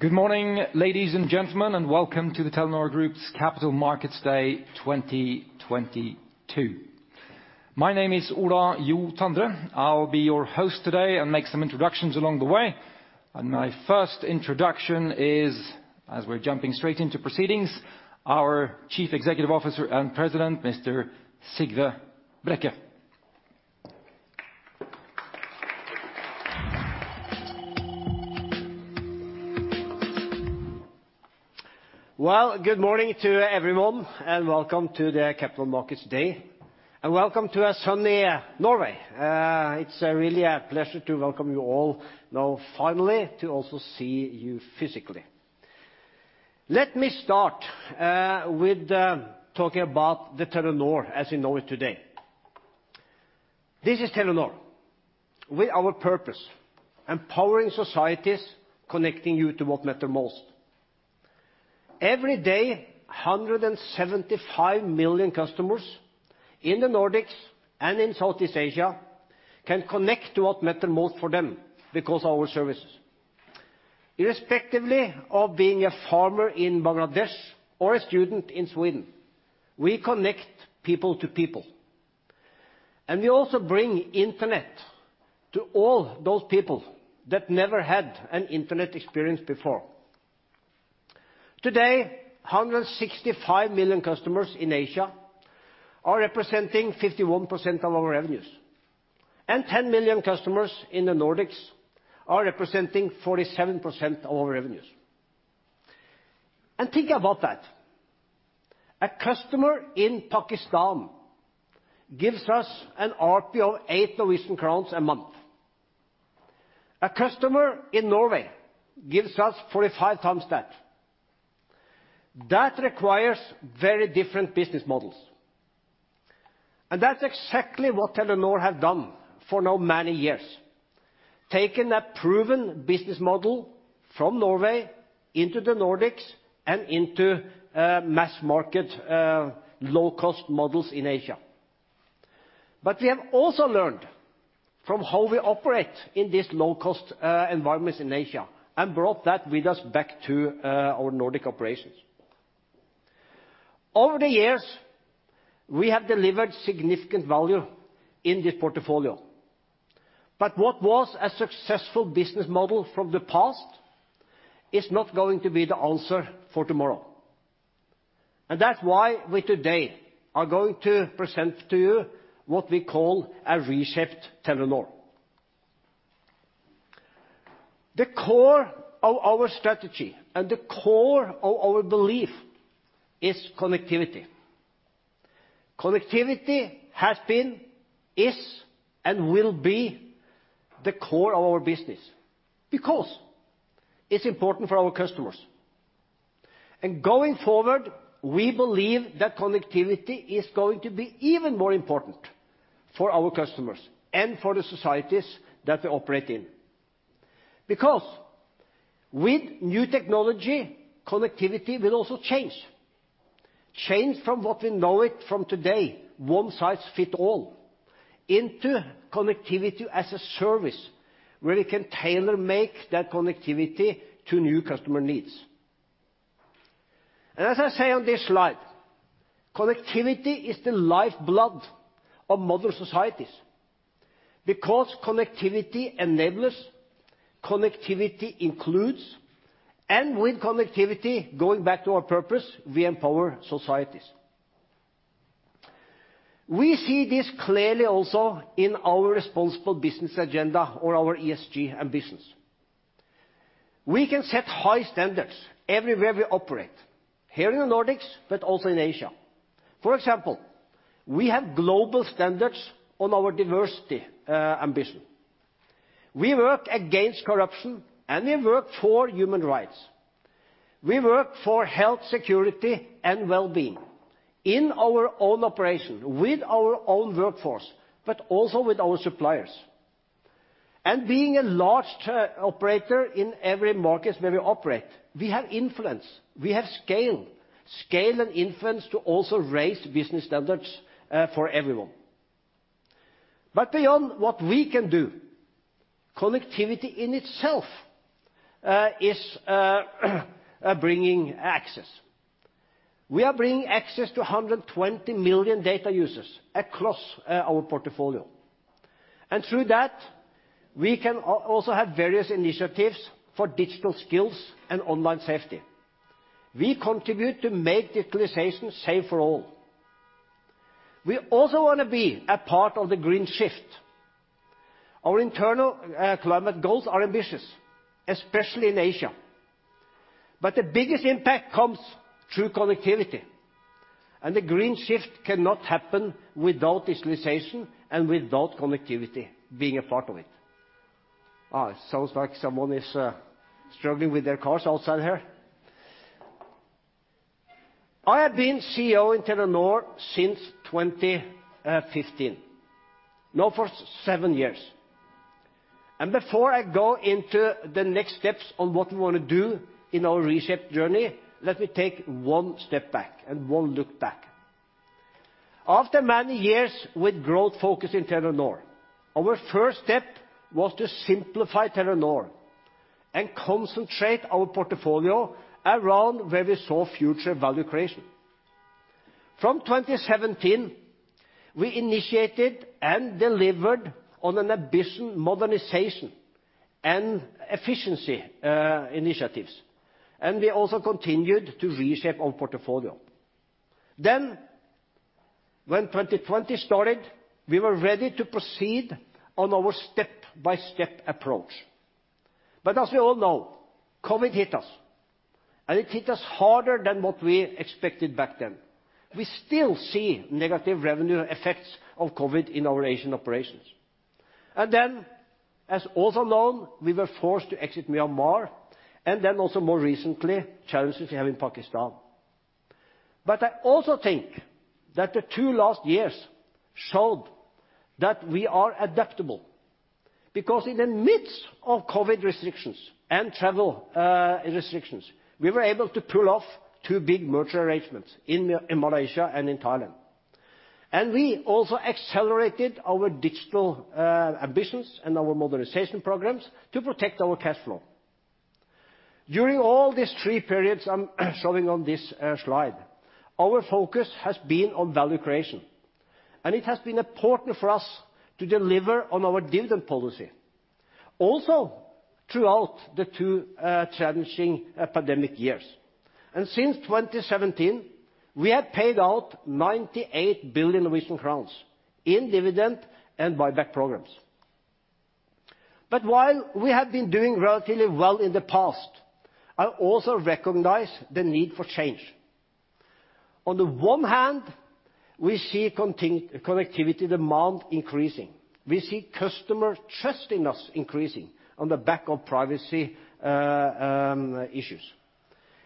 Good morning, ladies and gentlemen, and welcome to the Telenor Group's Capital Markets Day 2022. My name is Ola Jo Tandre. I'll be your host today and make some introductions along the way. My first introduction is, as we're jumping straight into proceedings, our Chief Executive Officer and President, Mr. Sigve Brekke. Well, good morning to everyone, and welcome to the Capital Markets Day. Welcome to a sunny Norway. It's really a pleasure to welcome you all, now finally to also see you physically. Let me start with talking about the Telenor as you know it today. This is Telenor. We our purpose, empowering societies, connecting you to what matter most. Every day, 175 million customers in the Nordics and in Southeast Asia can connect to what matter most for them because our services. Irrespective of being a farmer in Bangladesh or a student in Sweden, we connect people to people. We also bring internet to all those people that never had an internet experience before. Today, 165 million customers in Asia are representing 51% of our revenues, and 10 million customers in the Nordics are representing 47% of our revenues. Think about that. A customer in Pakistan gives us an ARPU of 8 Norwegian crowns a month. A customer in Norway gives us 45 times that. That requires very different business models, and that's exactly what Telenor have done for so many years, taking a proven business model from Norway into the Nordics and into mass market low-cost models in Asia. We have also learned from how we operate in these low-cost environments in Asia and brought that with us back to our Nordic operations. Over the years, we have delivered significant value in this portfolio. What was a successful business model from the past is not going to be the answer for tomorrow. That's why we today are going to present to you what we call a reshaped Telenor. The core of our strategy and the core of our belief is connectivity. Connectivity has been, is, and will be the core of our business because it's important for our customers. Going forward, we believe that connectivity is going to be even more important for our customers and for the societies that we operate in. Because with new technology, connectivity will also change from what we know it from today, one size fits all, into connectivity-as-a-service where we can tailor-make that connectivity to new customer needs. As I say on this slide, connectivity is the lifeblood of modern societies because connectivity enables, connectivity includes, and with connectivity, going back to our purpose, we empower societies. We see this clearly also in our responsible business agenda or our ESG ambitions. We can set high standards everywhere we operate, here in the Nordics, but also in Asia. For example, we have global standards on our diversity ambition. We work against corruption, and we work for human rights. We work for health security and well-being in our own operations with our own workforce, but also with our suppliers. Being a large operator in every market where we operate, we have influence, we have scale and influence to also raise business standards for everyone. Beyond what we can do, connectivity in itself is bringing access. We are bringing access to 120 million data users across our portfolio. Through that, we can also have various initiatives for digital skills and online safety. We contribute to make digitalization safe for all. We also wanna be a part of the green shift. Our internal climate goals are ambitious, especially in Asia, but the biggest impact comes through connectivity, and the green shift cannot happen without digitalization and without connectivity being a part of it. It sounds like someone is struggling with their cars outside here. I have been CEO in Telenor since 2015, now for seven years. Before I go into the next steps on what we wanna do in our reshaping journey, let me take one step back and one look back. After many years with growth focus in Telenor, our first step was to simplify Telenor and concentrate our portfolio around where we saw future value creation. From 2017, we initiated and delivered on an ambitious modernization and efficiency initiatives, and we also continued to reshape our portfolio. When 2020 started, we were ready to proceed on our step-by-step approach. As we all know, COVID hit us, and it hit us harder than what we expected back then. We still see negative revenue effects of COVID in our Asian operations. As also known, we were forced to exit Myanmar, and then also more recently, challenges we have in Pakistan. I also think that the two last years showed that we are adaptable, because in the midst of COVID restrictions and travel restrictions, we were able to pull off two big merger arrangements in Malaysia and in Thailand. We also accelerated our digital ambitions and our modernization programs to protect our cash flow. During all these three periods I'm showing on this slide, our focus has been on value creation, and it has been important for us to deliver on our dividend policy, also throughout the two challenging pandemic years. Since 2017, we have paid out 98 billion Norwegian crowns in dividend and buyback programs. While we have been doing relatively well in the past, I also recognize the need for change. On the one hand, we see connectivity demand increasing. We see customer trusting us increasing on the back of privacy issues.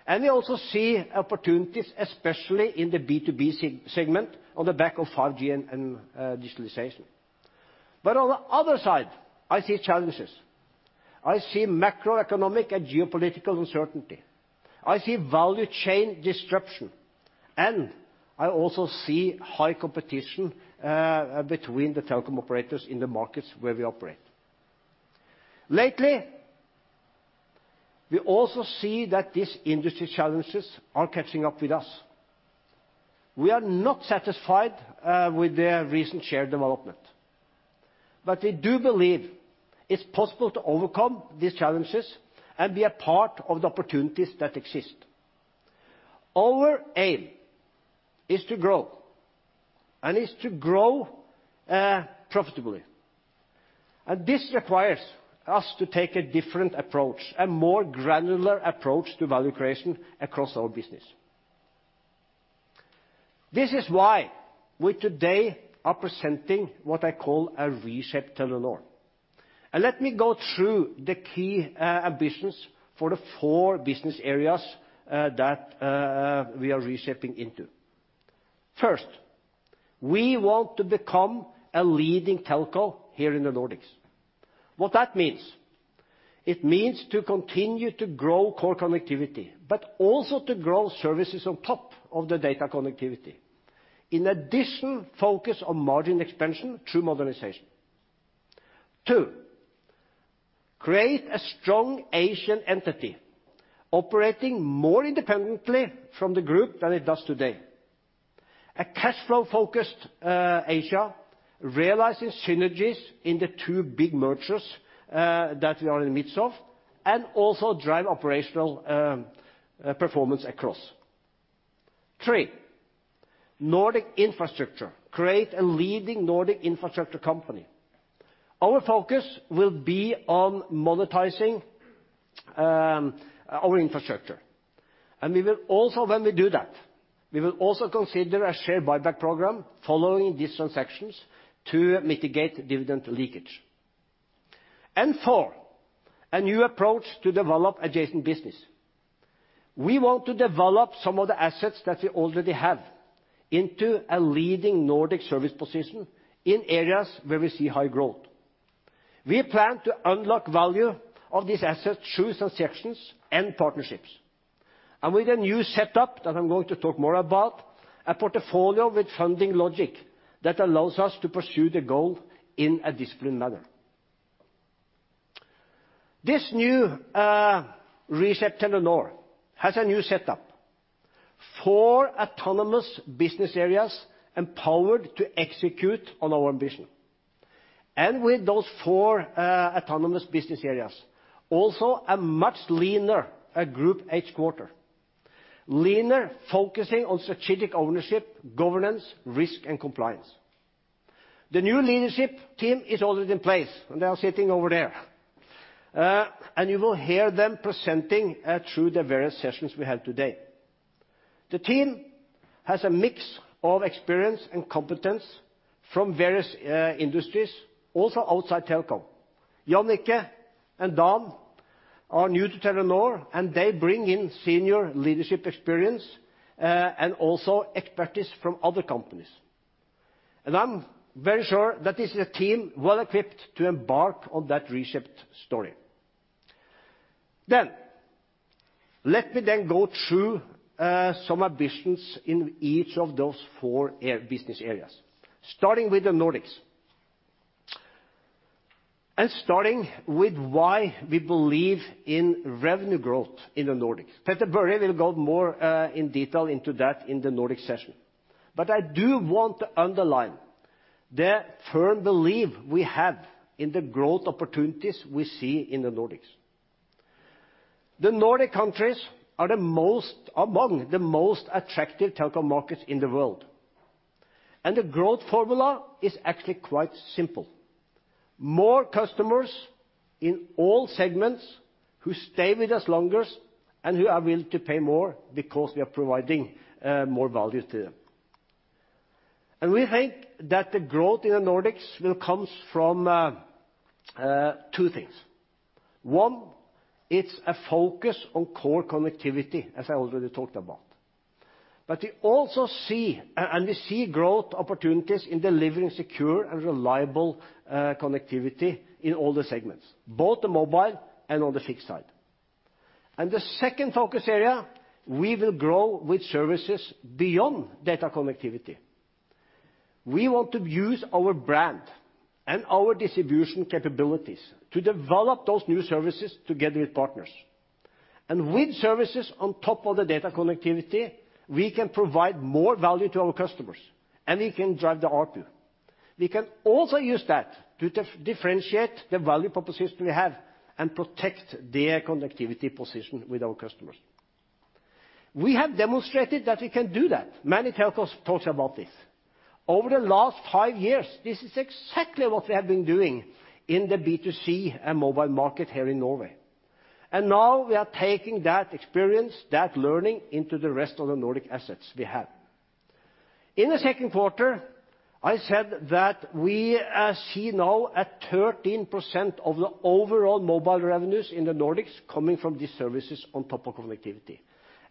We also see opportunities, especially in the B2B segment on the back of 5G and digitalization. On the other side, I see challenges. I see macroeconomic and geopolitical uncertainty. I see value chain disruption, and I also see high competition between the telecom operators in the markets where we operate. Lately, we also see that these industry challenges are catching up with us. We are not satisfied with the recent share development. We do believe it's possible to overcome these challenges and be a part of the opportunities that exist. Our aim is to grow profitably. This requires us to take a different approach, a more granular approach to value creation across our business. This is why we today are presenting what I call a reshaped Telenor. Let me go through the key ambitions for the four business areas that we are reshaping into. First, we want to become a leading telco here in the Nordics. What that means is to continue to grow core connectivity, but also to grow services on top of the data connectivity. In addition, focus on margin expansion through modernization. Two, create a strong Asian entity operating more independently from the group than it does today. A cash flow-focused Asia realizing synergies in the two big mergers that we are in the midst of and also drive operational performance across. Three. Nordic infrastructure. Create a leading Nordic infrastructure company. Our focus will be on monetizing our infrastructure. We will also, when we do that, we will also consider a share buyback program following these transactions to mitigate dividend leakage. Four. A new approach to develop adjacent business. We want to develop some of the assets that we already have into a leading Nordic service position in areas where we see high growth. We plan to unlock value of these assets through transactions and partnerships. With a new set up that I'm going to talk more about, a portfolio with funding logic that allows us to pursue the goal in a disciplined manner. This new reshaped Telenor has a new setup. Four autonomous business areas empowered to execute on our ambition. With those four autonomous business areas, also a much leaner group headquarters. Leaner, focusing on strategic ownership, governance, risk, and compliance. The new leadership team is already in place, and they are sitting over there. You will hear them presenting through the various sessions we have today. The team has a mix of experience and competence from various industries, also outside telecom. Jannicke and Dan are new to Telenor, and they bring in senior leadership experience and also expertise from other companies. I'm very sure that this is a team well equipped to embark on that reshaped story. Let me go through some ambitions in each of those four business areas, starting with the Nordics. Starting with why we believe in revenue growth in the Nordics. Petter-Børre will go more in detail into that in the Nordic session. I do want to underline the firm belief we have in the growth opportunities we see in the Nordics. The Nordic countries are the most attractive telecom markets in the world, and the growth formula is actually quite simple. More customers in all segments who stay with us longer and who are willing to pay more because we are providing more value to them. We think that the growth in the Nordics will comes from two things. One, it's a focus on core connectivity, as I already talked about. We also see and we see growth opportunities in delivering secure and reliable connectivity in all the segments, both the mobile and on the fixed side. The second focus area, we will grow with services beyond data connectivity. We want to use our brand and our distribution capabilities to develop those new services together with partners. With services on top of the data connectivity, we can provide more value to our customers, and we can drive the ARPU. We can also use that to differentiate the value proposition we have and protect the connectivity position with our customers. We have demonstrated that we can do that. Many telcos talk about this. Over the last five years, this is exactly what we have been doing in the B2C and mobile market here in Norway. Now we are taking that experience, that learning, into the rest of the Nordic assets we have. In the second quarter, I said that we see now a 13% of the overall mobile revenues in the Nordics coming from these services on top of connectivity,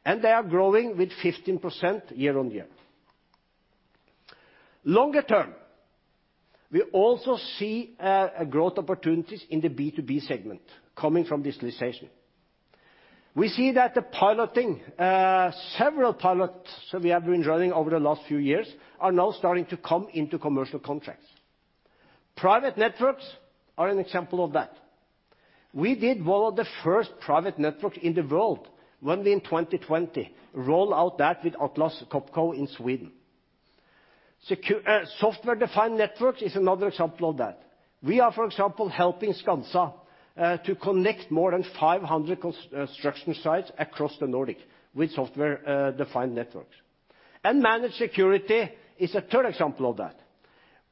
and they are growing with 15% year-on-year. Longer term, we also see growth opportunities in the B2B segment coming from digitalization. We see that the piloting several pilots we have been running over the last few years are now starting to come into commercial contracts. Private networks are an example of that. We did one of the first private networks in the world when we in 2020 roll out that with Atlas Copco in Sweden. Software-defined networks is another example of that. We are, for example, helping Skanska to connect more than 500 construction sites across the Nordic with software-defined networks. Managed security is a third example of that,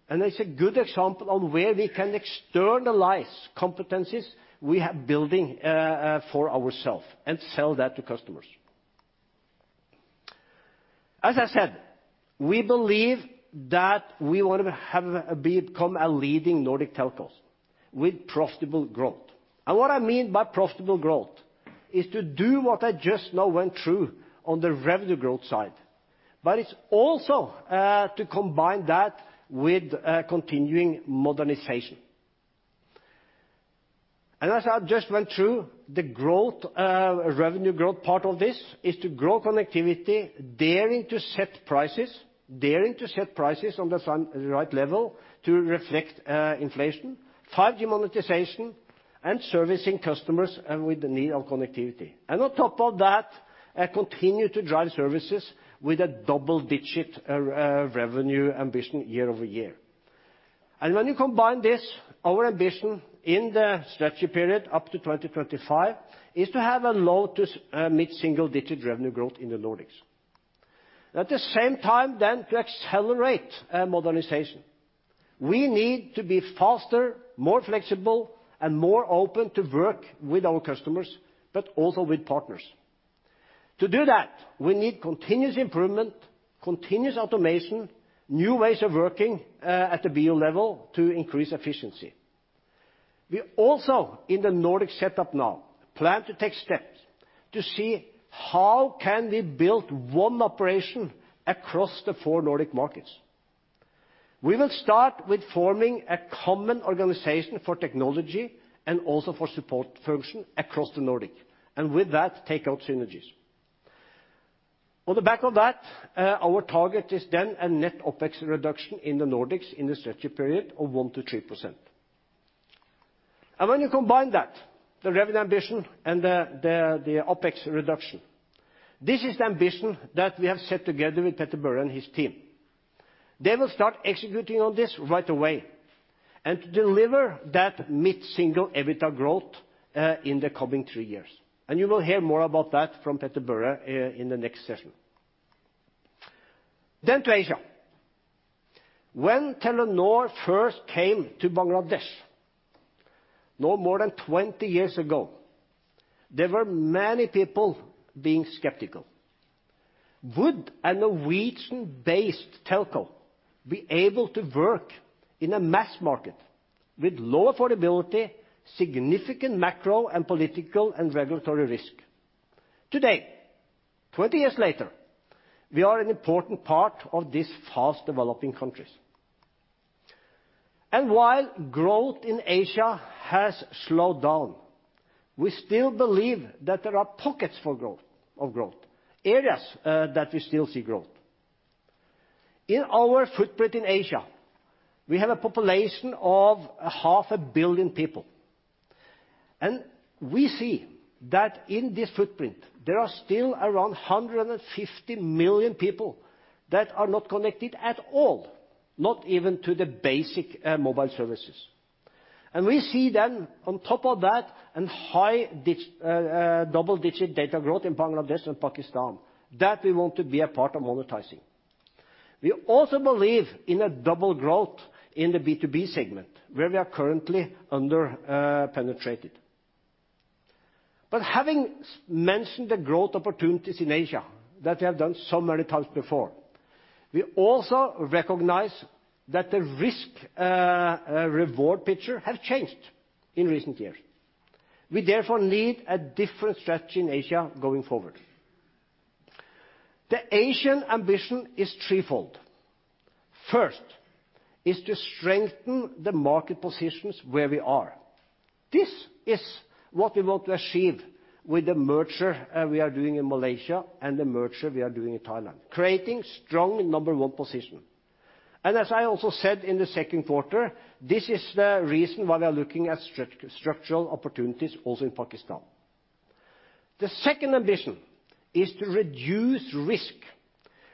and it's a good example of where we can externalize competencies we have been building for ourselves and sell that to customers. As I said, we believe that we want to become a leading Nordic telco with profitable growth. What I mean by profitable growth is to do what I just now went through on the revenue growth side, but it's also to combine that with continuing modernization. As I just went through, the revenue growth part of this is to grow connectivity, daring to set prices on the right level to reflect inflation, 5G monetization, and servicing customers with the need for connectivity. On top of that, continue to drive services with a double-digit revenue ambition year-over-year. When you combine this, our ambition in the strategy period up to 2025 is to have a low to mid-single digit revenue growth in the Nordics. At the same time to accelerate modernization, we need to be faster, more flexible, and more open to work with our customers, but also with partners. To do that, we need continuous improvement, continuous automation, new ways of working at the BO level to increase efficiency. We also, in the Nordic setup now, plan to take steps to see how can we build one operation across the four Nordic markets. We will start with forming a common organization for technology and also for support function across the Nordics, and with that, take out synergies. On the back of that, our target is then a net OpEx reduction in the Nordics in the strategy period of 1%-3%. When you combine that, the revenue ambition and the OpEx reduction, this is the ambition that we have set together with Petter-Børre and his team. They will start executing on this right away and deliver that mid-single EBITDA growth in the coming three years. You will hear more about that from Petter-Børre in the next session. To Asia. When Telenor first came to Bangladesh, no more than 20 years ago, there were many people being skeptical. Would a Norwegian-based telco be able to work in a mass market with low affordability, significant macro and political and regulatory risk? Today, 20 years later, we are an important part of these fast developing countries. While growth in Asia has slowed down, we still believe that there are pockets of growth areas that we still see growth. In our footprint in Asia, we have a population of 500 million people, and we see that in this footprint there are still around 150 million people that are not connected at all, not even to the basic mobile services. We see then on top of that a high double-digit data growth in Bangladesh and Pakistan that we want to be a part of monetizing. We also believe in a double growth in the B2B segment where we are currently under penetrated. Having mentioned the growth opportunities in Asia that we have done so many times before, we also recognize that the risk, reward picture has changed in recent years. We therefore need a different strategy in Asia going forward. The Asian ambition is threefold. First is to strengthen the market positions where we are. This is what we want to achieve with the merger we are doing in Malaysia and the merger we are doing in Thailand, creating strong number one position. As I also said in the second quarter, this is the reason why we are looking at structural opportunities also in Pakistan. The second ambition is to reduce risk,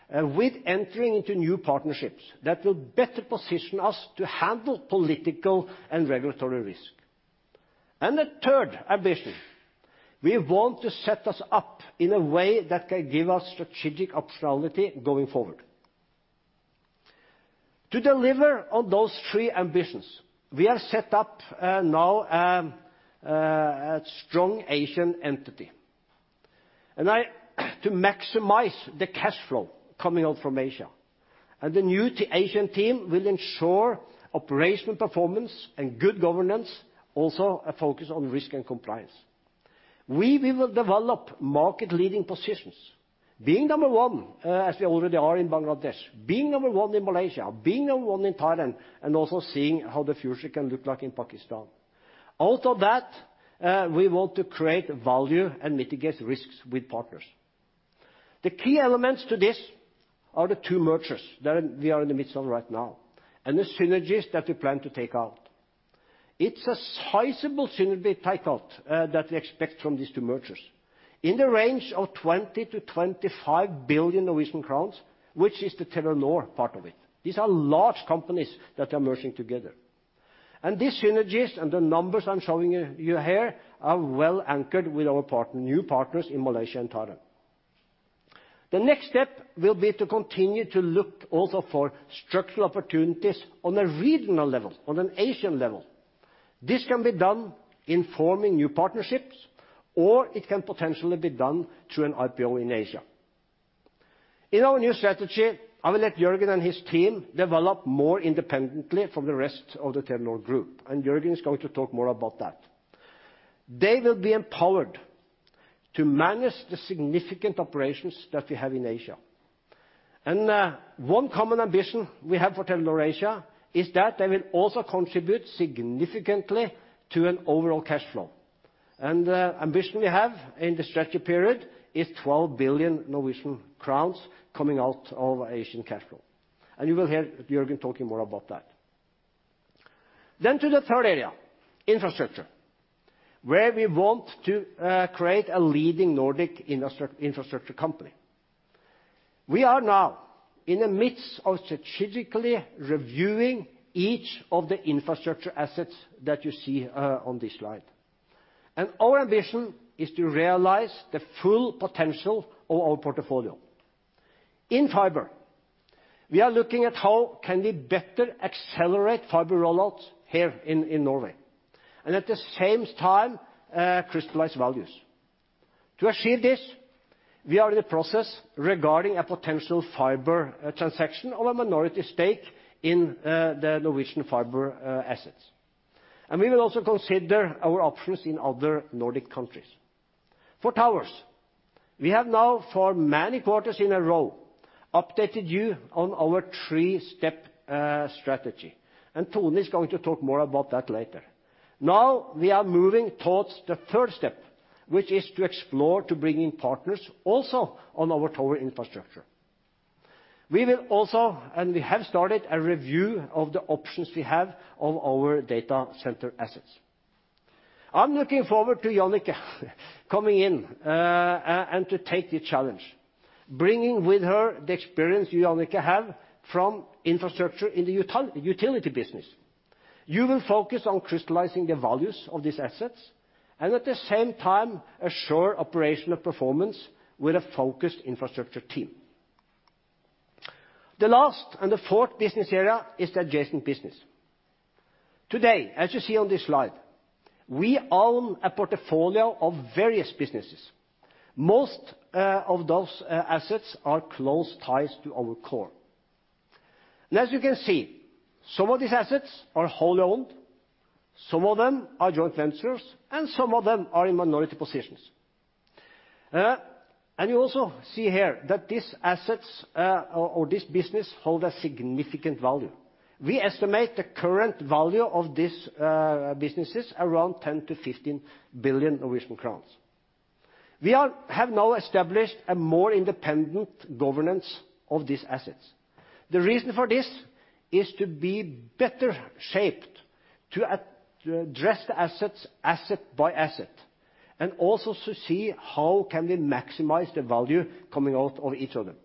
with entering into new partnerships that will better position us to handle political and regulatory risk. The third ambition, we want to set us up in a way that can give us strategic optionality going forward. To deliver on those three ambitions, we have set up now a strong Asian entity to maximize the cash flow coming out from Asia. The new Asian team will ensure operational performance and good governance, also a focus on risk and compliance. We will develop market-leading positions, being number one, as we already are in Bangladesh, being number one in Malaysia, being number one in Thailand, and also seeing how the future can look like in Pakistan. Out of that, we want to create value and mitigate risks with partners. The key elements to this are the two mergers that we are in the midst of right now and the synergies that we plan to take out. It's a sizable synergy takeout that we expect from these two mergers in the range of 20 billion-25 billion Norwegian crowns, which is the Telenor part of it. These are large companies that are merging together. These synergies and the numbers I'm showing you here are well anchored with our new partners in Malaysia and Thailand. The next step will be to continue to look also for structural opportunities on a regional level, on an Asian level. This can be done in forming new partnerships, or it can potentially be done through an IPO in Asia. In our new strategy, I will let Jørgen and his team develop more independently from the rest of the Telenor Group, and Jørgen is going to talk more about that. They will be empowered to manage the significant operations that we have in Asia. One common ambition we have for Telenor Asia is that they will also contribute significantly to an overall cash flow. The ambition we have in the strategy period is 12 billion Norwegian crowns coming out of Asian cash flow. You will hear Jørgen talking more about that. To the third area, infrastructure, where we want to create a leading Nordic infrastructure company. We are now in the midst of strategically reviewing each of the infrastructure assets that you see on this slide. Our ambition is to realize the full potential of our portfolio. In fiber, we are looking at how can we better accelerate fiber roll-outs here in Norway and at the same time crystallize values. To achieve this, we are in the process regarding a potential fiber transaction of a minority stake in the Norwegian fiber assets. We will also consider our options in other Nordic countries. For towers, we have now for many quarters in a row updated you on our three-step strategy, and Tone is going to talk more about that later. Now we are moving towards the third step, which is to explore to bring in partners also on our tower infrastructure. We will also, and we have started a review of the options we have of our data center assets. I'm looking forward to Jannicke coming in, and to take the challenge, bringing with her the experience Jannicke have from infrastructure in the utility business. You will focus on crystallizing the values of these assets and at the same time assure operational performance with a focused infrastructure team. The last and the fourth business area is the adjacent business. Today, as you see on this slide, we own a portfolio of various businesses. Most of those assets are close ties to our core. As you can see, some of these assets are wholly owned, some of them are joint ventures, and some of them are in minority positions. You also see here that these assets or this business hold a significant value. We estimate the current value of these businesses around 10 billion-15 billion Norwegian crowns. We have now established a more independent governance of these assets. The reason for this is to be better shaped to address the assets, asset by asset, and also to see how can we maximize the value coming out of each of them.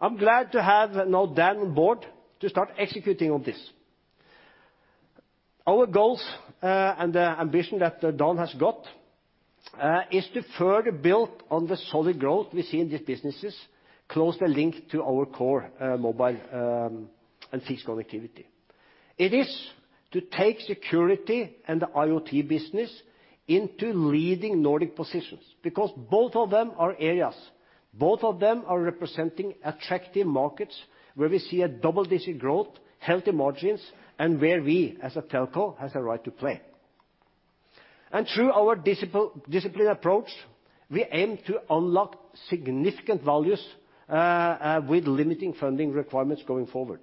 I'm glad to have now Dan on board to start executing on this. Our goals and the ambition that Dan has got is to further build on the solid growth we see in these businesses, close the link to our core, mobile, and fixed connectivity. It is to take security and the IoT business into leading Nordic positions because both of them are areas representing attractive markets where we see a double-digit growth, healthy margins, and where we as a telco has a right to play. Through our discipline approach, we aim to unlock significant values with limiting funding requirements going forward.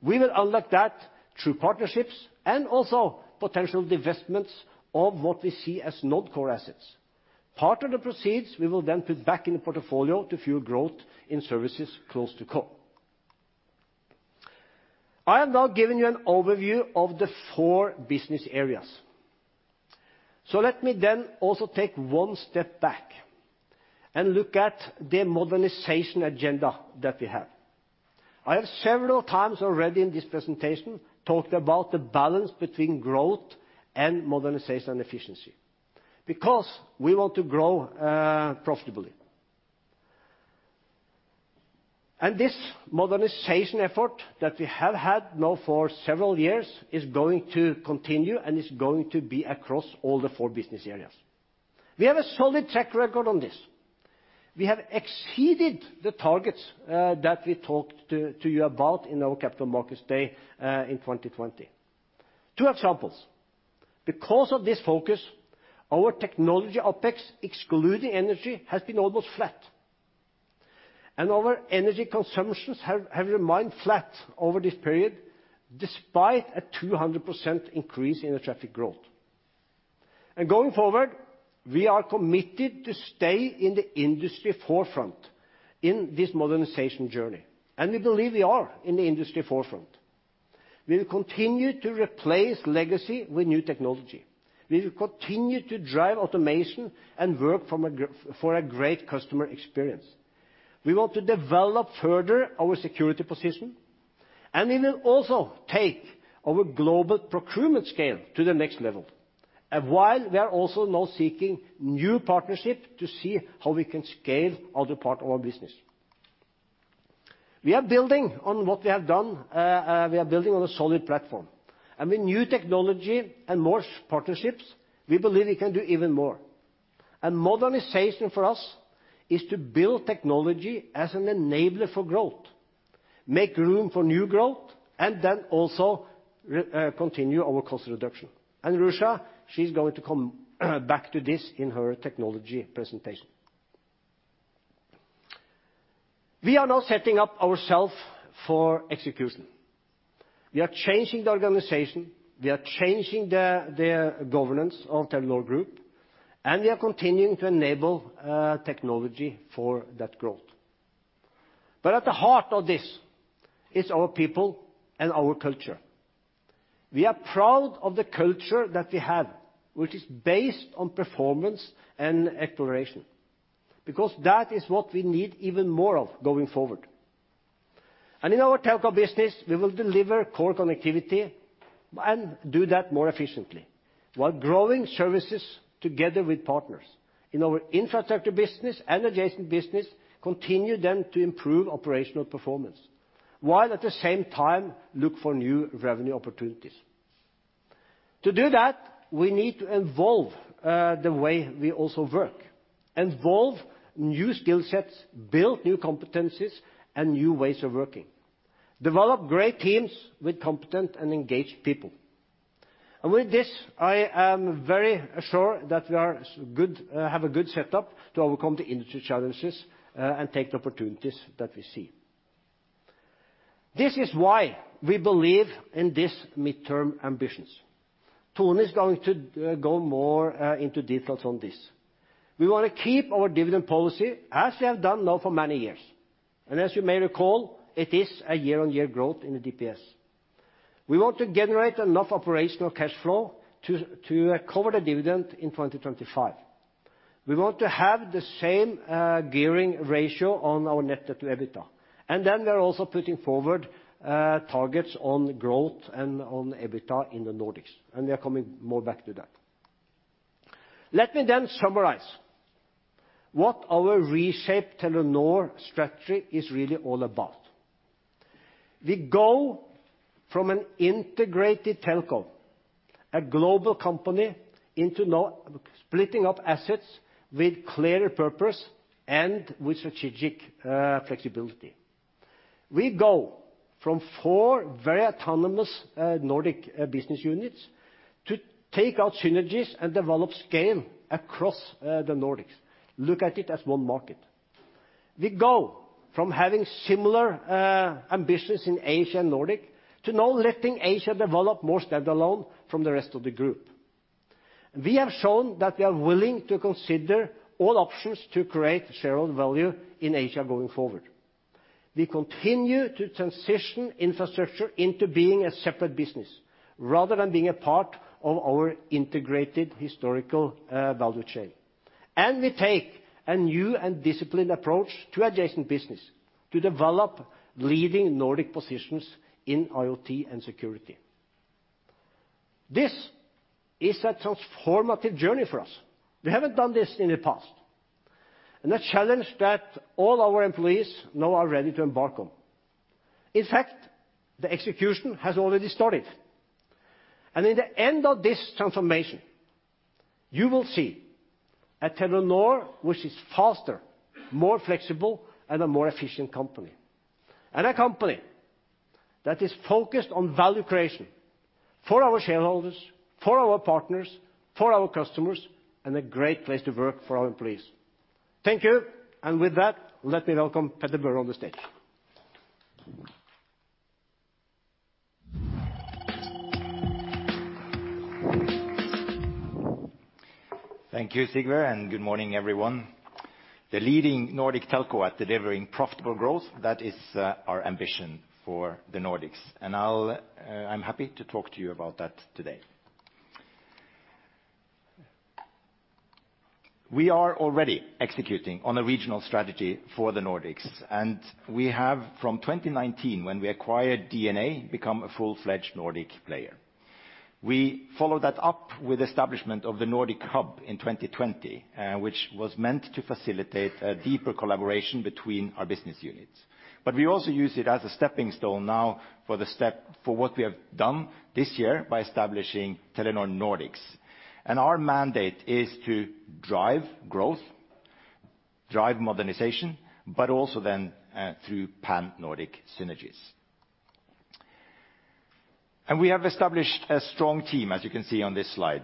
We will unlock that through partnerships and also potential divestments of what we see as not core assets. Part of the proceeds, we will then put back in the portfolio to fuel growth in services close to core. I have now given you an overview of the four business areas. Let me then also take one step back and look at the modernization agenda that we have. I have several times already in this presentation talked about the balance between growth and modernization efficiency, because we want to grow profitably. This modernization effort that we have had now for several years is going to continue and is going to be across all the four business areas. We have a solid track record on this. We have exceeded the targets that we talked to you about in our Capital Markets Day in 2020. Two examples. Because of this focus, our technology OpEx, excluding energy, has been almost flat. Our energy consumptions have remained flat over this period, despite a 200% increase in the traffic growth. Going forward, we are committed to stay in the industry forefront in this modernization journey, and we believe we are in the industry forefront. We will continue to replace legacy with new technology. We will continue to drive automation and work for a great customer experience. We want to develop further our security position, and we will also take our global procurement scale to the next level, while we are also now seeking new partnership to see how we can scale other part of our business. We are building on what we have done, we are building on a solid platform. With new technology and more partnerships, we believe we can do even more. Modernization for us is to build technology as an enabler for growth, make room for new growth, and then also continue our cost reduction. Ruza, she's going to come back to this in her technology presentation. We are now setting up ourselves for execution. We are changing the organization, we are changing the governance of Telenor Group, and we are continuing to enable technology for that growth. At the heart of this is our people and our culture. We are proud of the culture that we have, which is based on performance and exploration, because that is what we need even more of going forward. In our telco business, we will deliver core connectivity and do that more efficiently while growing services together with partners. In our infrastructure business and adjacent business, continue then to improve operational performance, while at the same time look for new revenue opportunities. To do that, we need to evolve the way we also work, involve new skill sets, build new competencies and new ways of working, develop great teams with competent and engaged people. With this, I am very assured that we are good have a good setup to overcome the industry challenges and take the opportunities that we see. This is why we believe in this mid-term ambitions. Tone is going to go more into details on this. We want to keep our dividend policy as we have done now for many years. As you may recall, it is a year-on-year growth in the DPS. We want to generate enough operational cash flow to cover the dividend in 2025. We want to have the same gearing ratio on our net debt to EBITDA. We are also putting forward targets on growth and on EBITDA in the Nordics, and we are coming more back to that. Let me summarize what our Reshape Telenor strategy is really all about. We go from an integrated telco, a global company, into now splitting up assets with clearer purpose and with strategic flexibility. We go from four very autonomous Nordic business units to take out synergies and develop scale across the Nordics. Look at it as one market. We go from having similar ambitions in Asia and Nordic to now letting Asia develop more standalone from the rest of the group. We have shown that we are willing to consider all options to create shareholder value in Asia going forward. We continue to transition infrastructure into being a separate business rather than being a part of our integrated historical, value chain. We take a new and disciplined approach to adjacent business to develop leading Nordic positions in IoT and security. This is a transformative journey for us. We haven't done this in the past, and a challenge that all our employees now are ready to embark on. In fact, the execution has already started, and in the end of this transformation, you will see a Telenor which is faster, more flexible, and a more efficient company, and a company that is focused on value creation for our shareholders, for our partners, for our customers, and a great place to work for our employees. Thank you. With that, let me welcome Petter-Børre on the stage. Thank you, Sigve, and good morning, everyone. The leading Nordic telco at delivering profitable growth, that is our ambition for the Nordics, and I'll, I'm happy to talk to you about that today. We are already executing on a regional strategy for the Nordics, and we have from 2019, when we acquired DNA, become a full-fledged Nordic player. We followed that up with establishment of the Nordic Hub in 2020, which was meant to facilitate a deeper collaboration between our business units. We also use it as a stepping stone now for what we have done this year by establishing Telenor Nordics. Our mandate is to drive growth, drive modernization, but also then through pan-Nordic synergies. We have established a strong team, as you can see on this slide,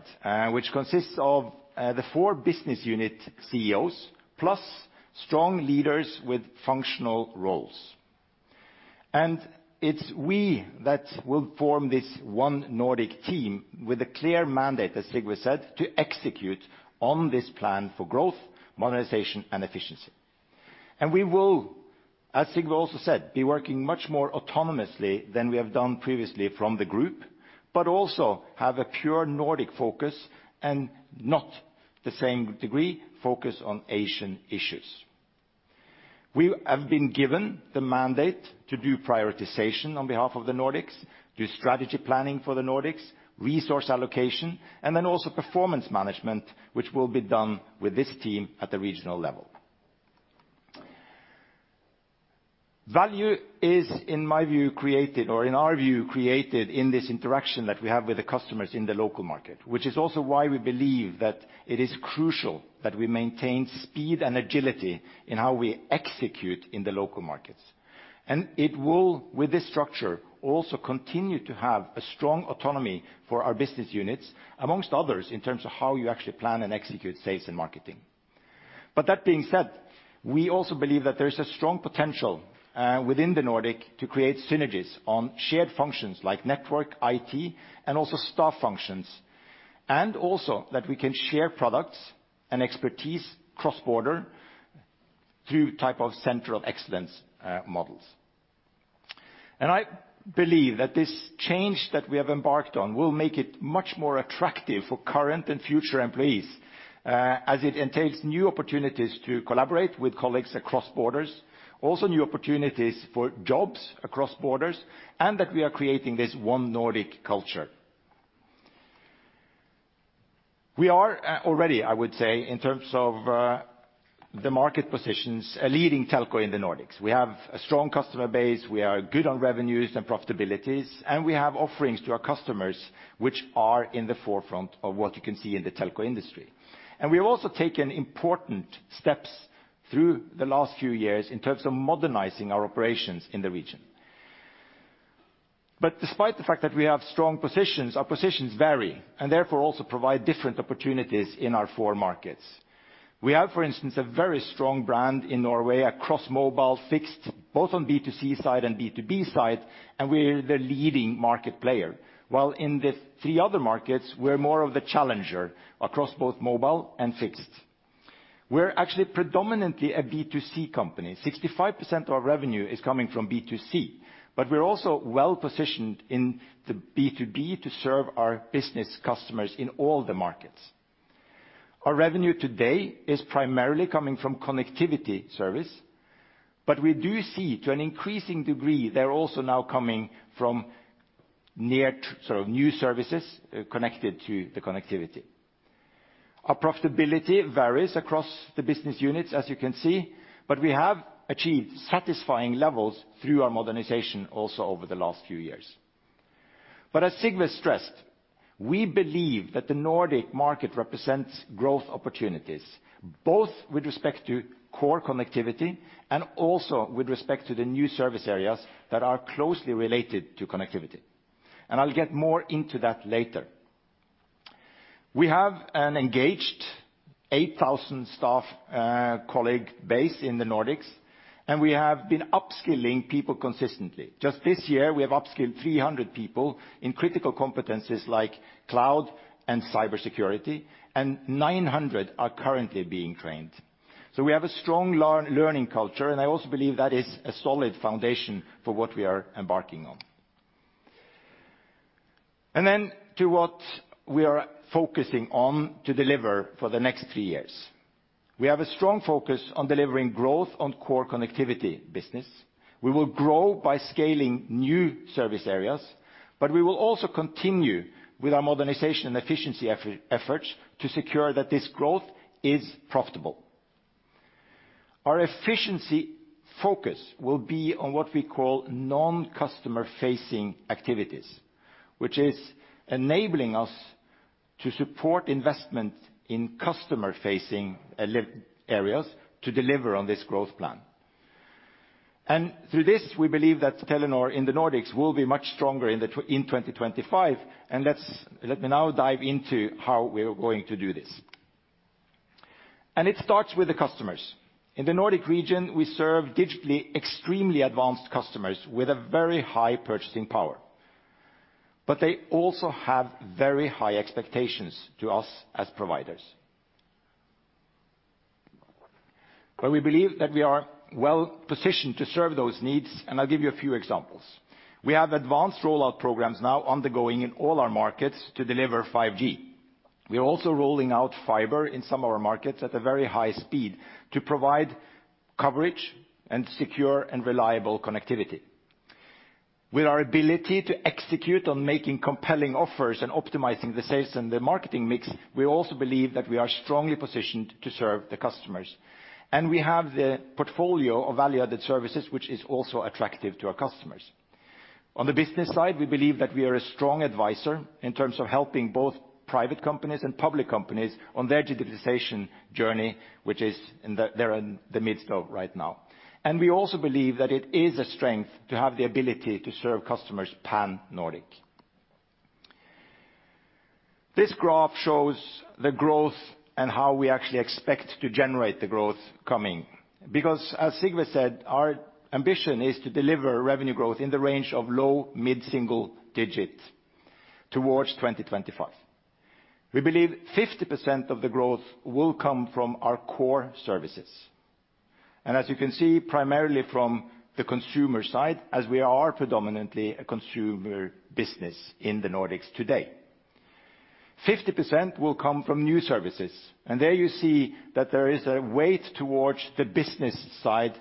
which consists of the four business unit CEOs, plus strong leaders with functional roles. It's we that will form this one Nordic team with a clear mandate, as Sigve said, to execute on this plan for growth, modernization, and efficiency. We will, as Sigve also said, be working much more autonomously than we have done previously from the group, but also have a pure Nordic focus and not the same degree focus on Asian issues. We have been given the mandate to do prioritization on behalf of the Nordics, do strategy planning for the Nordics, resource allocation, and then also performance management, which will be done with this team at the regional level. Value is, in my view, created, or in our view, created in this interaction that we have with the customers in the local market, which is also why we believe that it is crucial that we maintain speed and agility in how we execute in the local markets. It will, with this structure, also continue to have a strong autonomy for our business units, among others, in terms of how you actually plan and execute sales and marketing. That being said, we also believe that there is a strong potential within the Nordic to create synergies on shared functions like network, IT, and also staff functions, and also that we can share products and expertise cross-border through type of central excellence models. I believe that this change that we have embarked on will make it much more attractive for current and future employees, as it entails new opportunities to collaborate with colleagues across borders, also new opportunities for jobs across borders, and that we are creating this one Nordic culture. We are already, I would say, in terms of, the market positions, a leading telco in the Nordics. We have a strong customer base, we are good on revenues and profitabilities, and we have offerings to our customers which are in the forefront of what you can see in the telco industry. We have also taken important steps through the last few years in terms of modernizing our operations in the region. Despite the fact that we have strong positions, our positions vary and therefore also provide different opportunities in our four markets. We have, for instance, a very strong brand in Norway across mobile, fixed, both on B2C side and B2B side, and we're the leading market player. While in the three other markets, we're more of the challenger across both mobile and fixed. We're actually predominantly a B2C company. 65% of our revenue is coming from B2C, but we're also well-positioned in the B2B to serve our business customers in all the markets. Our revenue today is primarily coming from connectivity service, but we do see to an increasing degree, they're also now coming from near to new services connected to the connectivity. Our profitability varies across the business units, as you can see, but we have achieved satisfying levels through our modernization also over the last few years. As Sigve stressed, we believe that the Nordic market represents growth opportunities, both with respect to core connectivity and also with respect to the new service areas that are closely related to connectivity. I'll get more into that later. We have an engaged 8,000 staff, colleague base in the Nordics, and we have been upskilling people consistently. Just this year, we have upskilled 300 people in critical competencies like cloud and cybersecurity, and 900 are currently being trained. We have a strong learning culture, and I also believe that is a solid foundation for what we are embarking on. To what we are focusing on to deliver for the next three years. We have a strong focus on delivering growth on core connectivity business. We will grow by scaling new service areas, but we will also continue with our modernization and efficiency efforts to secure that this growth is profitable. Our efficiency focus will be on what we call non-customer facing activities, which is enabling us to support investment in customer facing areas to deliver on this growth plan. Through this, we believe that Telenor in the Nordics will be much stronger in 2025. Let me now dive into how we are going to do this. It starts with the customers. In the Nordic region, we serve digitally extremely advanced customers with a very high purchasing power. They also have very high expectations to us as providers. We believe that we are well-positioned to serve those needs, and I'll give you a few examples. We have advanced rollout programs now undergoing in all our markets to deliver 5G. We are also rolling out fiber in some of our markets at a very high speed to provide coverage and secure and reliable connectivity. With our ability to execute on making compelling offers and optimizing the sales and the marketing mix, we also believe that we are strongly positioned to serve the customers. We have the portfolio of value-added services which is also attractive to our customers. On the business side, we believe that we are a strong advisor in terms of helping both private companies and public companies on their digitalization journey, which they're in the midst of right now. We also believe that it is a strength to have the ability to serve customers pan-Nordic. This graph shows the growth and how we actually expect to generate the growth coming. Because as Sigve said, our ambition is to deliver revenue growth in the range of low mid-single digit towards 2025. We believe 50% of the growth will come from our core services. As you can see, primarily from the consumer side, as we are predominantly a consumer business in the Nordics today. 50% will come from new services, and there you see that there is a weight towards the business side.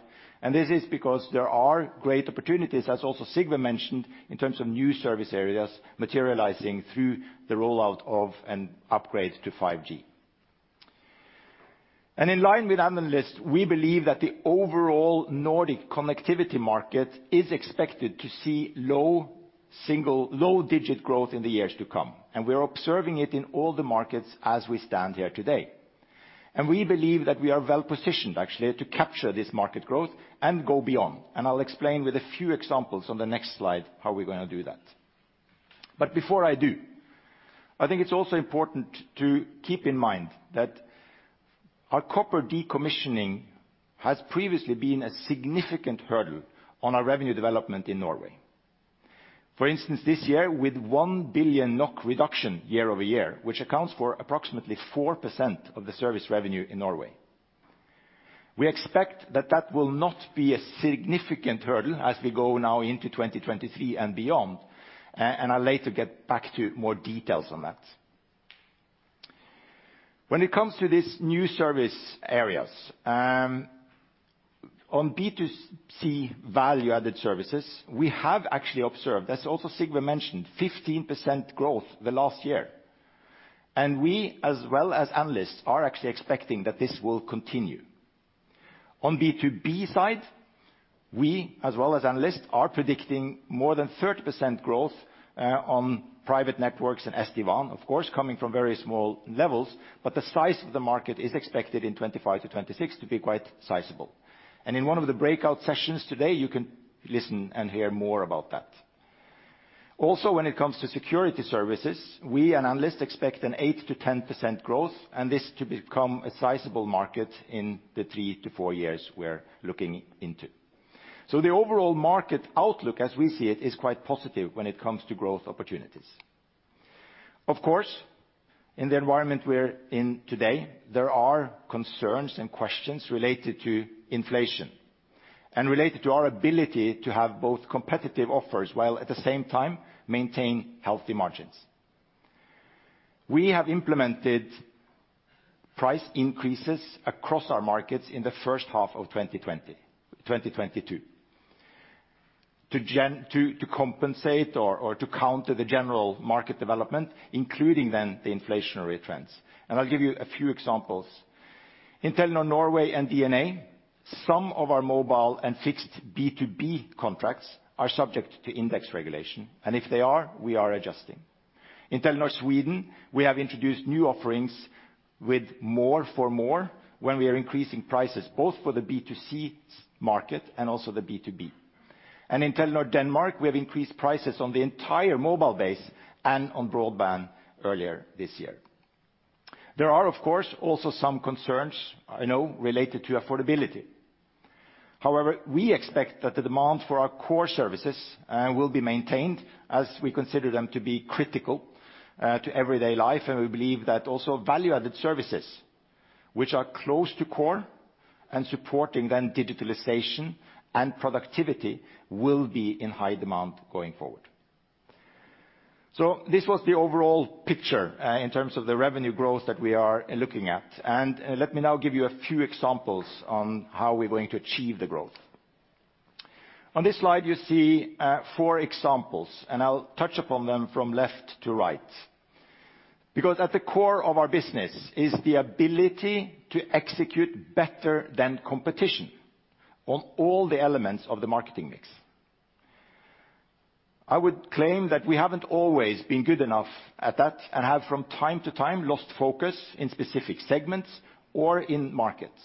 This is because there are great opportunities, as also Sigve mentioned, in terms of new service areas materializing through the rollout of and upgrade to 5G. In line with analysts, we believe that the overall Nordic connectivity market is expected to see low single-digit growth in the years to come, and we're observing it in all the markets as we stand here today. We believe that we are well-positioned, actually, to capture this market growth and go beyond. I'll explain with a few examples on the next slide how we're gonna do that. Before I do, I think it's also important to keep in mind that our copper decommissioning has previously been a significant hurdle on our revenue development in Norway. For instance, this year with 1 billion NOK reduction year-over-year, which accounts for approximately 4% of the service revenue in Norway. We expect that will not be a significant hurdle as we go now into 2023 and beyond, and I'll later get back to more details on that. When it comes to these new service areas, on B2C value-added services, we have actually observed, as also Sigve mentioned, 15% growth the last year. We, as well as analysts, are actually expecting that this will continue. On B2B side, we, as well as analysts, are predicting more than 30% growth, on private networks and SD-WAN, of course, coming from very small levels, but the size of the market is expected in 2025-2026 to be quite sizable. In one of the breakout sessions today, you can listen and hear more about that. Also, when it comes to security services, we and analysts expect an 8%-10% growth, and this to become a sizable market in the three-four years we're looking into. The overall market outlook as we see it is quite positive when it comes to growth opportunities. Of course, in the environment we're in today, there are concerns and questions related to inflation and related to our ability to have both competitive offers, while at the same time maintain healthy margins. We have implemented price increases across our markets in the first half of 2022 to compensate or to counter the general market development, including then the inflationary trends. I'll give you a few examples. In Telenor Norway and DNA. Some of our mobile and fixed B2B contracts are subject to index regulation, and if they are, we are adjusting. In Telenor Sweden, we have introduced new offerings with more for more when we are increasing prices, both for the B2C market and also the B2B. In Telenor Denmark, we have increased prices on the entire mobile base and on broadband earlier this year. There are, of course, also some concerns, I know, related to affordability. However, we expect that the demand for our core services will be maintained as we consider them to be critical to everyday life. We believe that also value-added services, which are close to core and supporting then digitalization and productivity will be in high demand going forward. This was the overall picture in terms of the revenue growth that we are looking at. Let me now give you a few examples on how we're going to achieve the growth. On this slide, you see four examples, and I'll touch upon them from left to right. Because at the core of our business is the ability to execute better than competition on all the elements of the marketing mix. I would claim that we haven't always been good enough at that and have from time to time lost focus in specific segments or in markets.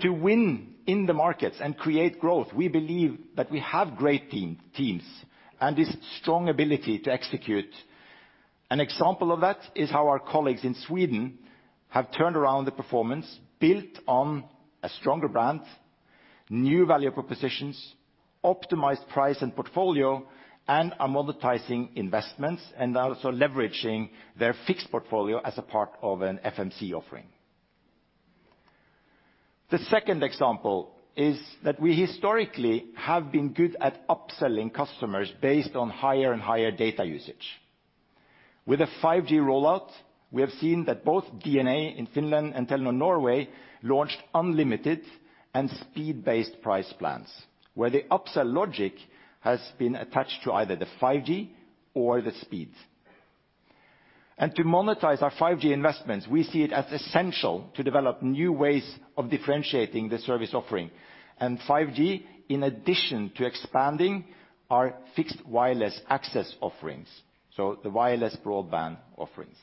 To win in the markets and create growth, we believe that we have great teams and this strong ability to execute. An example of that is how our colleagues in Sweden have turned around the performance built on a stronger brand, new value propositions, optimized price and portfolio, and are monetizing investments, and are also leveraging their fixed portfolio as a part of an FMC offering. The second example is that we historically have been good at upselling customers based on higher and higher data usage. With a 5G rollout, we have seen that both DNA in Finland and Telenor Norway launched unlimited and speed-based price plans, where the upsell logic has been attached to either the 5G or the speeds. To monetize our 5G investments, we see it as essential to develop new ways of differentiating the service offering and 5G in addition to expanding our fixed wireless access offerings, so the wireless broadband offerings.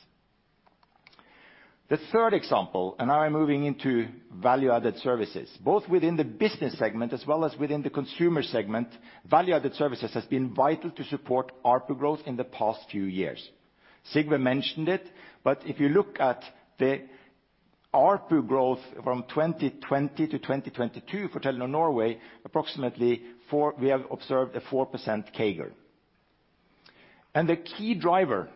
The third example, and now I'm moving into value-added services, both within the business segment as well as within the consumer segment, value-added services has been vital to support ARPU growth in the past few years. Sigve mentioned it, but if you look at the ARPU growth from 2020 to 2022 for Telenor Norway, approximately 4%. We have observed a 4% CAGR. The key driver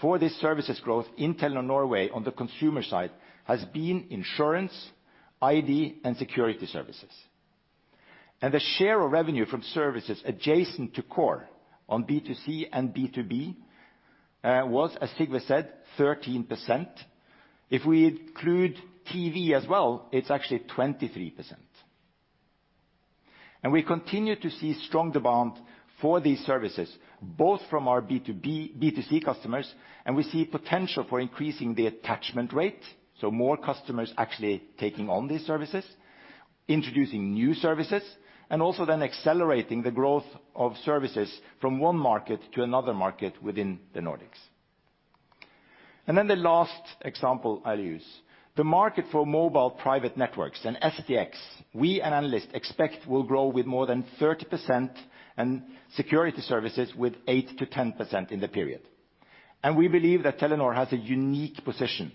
for this services growth in Telenor Norway on the consumer side has been insurance, ID, and security services. The share of revenue from services adjacent to core on B2C and B2B was, as Sigve said, 13%. If we include TV as well, it's actually 23%. We continue to see strong demand for these services, both from our B2B and B2C customers, and we see potential for increasing the attachment rate, so more customers actually taking on these services, introducing new services, and also then accelerating the growth of services from one market to another market within the Nordics. The last example I'll use, the market for mobile private networks and SDx, we and analysts expect will grow with more than 30% and security services with 8%-10% in the period. We believe that Telenor has a unique position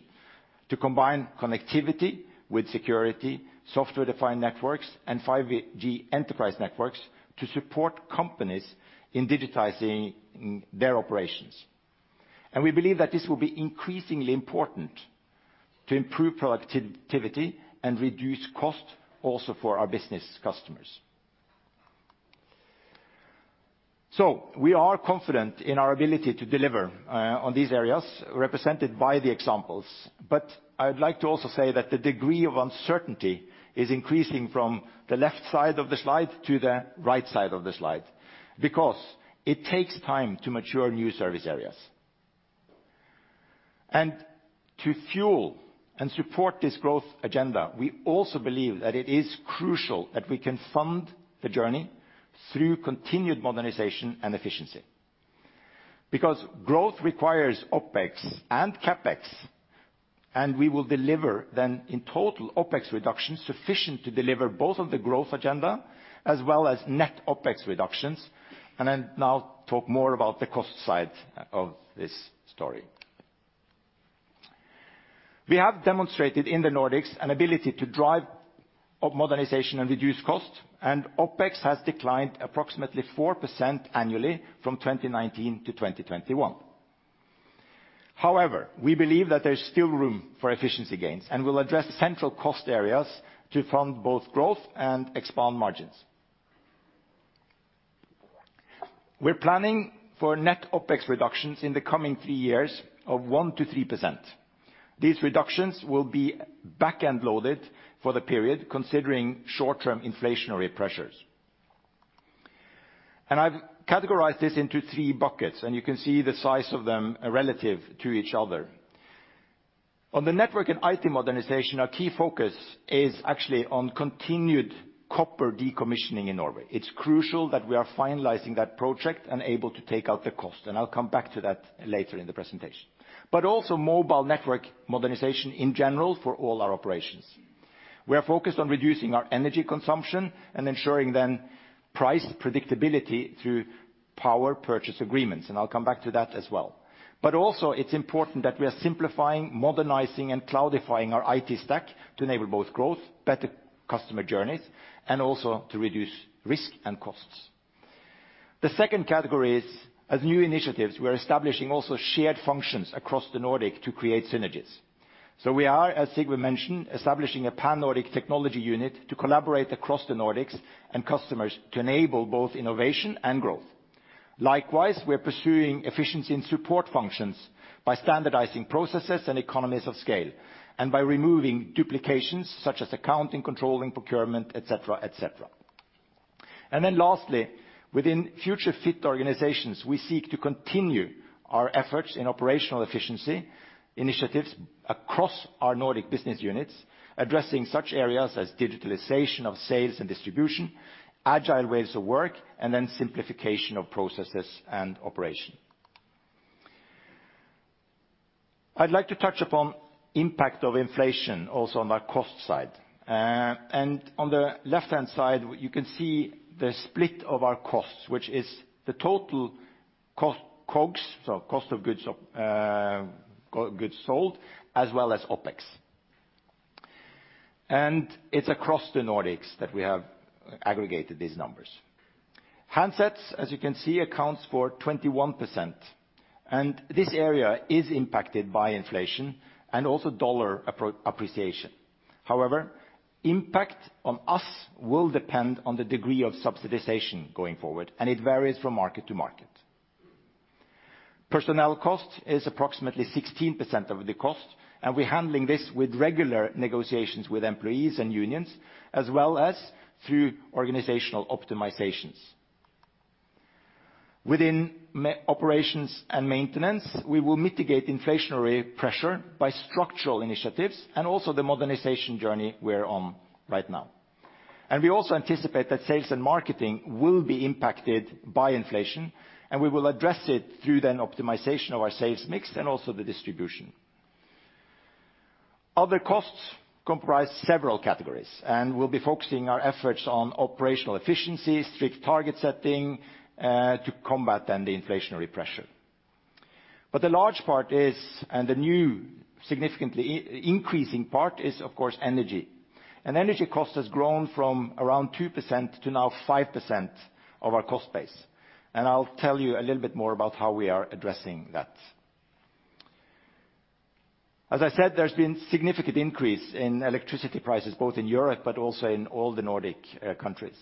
to combine connectivity with security, software-defined networks, and 5G enterprise networks to support companies in digitizing their operations. We believe that this will be increasingly important to improve productivity and reduce cost also for our business customers. We are confident in our ability to deliver on these areas represented by the examples. I'd like to also say that the degree of uncertainty is increasing from the left side of the slide to the right side of the slide, because it takes time to mature new service areas. To fuel and support this growth agenda, we also believe that it is crucial that we can fund the journey through continued modernization and efficiency. Because growth requires OpEx and CapEx, and we will deliver then in total OpEx reductions sufficient to deliver both of the growth agenda as well as net OpEx reductions. I'll now talk more about the cost side of this story. We have demonstrated in the Nordics an ability to drive modernization and reduce costs, and OpEx has declined approximately 4% annually from 2019 to 2021. However, we believe that there's still room for efficiency gains, and we'll address central cost areas to fund both growth and expand margins. We're planning for net OpEx reductions in the coming three years of 1%-3%. These reductions will be back-end loaded for the period considering short-term inflationary pressures. I've categorized this into three buckets, and you can see the size of them relative to each other. On the network and IT modernization, our key focus is actually on continued copper decommissioning in Norway. It's crucial that we are finalizing that project and able to take out the cost, and I'll come back to that later in the presentation. Mobile network modernization in general for all our operations. We are focused on reducing our energy consumption and ensuring the price predictability through power purchase agreements, and I'll come back to that as well. It's important that we are simplifying, modernizing, and cloudifying our IT stack to enable both growth, better customer journeys, and also to reduce risk and costs. The second category is, as new initiatives, we are establishing also shared functions across the Nordics to create synergies. We are, as Sigve mentioned, establishing a pan-Nordic technology unit to collaborate across the Nordics and customers to enable both innovation and growth. Likewise, we're pursuing efficiency and support functions by standardizing processes and economies of scale, and by removing duplications such as accounting, controlling, procurement, et cetera, et cetera. Then lastly, within future fit organizations, we seek to continue our efforts in operational efficiency initiatives across our Nordic business units, addressing such areas as digitalization of sales and distribution, agile ways of work, and then simplification of processes and operation. I'd like to touch upon impact of inflation also on our cost side. On the left-hand side, you can see the split of our costs, which is the total cost, COGS, so cost of goods sold, as well as OpEx. It's across the Nordics that we have aggregated these numbers. Handsets, as you can see, accounts for 21%, and this area is impacted by inflation and also dollar appreciation. However, impact on us will depend on the degree of subsidization going forward, and it varies from market to market. Personnel cost is approximately 16% of the cost, and we're handling this with regular negotiations with employees and unions, as well as through organizational optimizations. Within operations and maintenance, we will mitigate inflationary pressure by structural initiatives and also the modernization journey we're on right now. We also anticipate that sales and marketing will be impacted by inflation, and we will address it through the optimization of our sales mix and also the distribution. Other costs comprise several categories, and we'll be focusing our efforts on operational efficiency, strict target setting, to combat the inflationary pressure. The large part is, and the new significantly increasing part is, of course, energy. Energy cost has grown from around 2% to now 5% of our cost base. I'll tell you a little bit more about how we are addressing that. As I said, there's been significant increase in electricity prices, both in Europe but also in all the Nordic countries.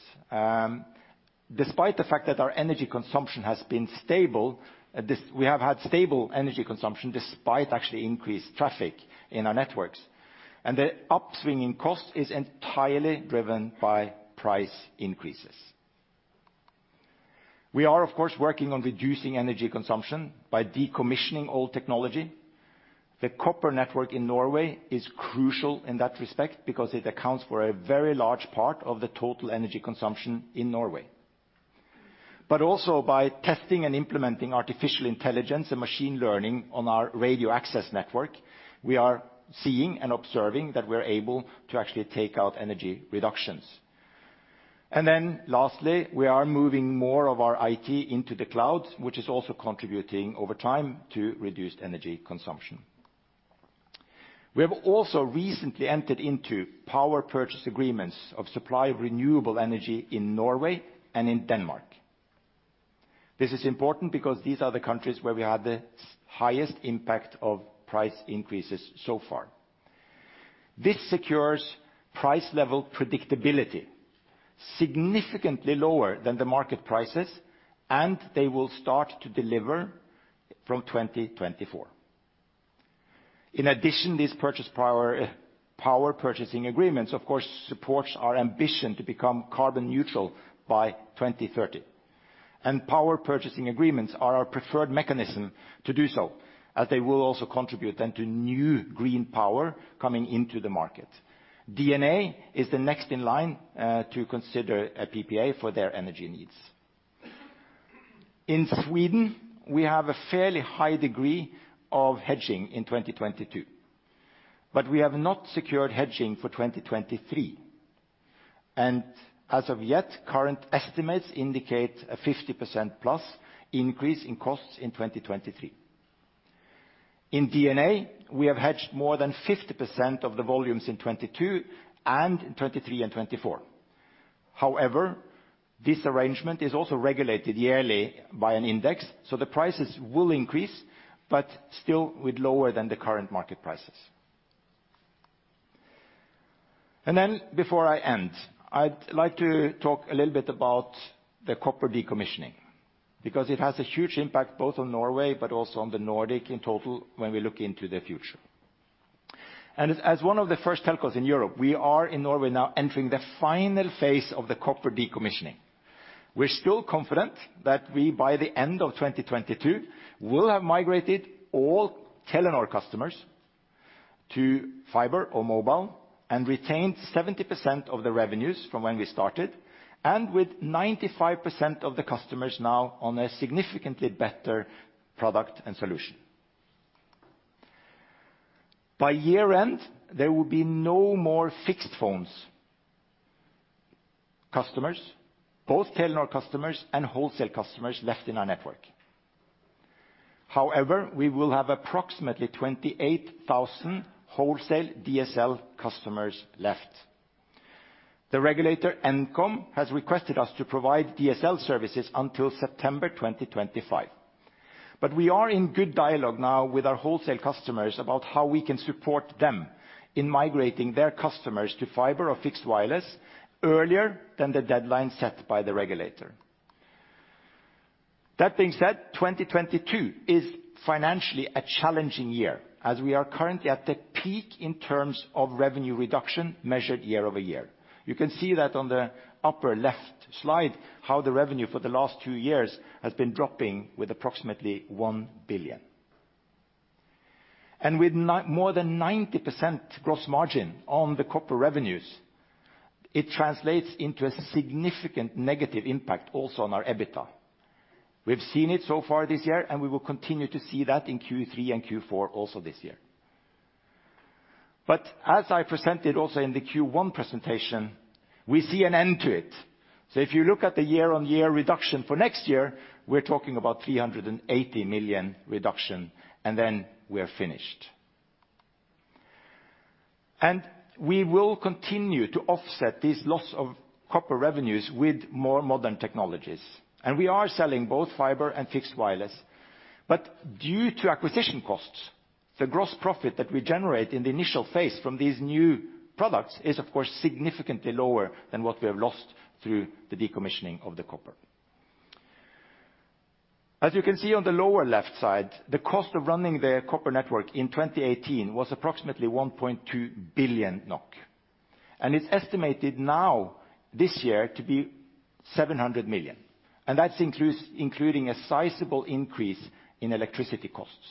Despite the fact that our energy consumption has been stable, we have had stable energy consumption despite actually increased traffic in our networks. The upswing in cost is entirely driven by price increases. We are of course working on reducing energy consumption by decommissioning old technology. The copper network in Norway is crucial in that respect because it accounts for a very large part of the total energy consumption in Norway. Also by testing and implementing artificial intelligence and machine learning on our radio access network, we are seeing and observing that we're able to actually take out energy reductions. Lastly, we are moving more of our IT into the cloud, which is also contributing over time to reduced energy consumption. We have also recently entered into power purchase agreements of supply of renewable energy in Norway and in Denmark. This is important because these are the countries where we have the highest impact of price increases so far. This secures price level predictability significantly lower than the market prices, and they will start to deliver from 2024. In addition, these power purchasing agreements, of course, supports our ambition to become carbon neutral by 2030. Power purchasing agreements are our preferred mechanism to do so, as they will also contribute then to new green power coming into the market. DNA is the next in line to consider a PPA for their energy needs. In Sweden, we have a fairly high degree of hedging in 2022, but we have not secured hedging for 2023. As of yet, current estimates indicate a 50%+ increase in costs in 2023. In DNA, we have hedged more than 50% of the volumes in 2022 and in 2023 and 2024. However, this arrangement is also regulated yearly by an index, so the prices will increase, but still with lower than the current market prices. Before I end, I'd like to talk a little bit about the copper decommissioning, because it has a huge impact both on Norway but also on the Nordics in total when we look into the future. As one of the first telcos in Europe, we are in Norway now entering the final phase of the copper decommissioning. We're still confident that we by the end of 2022 will have migrated all Telenor customers to fiber or mobile and retained 70% of the revenues from when we started, and with 95% of the customers now on a significantly better product and solution. By year-end, there will be no more fixed phones customers, both Telenor customers and wholesale customers left in our network. However, we will have approximately 28,000 wholesale DSL customers left. The regulator Nkom has requested us to provide DSL services until September 2025. We are in good dialogue now with our wholesale customers about how we can support them in migrating their customers to fiber or fixed wireless earlier than the deadline set by the regulator. That being said, 2022 is financially a challenging year as we are currently at the peak in terms of revenue reduction measured year-over-year. You can see that on the upper left slide, how the revenue for the last two years has been dropping with approximately 1 billion. With more than 90% gross margin on the corporate revenues, it translates into a significant negative impact also on our EBITDA. We've seen it so far this year, and we will continue to see that in Q3 and Q4 also this year. As I presented also in the Q1 presentation, we see an end to it. If you look at the year-on-year reduction for next year, we're talking about 380 million reduction, and then we are finished. We will continue to offset this loss of copper revenues with more modern technologies. We are selling both fiber and fixed wireless. Due to acquisition costs, the gross profit that we generate in the initial phase from these new products is of course significantly lower than what we have lost through the decommissioning of the copper. As you can see on the lower left side, the cost of running the copper network in 2018 was approximately 1.2 billion NOK, and it's estimated now this year to be 700 million, and that's including a sizable increase in electricity costs.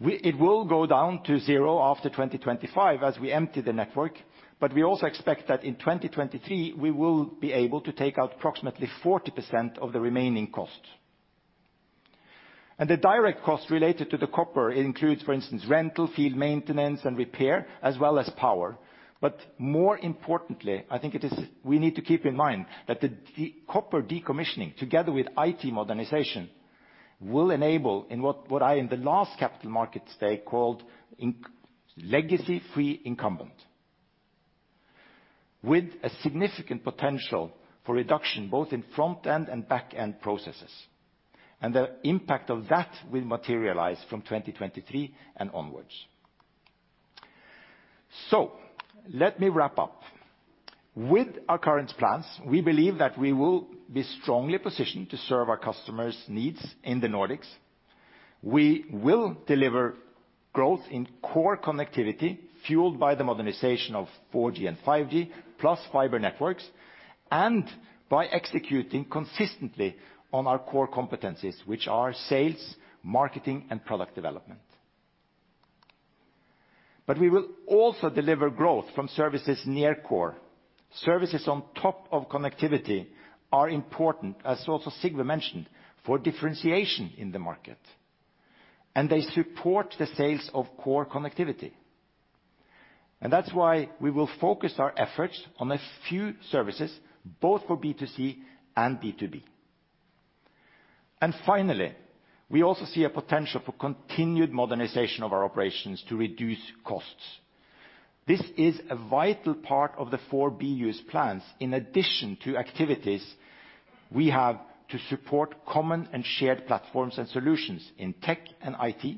It will go down to zero after 2025 as we empty the network, but we also expect that in 2023, we will be able to take out approximately 40% of the remaining costs. The direct costs related to the copper includes, for instance, rental, field maintenance, and repair, as well as power. More importantly, I think we need to keep in mind that the copper decommissioning together with IT modernization will enable in what I in the last Capital Markets Day called legacy-free incumbent, with a significant potential for reduction both in front-end and back-end processes. The impact of that will materialize from 2023 and onwards. Let me wrap up. With our current plans, we believe that we will be strongly positioned to serve our customers' needs in the Nordics. We will deliver growth in core connectivity fueled by the modernization of 4G and 5G, plus fiber networks, and by executing consistently on our core competencies, which are sales, marketing, and product development. We will also deliver growth from services near core. Services on top of connectivity are important, as also Sigve mentioned, for differentiation in the market, and they support the sales of core connectivity. That's why we will focus our efforts on a few services, both for B2C and B2B. Finally, we also see a potential for continued modernization of our operations to reduce costs. This is a vital part of the four-pillar plans, in addition to activities we have to support common and shared platforms and solutions in tech and IT,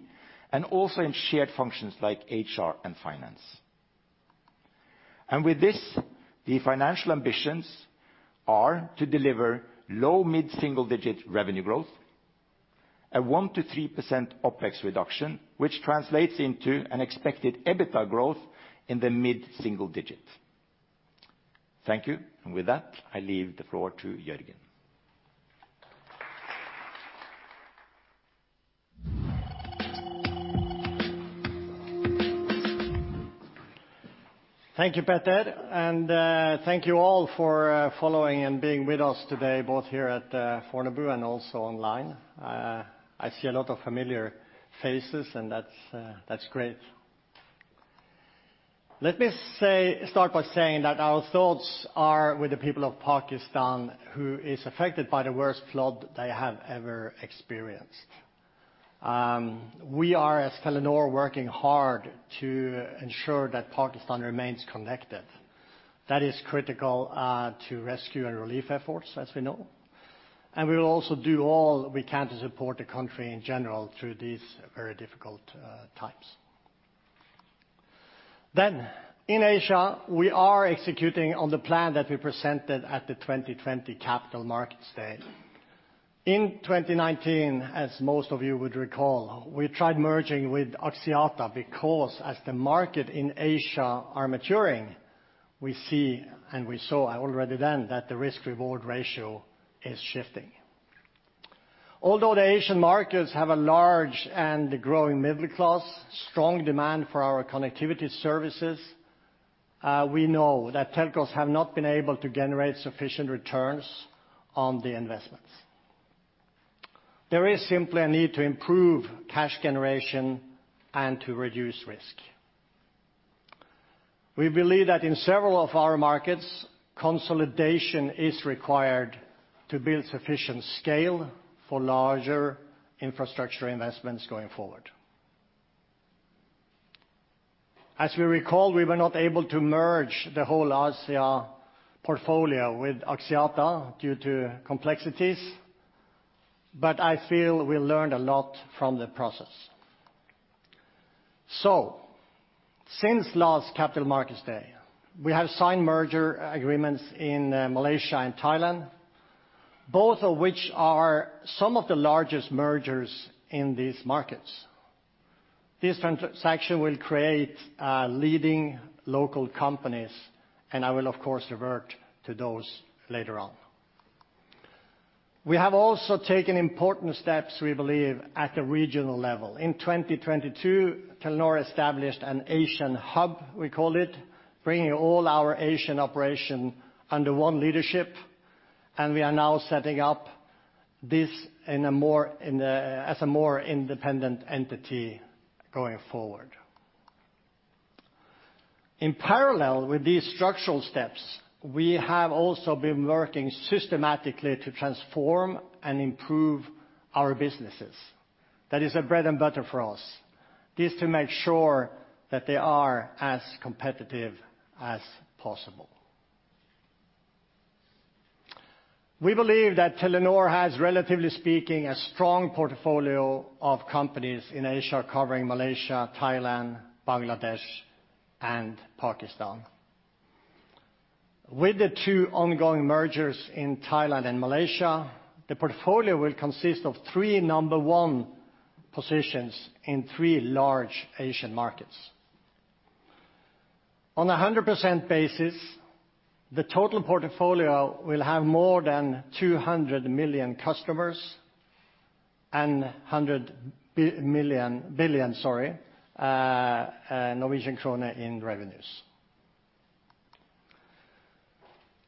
and also in shared functions like HR and finance. With this, the financial ambitions are to deliver low mid-single-digit revenue growth, a 1%-3% OpEx reduction, which translates into an expected EBITDA growth in the mid-single digit. Thank you. With that, I leave the floor to Jørgen. Thank you, Petter, and thank you all for following and being with us today, both here at Fornebu and also online. I see a lot of familiar faces, and that's great. Let me start by saying that our thoughts are with the people of Pakistan who is affected by the worst flood they have ever experienced. We are, as Telenor, working hard to ensure that Pakistan remains connected. That is critical to rescue and relief efforts, as we know. We will also do all we can to support the country in general through these very difficult times. In Asia, we are executing on the plan that we presented at the 2020 Capital Markets Day. In 2019, as most of you would recall, we tried merging with Axiata because as the market in Asia are maturing, we see, and we saw already then that the risk reward ratio is shifting. Although the Asian markets have a large and growing middle class, strong demand for our connectivity services, we know that telcos have not been able to generate sufficient returns on the investments. There is simply a need to improve cash generation and to reduce risk. We believe that in several of our markets, consolidation is required to build sufficient scale for larger infrastructure investments going forward. As we recall, we were not able to merge the whole Asia portfolio with Axiata due to complexities, but I feel we learned a lot from the process. Since last Capital Markets Day, we have signed merger agreements in Malaysia and Thailand, both of which are some of the largest mergers in these markets. This transaction will create leading local companies, and I will of course revert to those later on. We have also taken important steps, we believe, at the regional level. In 2022, Telenor established an Asian hub, we call it, bringing all our Asian operation under one leadership, and we are now setting up this as a more independent entity going forward. In parallel with these structural steps, we have also been working systematically to transform and improve our businesses. That is a bread and butter for us. This to make sure that they are as competitive as possible. We believe that Telenor has, relatively speaking, a strong portfolio of companies in Asia covering Malaysia, Thailand, Bangladesh and Pakistan. With the two ongoing mergers in Thailand and Malaysia, the portfolio will consist of three number one positions in three large Asian markets. On a 100% basis, the total portfolio will have more than 200 million customers and NOK 100 billion in revenues.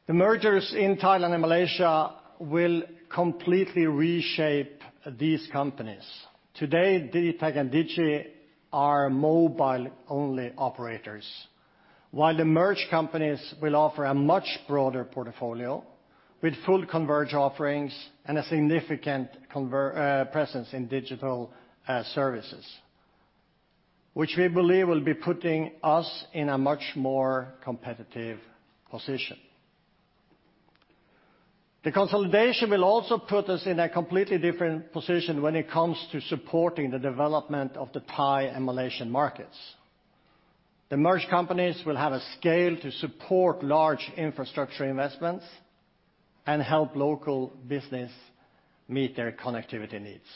The mergers in Thailand and Malaysia will completely reshape these companies. Today, dtac and Digi are mobile-only operators, while the merged companies will offer a much broader portfolio with full converged offerings and a significant presence in digital services, which we believe will be putting us in a much more competitive position. The consolidation will also put us in a completely different position when it comes to supporting the development of the Thai and Malaysian markets. The merged companies will have a scale to support large infrastructure investments and help local business meet their connectivity needs.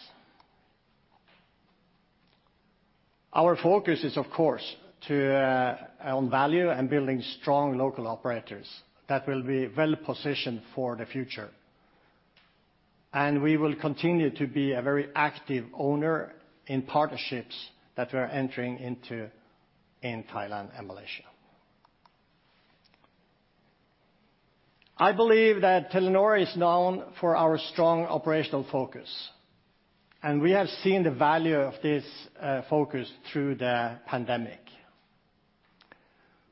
Our focus is, of course, to, on value and building strong local operators that will be well positioned for the future. We will continue to be a very active owner in partnerships that we're entering into in Thailand and Malaysia. I believe that Telenor is known for our strong operational focus, and we have seen the value of this, focus through the pandemic.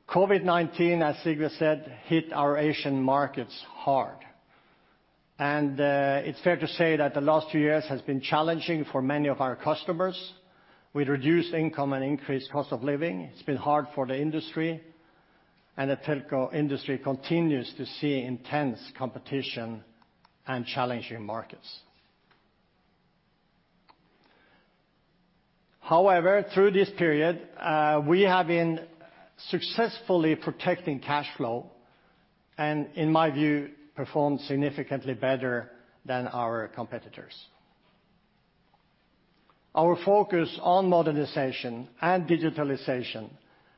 COVID-19, as Sigve said, hit our Asian markets hard. It's fair to say that the last few years has been challenging for many of our customers with reduced income and increased cost of living. It's been hard for the industry, and the telco industry continues to see intense competition and challenging markets. However, through this period, we have been successfully protecting cash flow and, in my view, performed significantly better than our competitors. Our focus on modernization and digitalization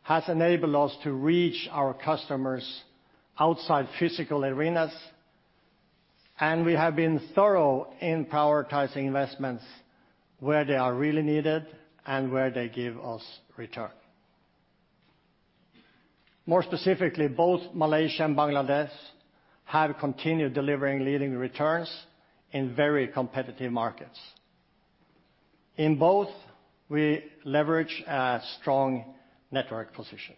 has enabled us to reach our customers outside physical arenas, and we have been thorough in prioritizing investments where they are really needed and where they give us return. More specifically, both Malaysia and Bangladesh have continued delivering leading returns in very competitive markets. In both, we leverage a strong network position.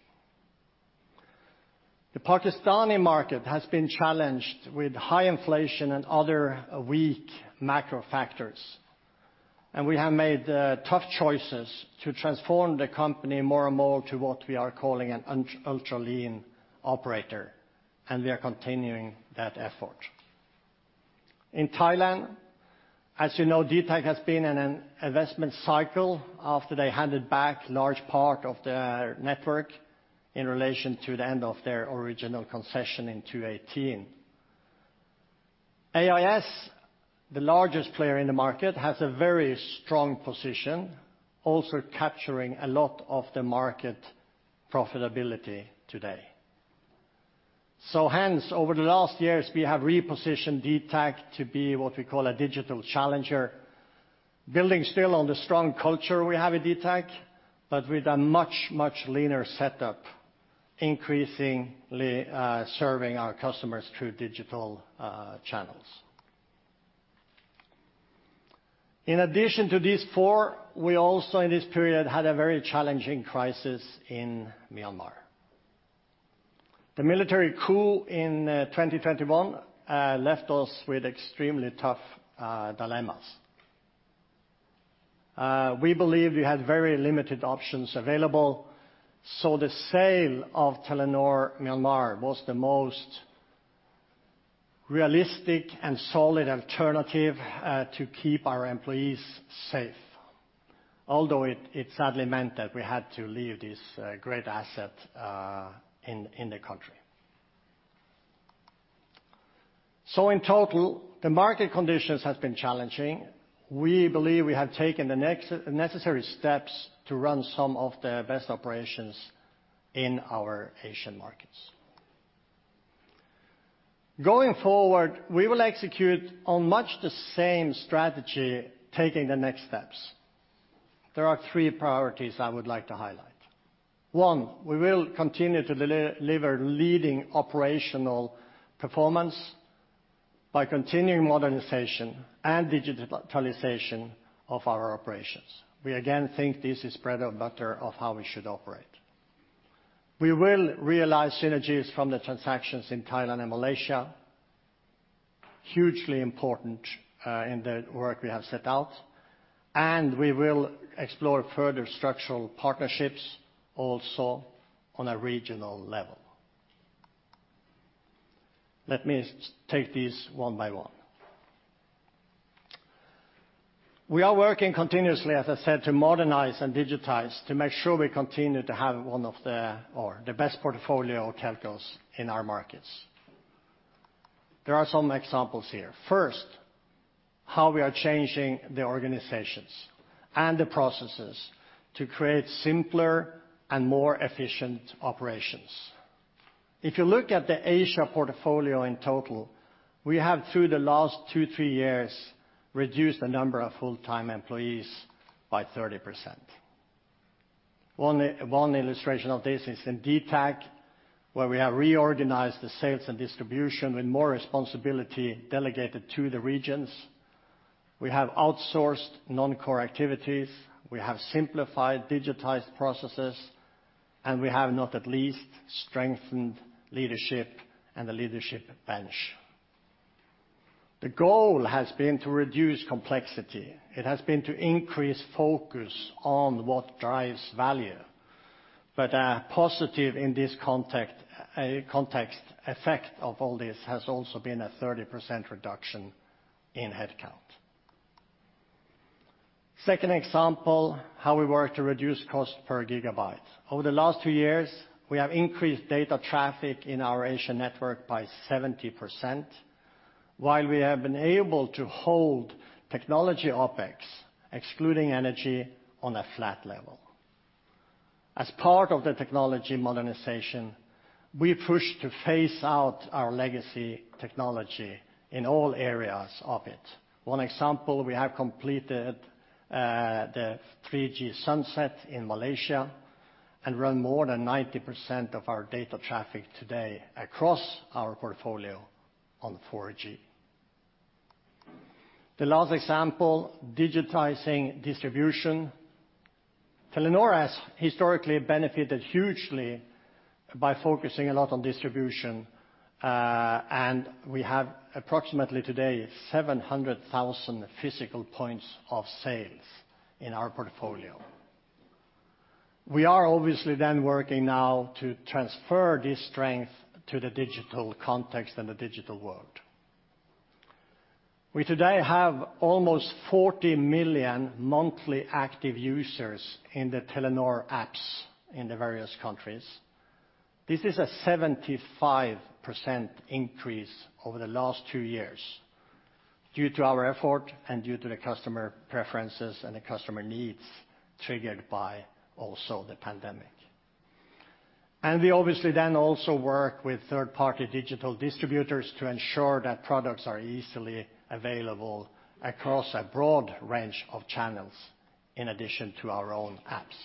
The Pakistani market has been challenged with high inflation and other weak macro factors, and we have made tough choices to transform the company more and more to what we are calling an ultra-lean operator, and we are continuing that effort. In Thailand, as you know, dtac has been in an investment cycle after they handed back large part of their network in relation to the end of their original concession in 2018. AIS, the largest player in the market, has a very strong position, also capturing a lot of the market profitability today. Hence, over the last years, we have repositioned dtac to be what we call a digital challenger, building still on the strong culture we have at dtac, but with a much, much leaner setup, increasingly serving our customers through digital channels. In addition to these four, we also in this period had a very challenging crisis in Myanmar. The military coup in 2021 left us with extremely tough dilemmas. We believe we had very limited options available, so the sale of Telenor Myanmar was the most realistic and solid alternative to keep our employees safe, although it sadly meant that we had to leave this great asset in the country. In total, the market conditions have been challenging. We believe we have taken the necessary steps to run some of the best operations in our Asian markets. Going forward, we will execute on much the same strategy, taking the next steps. There are three priorities I would like to highlight. One, we will continue to deliver leading operational performance by continuing modernization and digitalization of our operations. We again think this is bread and butter of how we should operate. We will realize synergies from the transactions in Thailand and Malaysia, hugely important, in the work we have set out, and we will explore further structural partnerships also on a regional level. Let me take these one by one. We are working continuously, as I said, to modernize and digitize to make sure we continue to have one of the best portfolio of telcos in our markets. There are some examples here. First, how we are changing the organizations and the processes to create simpler and more efficient operations. If you look at the Asia portfolio in total, we have through the last two, three years reduced the number of full-time employees by 30%. One illustration of this is in dtac, where we have reorganized the sales and distribution with more responsibility delegated to the regions. We have outsourced non-core activities. We have simplified digitized processes, and we have not least strengthened leadership and the leadership bench. The goal has been to reduce complexity. It has been to increase focus on what drives value. A positive in this context effect of all this has also been a 30% reduction in headcount. Second example, how we work to reduce cost per gigabyte. Over the last two years, we have increased data traffic in our Asian network by 70% while we have been able to hold technology OpEx, excluding energy, on a flat level. As part of the technology modernization, we pushed to phase out our legacy technology in all areas of it. One example, we have completed the 3G sunset in Malaysia and run more than 90% of our data traffic today across our portfolio on 4G. The last example, digitizing distribution. Telenor has historically benefited hugely by focusing a lot on distribution, and we have approximately today 700,000 physical points of sales in our portfolio. We are obviously then working now to transfer this strength to the digital context and the digital world. We today have almost 40 million monthly active users in the Telenor apps in the various countries. This is a 75% increase over the last two years due to our effort and due to the customer preferences and the customer needs triggered by also the pandemic. We obviously then also work with third-party digital distributors to ensure that products are easily available across a broad range of channels in addition to our own apps.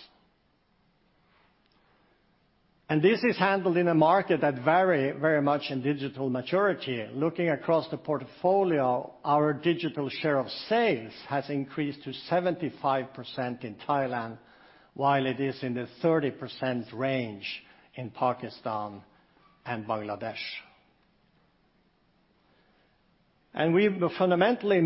This is handled in a market that varies very much in digital maturity. Looking across the portfolio, our digital share of sales has increased to 75% in Thailand, while it is in the 30% range in Pakistan and Bangladesh. We fundamentally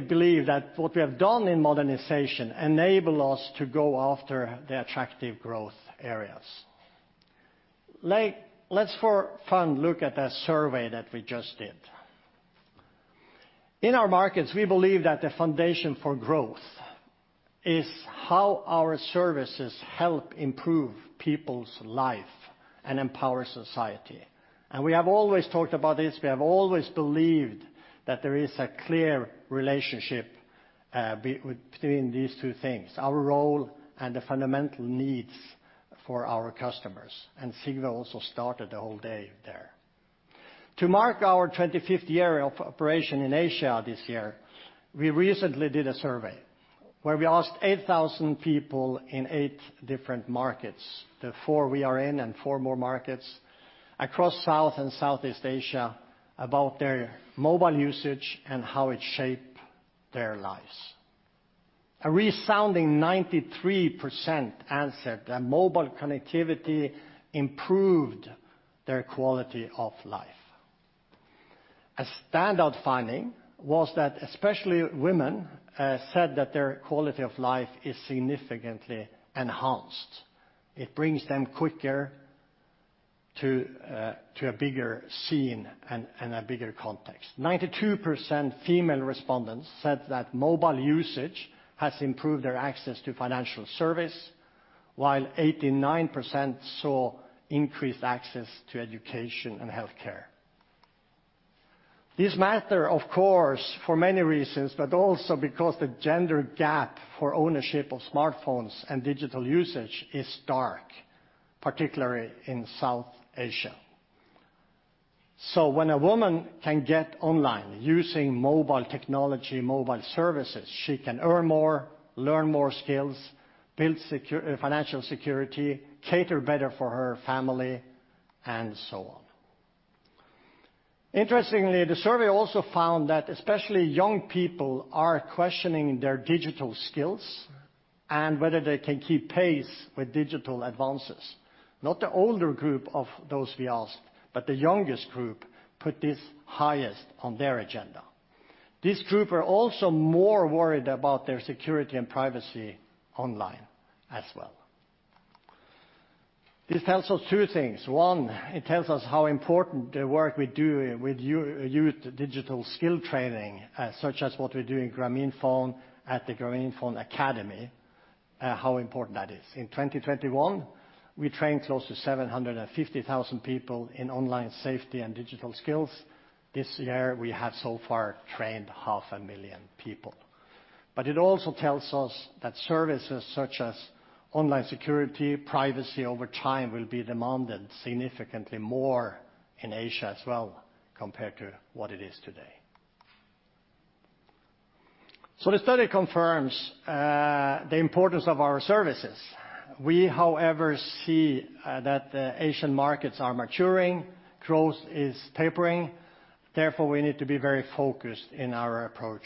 believe that what we have done in modernization enables us to go after the attractive growth areas. Like, let's for fun look at a survey that we just did. In our markets, we believe that the foundation for growth is how our services help improve people's lives and empower society. We have always talked about this. We have always believed that there is a clear relationship between these two things, our role and the fundamental needs for our customers. Sigve also started the whole day there. To mark our 25th year of operation in Asia this year, we recently did a survey where we asked 8,000 people in eight different markets, the four we are in and four more markets, across South and Southeast Asia about their mobile usage and how it shape their lives. A resounding 93% answered that mobile connectivity improved their quality of life. A standout finding was that especially women said that their quality of life is significantly enhanced. It brings them quicker to a bigger scene and a bigger context. 92% female respondents said that mobile usage has improved their access to financial services, while 89% saw increased access to education and healthcare. This matters, of course, for many reasons, but also because the gender gap for ownership of smartphones and digital usage is stark, particularly in South Asia. When a woman can get online using mobile technology, mobile services, she can earn more, learn more skills, build financial security, cater better for her family, and so on. Interestingly, the survey also found that especially young people are questioning their digital skills and whether they can keep pace with digital advances. Not the older group of those we asked, but the youngest group put this highest on their agenda. This group are also more worried about their security and privacy online as well. This tells us two things. One, it tells us how important the work we do with youth digital skills training, such as what we do in Grameenphone at the Grameenphone Academy, is. In 2021, we trained close to 750,000 people in online safety and digital skills. This year, we have so far trained 500,000 people. It also tells us that services such as online security, privacy over time will be demanded significantly more in Asia as well compared to what it is today. The study confirms the importance of our services. We, however, see that the Asian markets are maturing, growth is tapering. Therefore, we need to be very focused in our approach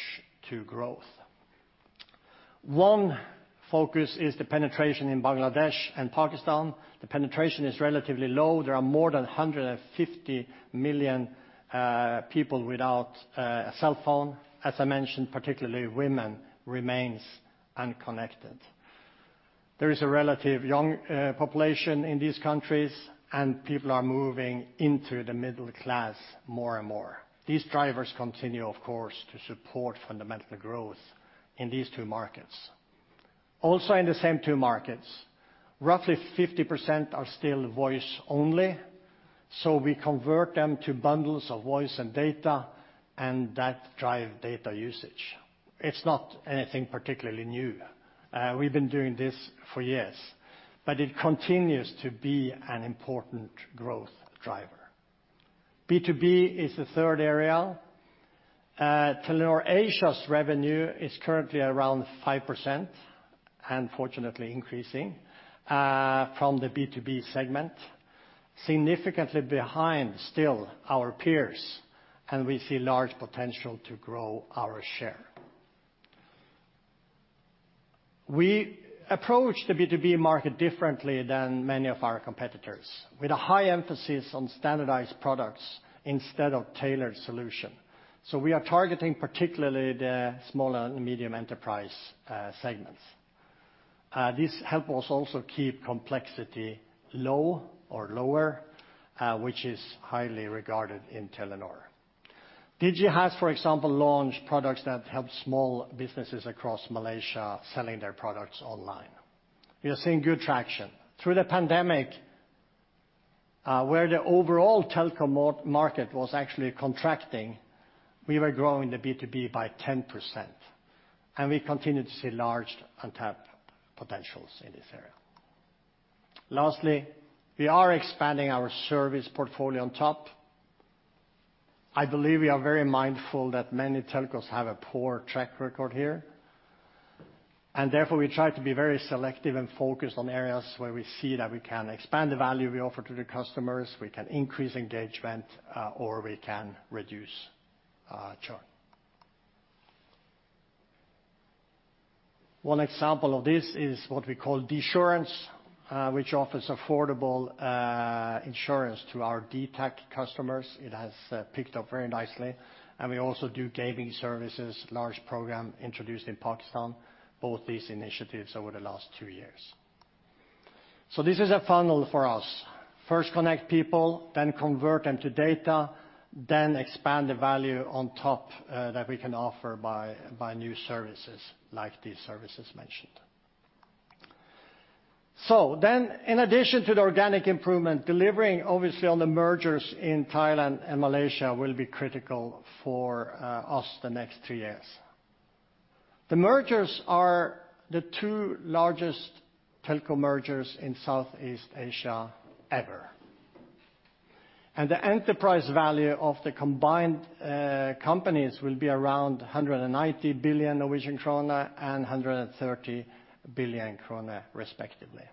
to growth. One focus is the penetration in Bangladesh and Pakistan. The penetration is relatively low. There are more than 150 million people without a cell phone. As I mentioned, particularly women remains unconnected. There is a relatively young population in these countries, and people are moving into the middle class more and more. These drivers continue, of course, to support fundamental growth in these two markets. Also, in the same two markets, roughly 50% are still voice only. We convert them to bundles of voice and data, and that drive data usage. It's not anything particularly new. We've been doing this for years, but it continues to be an important growth driver. B2B is the third area. Telenor Asia's revenue is currently around 5%, and fortunately increasing from the B2B segment, significantly behind still our peers, and we see large potential to grow our share. We approach the B2B market differently than many of our competitors, with a high emphasis on standardized products instead of tailored solution. We are targeting particularly the small and medium enterprise segments. This help us also keep complexity low or lower, which is highly regarded in Telenor. Digi has, for example, launched products that help small businesses across Malaysia selling their products online. We are seeing good traction. Through the pandemic, where the overall telecom market was actually contracting, we were growing the B2B by 10%, and we continue to see large untapped potentials in this area. Lastly, we are expanding our service portfolio on top. I believe we are very mindful that many telcos have a poor track record here, and therefore, we try to be very selective and focused on areas where we see that we can expand the value we offer to the customers, we can increase engagement, or we can reduce churn. One example of this is what we call dSurance, which offers affordable insurance to our dtac customers. It has picked up very nicely. We also do gaming services, large program introduced in Pakistan, both these initiatives over the last two years. This is a funnel for us. First connect people, then convert them to data, then expand the value on top that we can offer by new services like these services mentioned. In addition to the organic improvement, delivering obviously on the mergers in Thailand and Malaysia will be critical for us the next two years. The mergers are the two largest telco mergers in Southeast Asia ever. The enterprise value of the combined companies will be around 190 billion Norwegian krone and 130 billion krone respectively.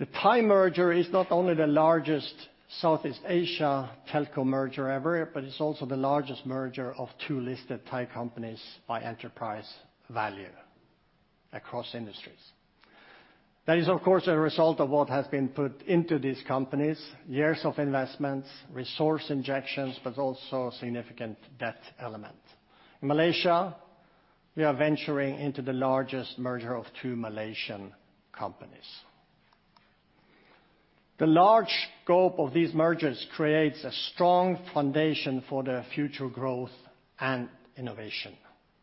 The Thai merger is not only the largest Southeast Asia telco merger ever, but it's also the largest merger of two listed Thai companies by enterprise value across industries. That is, of course, a result of what has been put into these companies, years of investments, resource injections, but also a significant debt element. In Malaysia, we are venturing into the largest merger of two Malaysian companies. The large scope of these mergers creates a strong foundation for the future growth and innovation.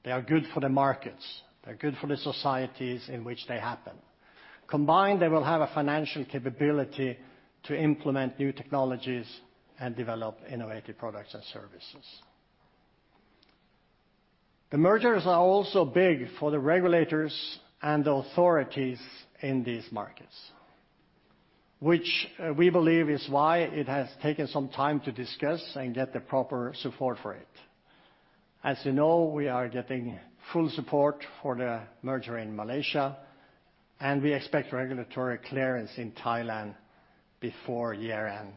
They are good for the markets. They are good for the societies in which they happen. Combined, they will have a financial capability to implement new technologies and develop innovative products and services. The mergers are also big for the regulators and the authorities in these markets, which, we believe is why it has taken some time to discuss and get the proper support for it. As you know, we are getting full support for the merger in Malaysia, and we expect regulatory clearance in Thailand before year-end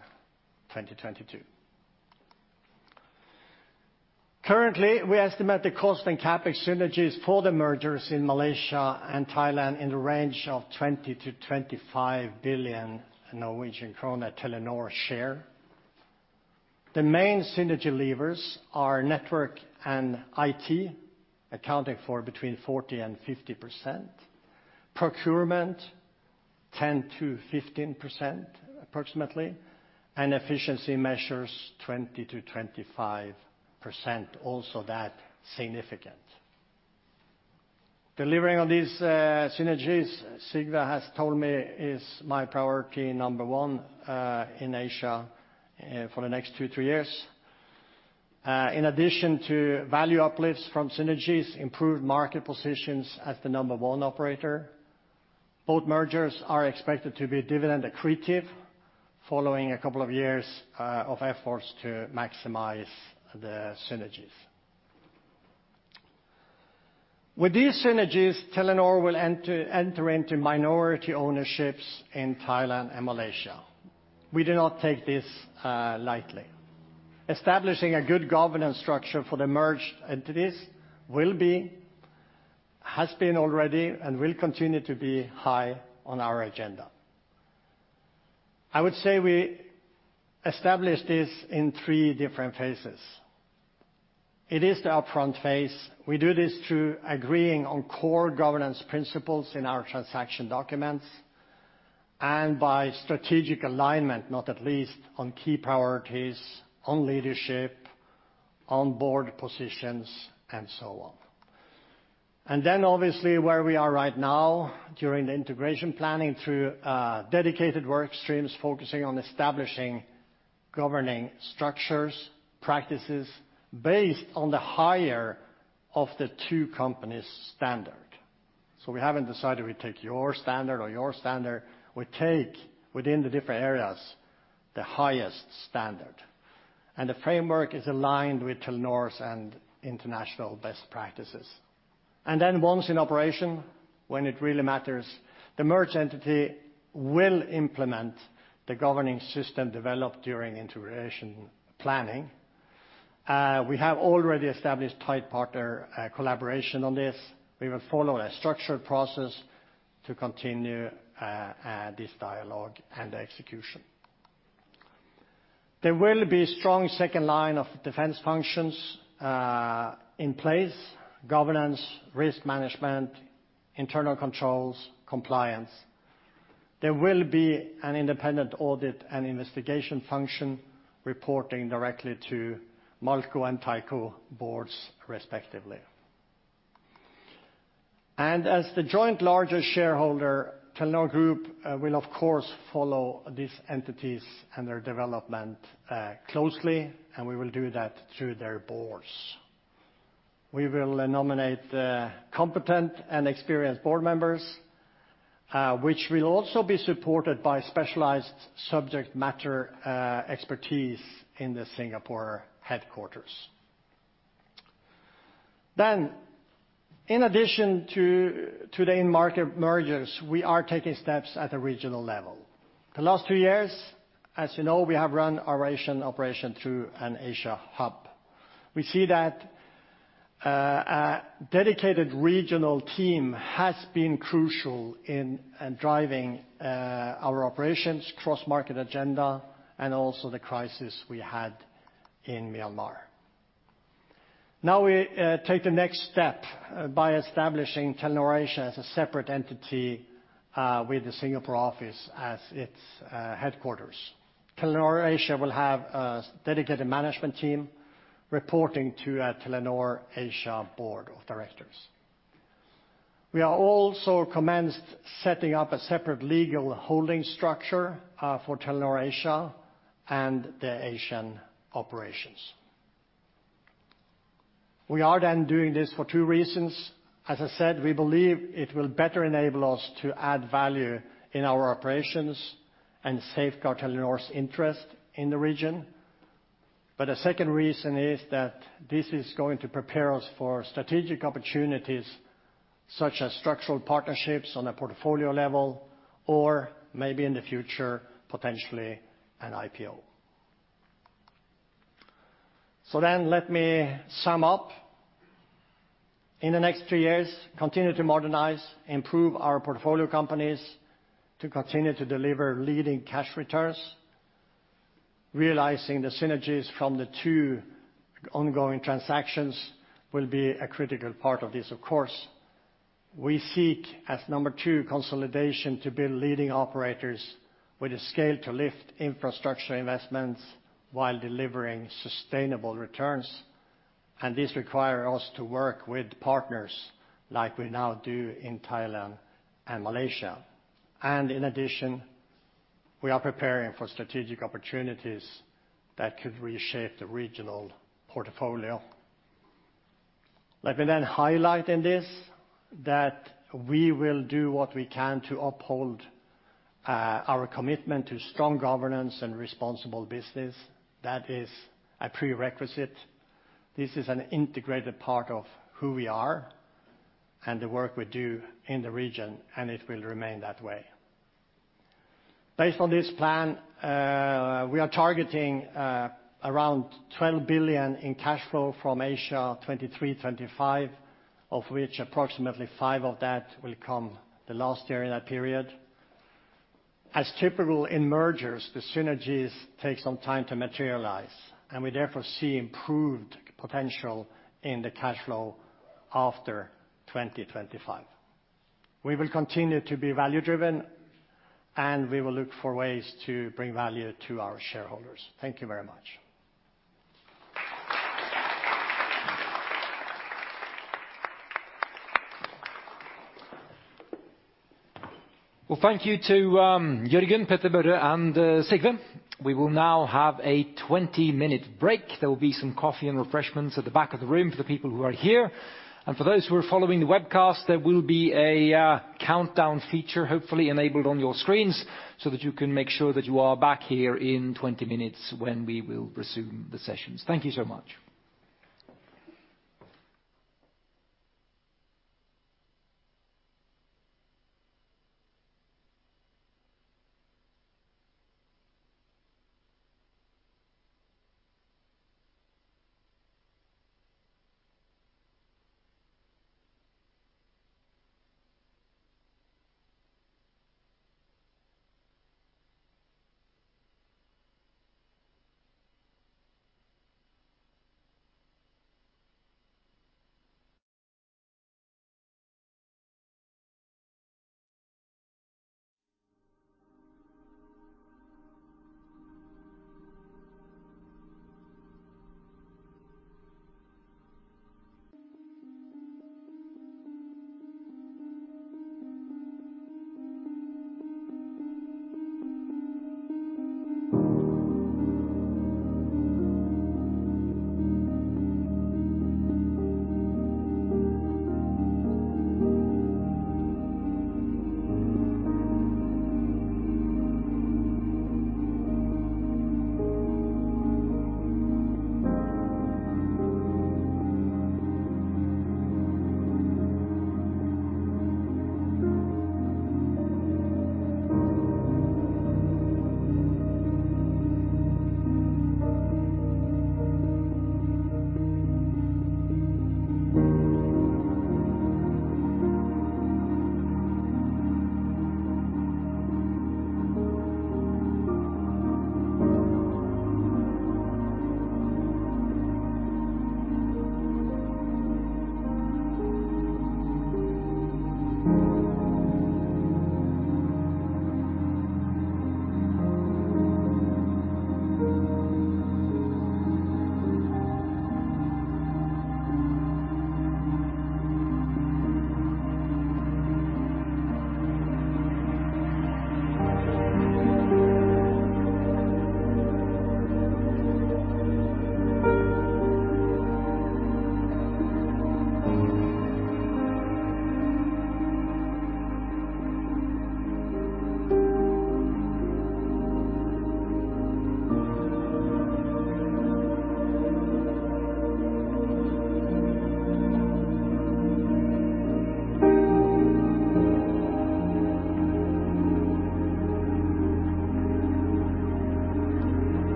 2022. Currently, we estimate the cost and CapEx synergies for the mergers in Malaysia and Thailand in the range of 20 billion-25 billion Norwegian krone Telenor share. The main synergy levers are network and IT, accounting for between 40%-50%. Procurement, 10%-15% approximately, and efficiency measures, 20%-25%, also that significant. Delivering on these synergies, Sigve has told me, is my priority number one in Asia for the next two-three years. In addition to value uplifts from synergies, improved market positions as the number one operator, both mergers are expected to be dividend accretive following a couple of years of efforts to maximize the synergies. With these synergies, Telenor will enter into minority ownerships in Thailand and Malaysia. We do not take this lightly. Establishing a good governance structure for the merged entities will be, has been already, and will continue to be high on our agenda. I would say we established this in three different phases. It is the upfront phase. We do this through agreeing on core governance principles in our transaction documents and by strategic alignment, not least on key priorities, on leadership, on board positions, and so on. Obviously, where we are right now during the integration planning through dedicated work streams, focusing on establishing governing structures, practices based on the higher of the two companies' standard. We haven't decided we take your standard or your standard. We take within the different areas the highest standard, and the framework is aligned with Telenor's and international best practices. Once in operation, when it really matters, the merged entity will implement the governing system developed during integration planning. We have already established tight partner collaboration on this. We will follow a structured process to continue this dialogue and execution. There will be strong second line of defense functions in place, governance, risk management, internal controls, compliance. There will be an independent audit and investigation function reporting directly to MergeCo and ThaiCo boards respectively. As the joint largest shareholder, Telenor Group will of course follow these entities and their development closely, and we will do that through their boards. We will nominate competent and experienced board members, which will also be supported by specialized subject matter expertise in the Singapore headquarters. In addition to today in market mergers, we are taking steps at the regional level. The last two years, as you know, we have run our Asian operation through an Asia hub. We see that a dedicated regional team has been crucial in driving our operations, cross-market agenda, and also the crisis we had in Myanmar. Now we take the next step by establishing Telenor Asia as a separate entity, with the Singapore office as its headquarters. Telenor Asia will have a dedicated management team reporting to a Telenor Asia Board of Directors. We have also commenced setting up a separate legal holding structure for Telenor Asia and the Asian operations. We are then doing this for two reasons. As I said, we believe it will better enable us to add value in our operations and safeguard Telenor's interest in the region. A second reason is that this is going to prepare us for strategic opportunities such as structural partnerships on a portfolio level or maybe in the future, potentially an IPO. Let me sum up. In the next three years, continue to modernize, improve our portfolio companies to continue to deliver leading cash returns. Realizing the synergies from the two ongoing transactions will be a critical part of this, of course. We seek as number two consolidation to build leading operators with the scale to lift infrastructure investments while delivering sustainable returns, and this require us to work with partners like we now do in Thailand and Malaysia. In addition, we are preparing for strategic opportunities that could reshape the regional portfolio. Let me highlight in this that we will do what we can to uphold our commitment to strong governance and responsible business. That is a prerequisite. This is an integrated part of who we are and the work we do in the region, and it will remain that way. Based on this plan, we are targeting around 12 billion in cash flow from Asia 2023-2025, of which approximately 5 billion of that will come the last year in that period. As typical in mergers, the synergies take some time to materialize, and we therefore see improved potential in the cash flow after 2025. We will continue to be value-driven, and we will look for ways to bring value to our shareholders. Thank you very much. Well, thank you to Jørgen, Petter-Børre Furberg, and Sigve. We will now have a 20-minute break. There will be some coffee and refreshments at the back of the room for the people who are here. For those who are following the webcast, there will be a countdown feature hopefully enabled on your screens so that you can make sure that you are back here in 20 minutes when we will resume the sessions. Thank you so much.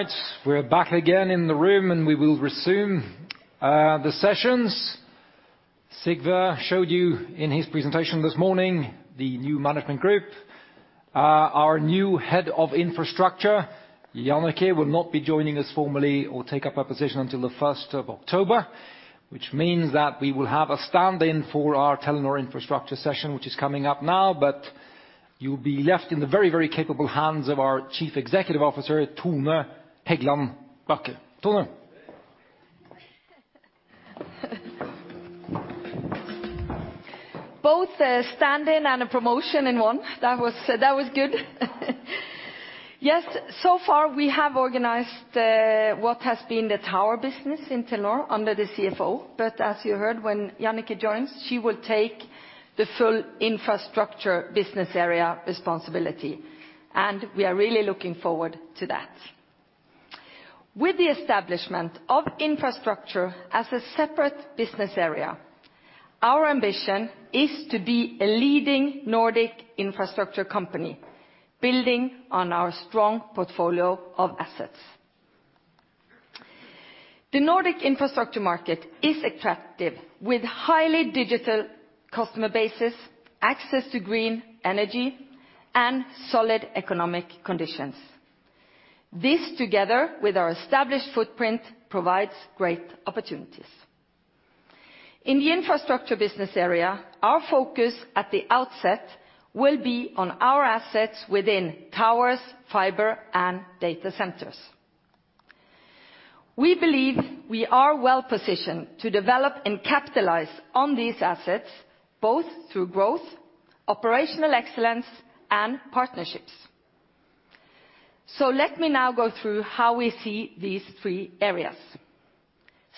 All right. We're back again in the room, and we will resume the sessions. Sigve showed you in his presentation this morning the new management group. Our new head of infrastructure, Jannicke, will not be joining us formally or take up her position until the 1st of October, which means that we will have a stand-in for our Telenor Infrastructure session, which is coming up now. You'll be left in the very, very capable hands of our Chief Executive Officer, Tone Hegland Bachke. Tone? Both a stand-in and a promotion in one. That was good. Yes. So far we have organized what has been the tower business in Telenor under the CFO. As you heard, when Jannicke joins, she will take the full infrastructure business area responsibility, and we are really looking forward to that. With the establishment of infrastructure as a separate business area, our ambition is to be a leading Nordic infrastructure company, building on our strong portfolio of assets. The Nordic infrastructure market is attractive, with highly digital customer bases, access to green energy, and solid economic conditions. This, together with our established footprint, provides great opportunities. In the infrastructure business area, our focus at the outset will be on our assets within towers, fiber, and data centers. We believe we are well-positioned to develop and capitalize on these assets both through growth, operational excellence, and partnerships. Let me now go through how we see these three areas,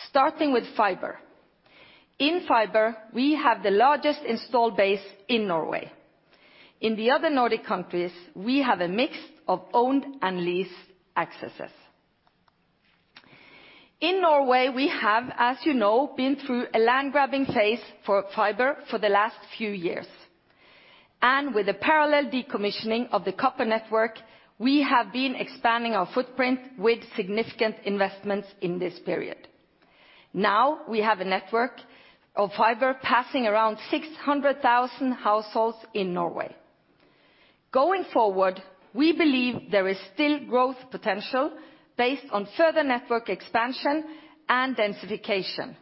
starting with fiber. In fiber, we have the largest installed base in Norway. In the other Nordic countries, we have a mix of owned and leased accesses. In Norway, we have, as you know, been through a land grabbing phase for fiber for the last few years. With the parallel decommissioning of the copper network, we have been expanding our footprint with significant investments in this period. Now we have a network of fiber passing around 600,000 households in Norway. Going forward, we believe there is still growth potential based on further network expansion and densification,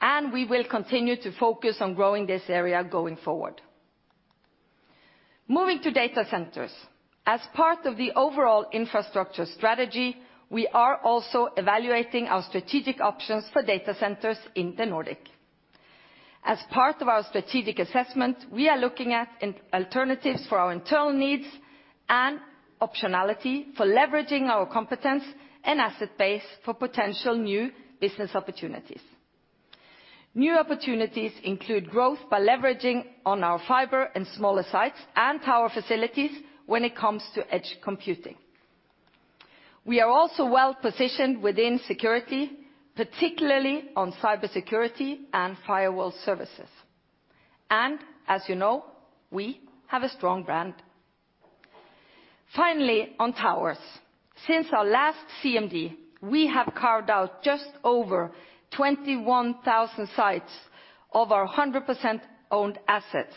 and we will continue to focus on growing this area going forward. Moving to data centers. As part of the overall infrastructure strategy, we are also evaluating our strategic options for data centers in the Nordic. As part of our strategic assessment, we are looking at alternatives for our internal needs and optionality for leveraging our competence and asset base for potential new business opportunities. New opportunities include growth by leveraging on our fiber and smaller sites and tower facilities when it comes to edge computing. We are also well-positioned within security, particularly on cybersecurity and firewall services. As you know, we have a strong brand. Finally, on towers. Since our last CMD, we have carved out just over 21,000 sites of our 100% owned assets.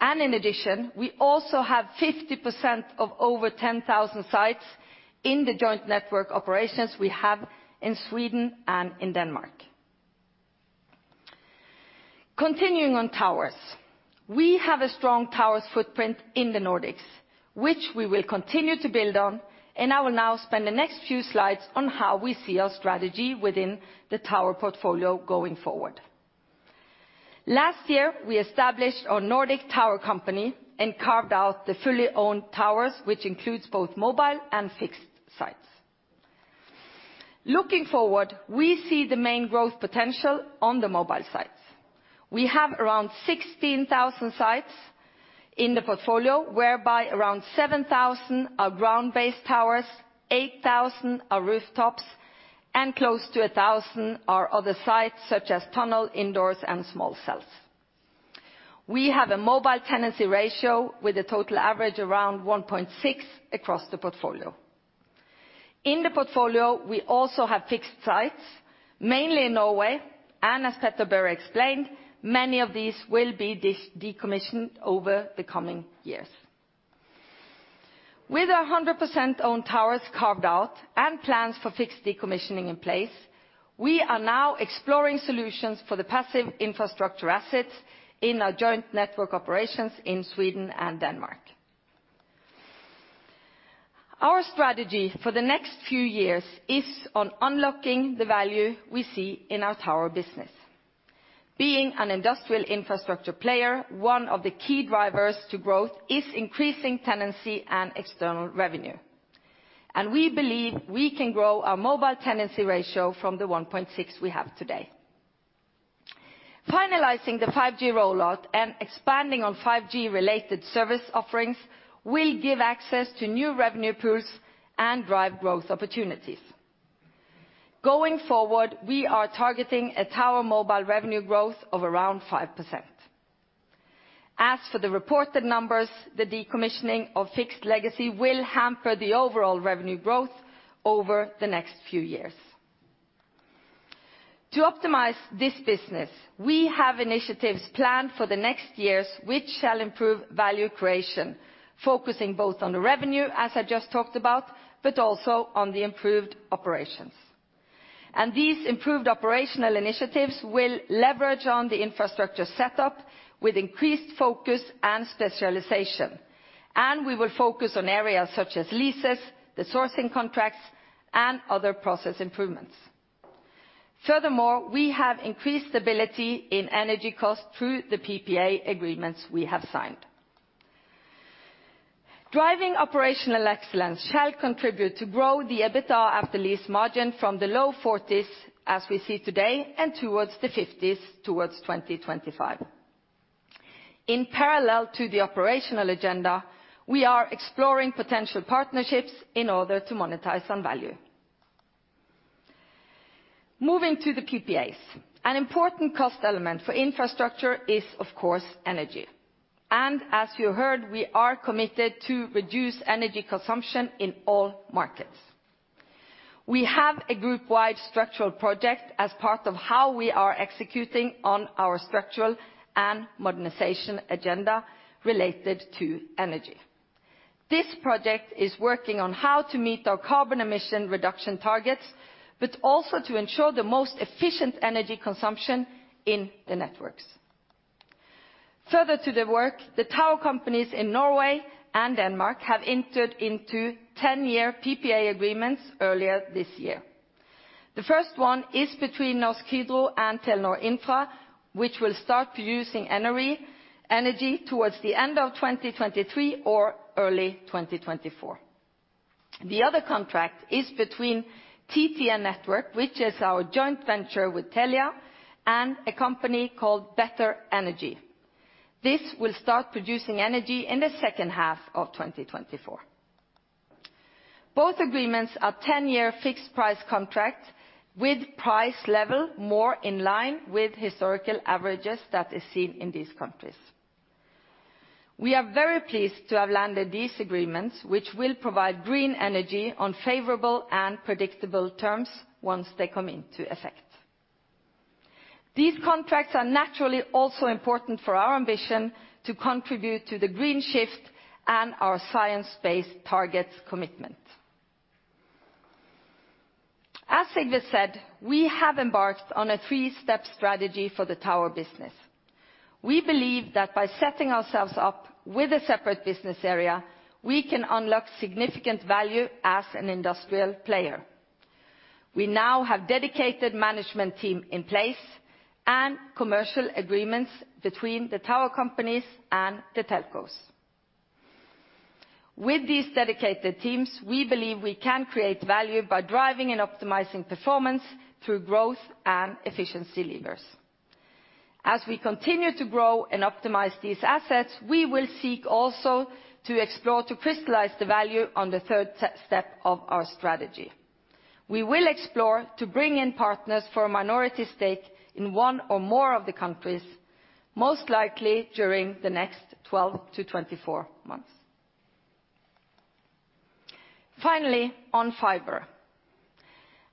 In addition, we also have 50% of over 10,000 sites in the joint network operations we have in Sweden and in Denmark. Continuing on towers. We have a strong towers footprint in the Nordics, which we will continue to build on, and I will now spend the next few slides on how we see our strategy within the tower portfolio going forward. Last year, we established our Nordic tower company and carved out the fully owned towers, which includes both mobile and fixed sites. Looking forward, we see the main growth potential on the mobile sites. We have around 16,000 sites in the portfolio, whereby around 7,000 are ground-based towers, 8,000 are rooftops, and close to 1,000 are other sites, such as tunnel, indoors, and small cells. We have a mobile tenancy ratio with a total average around 1.6x across the portfolio. In the portfolio, we also have fixed sites, mainly in Norway, and as Petter-Børre explained, many of these will be decommissioned over the coming years. With our 100% owned towers carved out and plans for fixed decommissioning in place, we are now exploring solutions for the passive infrastructure assets in our joint network operations in Sweden and Denmark. Our strategy for the next few years is on unlocking the value we see in our tower business. Being an industrial infrastructure player, one of the key drivers to growth is increasing tenancy and external revenue, and we believe we can grow our mobile tenancy ratio from the 1.6x we have today. Finalizing the 5G rollout and expanding on 5G related service offerings will give access to new revenue pools and drive growth opportunities. Going forward, we are targeting a tower mobile revenue growth of around 5%. As for the reported numbers, the decommissioning of fixed legacy will hamper the overall revenue growth over the next few years. To optimize this business, we have initiatives planned for the next years which shall improve value creation, focusing both on the revenue, as I just talked about, but also on the improved operations. These improved operational initiatives will leverage on the infrastructure setup with increased focus and specialization. We will focus on areas such as leases, the sourcing contracts, and other process improvements. Furthermore, we have increased stability in energy cost through the PPA agreements we have signed. Driving operational excellence shall contribute to grow the EBITDA after lease margin from the low 40s%, as we see today, and towards the 50s% towards 2025. In parallel to the operational agenda, we are exploring potential partnerships in order to monetize some value. Moving to the PPAs. An important cost element for infrastructure is, of course, energy. As you heard, we are committed to reduce energy consumption in all markets. We have a groupwide structural project as part of how we are executing on our structural and modernization agenda related to energy. This project is working on how to meet our carbon emission reduction targets, but also to ensure the most efficient energy consumption in the networks. Further to the work, the tower companies in Norway and Denmark have entered into 10-year PPA agreements earlier this year. The first one is between Norsk Hydro and Telenor Infra, which will start producing energy towards the end of 2023 or early 2024. The other contract is between TT-Netværket, which is our joint venture with Telia, and a company called Better Energy. This will start producing energy in the second half of 2024. Both agreements are 10-year fixed-price contracts with price levels more in line with historical averages than is seen in these countries. We are very pleased to have landed these agreements, which will provide green energy on favorable and predictable terms once they come into effect. These contracts are naturally also important for our ambition to contribute to the green shift and our science-based targets commitment. As Sigve said, we have embarked on a three-step strategy for the tower business. We believe that by setting ourselves up with a separate business area, we can unlock significant value as an industrial player. We now have dedicated management team in place and commercial agreements between the tower companies and the telcos. With these dedicated teams, we believe we can create value by driving and optimizing performance through growth and efficiency levers. As we continue to grow and optimize these assets, we will seek also to explore to crystallize the value on the third step of our strategy. We will explore to bring in partners for a minority stake in one or more of the countries, most likely during the next 12-24 months. Finally, on fiber.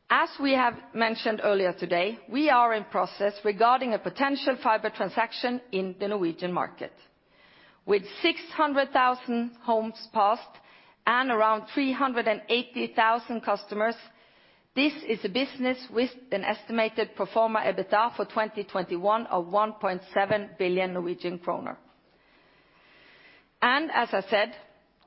As we have mentioned earlier today, we are in process regarding a potential fiber transaction in the Norwegian market. With 600,000 homes passed and around 380,000 customers, this is a business with an estimated pro forma EBITDA for 2021 of 1.7 billion Norwegian kroner. As I said,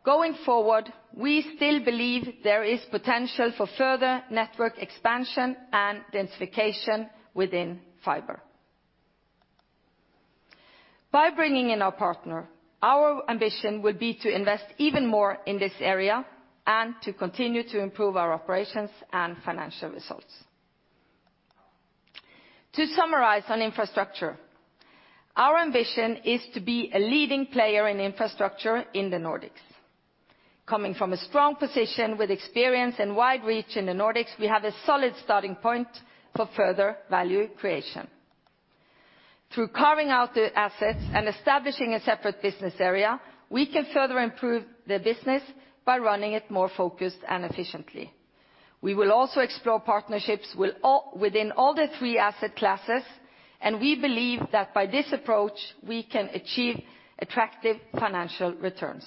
going forward, we still believe there is potential for further network expansion and densification within fiber. By bringing in our partner, our ambition will be to invest even more in this area and to continue to improve our operations and financial results. To summarize on infrastructure, our ambition is to be a leading player in infrastructure in the Nordics. Coming from a strong position with experience and wide reach in the Nordics, we have a solid starting point for further value creation. Through carving out the assets and establishing a separate business area, we can further improve the business by running it more focused and efficiently. We will also explore partnerships within all the three asset classes, and we believe that by this approach, we can achieve attractive financial returns.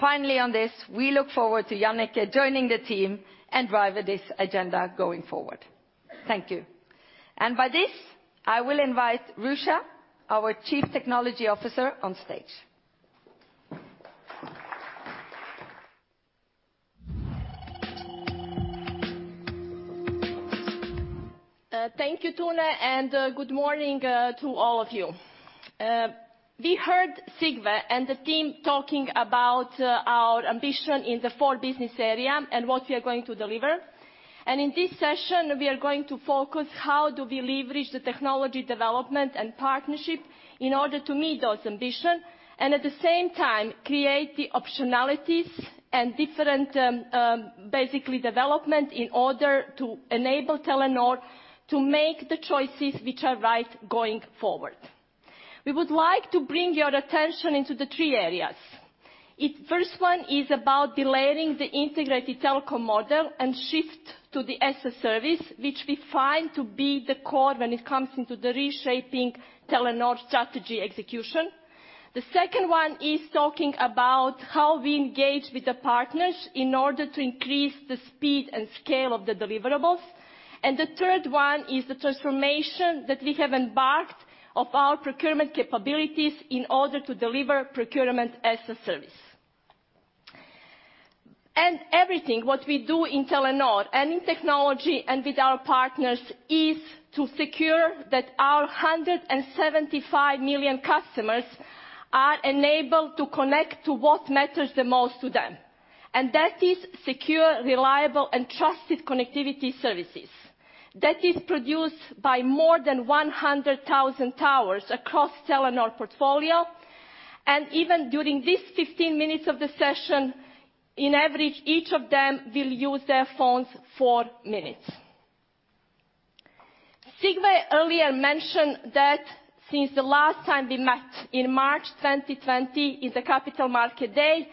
Finally on this, we look forward to Jannicke joining the team and drive this agenda going forward. Thank you. By this, I will invite Ruza, our Chief Technology Officer, on stage. Thank you, Tone, and good morning to all of you. We heard Sigve and the team talking about our ambition in the four business area and what we are going to deliver. In this session, we are going to focus how do we leverage the technology development and partnership in order to meet those ambition and at the same time, create the optionalities and different, basically development in order to enable Telenor to make the choices which are right going forward. We would like to bring your attention into the three areas. First one is about de-layering the integrated telecom model and shift to the as-a-service, which we find to be the core when it comes into the reshaping Telenor strategy execution. The second one is talking about how we engage with the partners in order to increase the speed and scale of the deliverables. The third one is the transformation that we have embarked on our procurement capabilities in order to deliver procurement as a service. Everything, what we do in Telenor and in technology and with our partners, is to secure that our 175 million customers are enabled to connect to what matters the most to them. That is secure, reliable, and trusted connectivity services. That is produced by more than 100,000 towers across Telenor portfolio. Even during this 15 minutes of the session, on average, each of them will use their phones four minutes. Sigve earlier mentioned that since the last time we met in March 2020 in the Capital Markets Day,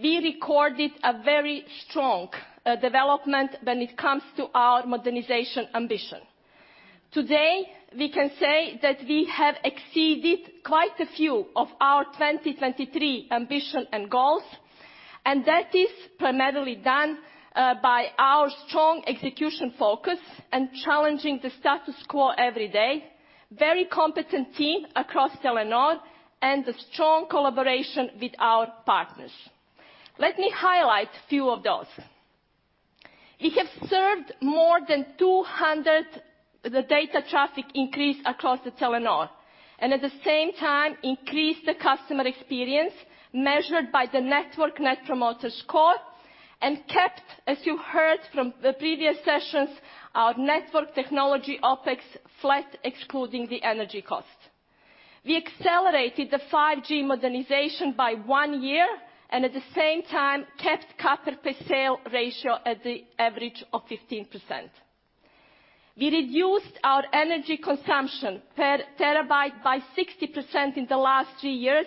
we recorded a very strong development when it comes to our modernization ambition. Today, we can say that we have exceeded quite a few of our 2023 ambition and goals, and that is primarily done by our strong execution focus and challenging the status quo every day, very competent team across Telenor, and a strong collaboration with our partners. Let me highlight few of those. We have seen more than 200% data traffic increase across Telenor, and at the same time increased the customer experience measured by the network Net Promoter Score, and kept, as you heard from the previous sessions, our network technology OpEx flat excluding the energy cost. We accelerated the 5G modernization by one year, and at the same time kept CapEx per site ratio at the average of 15%. We reduced our energy consumption per terabyte by 60% in the last three years,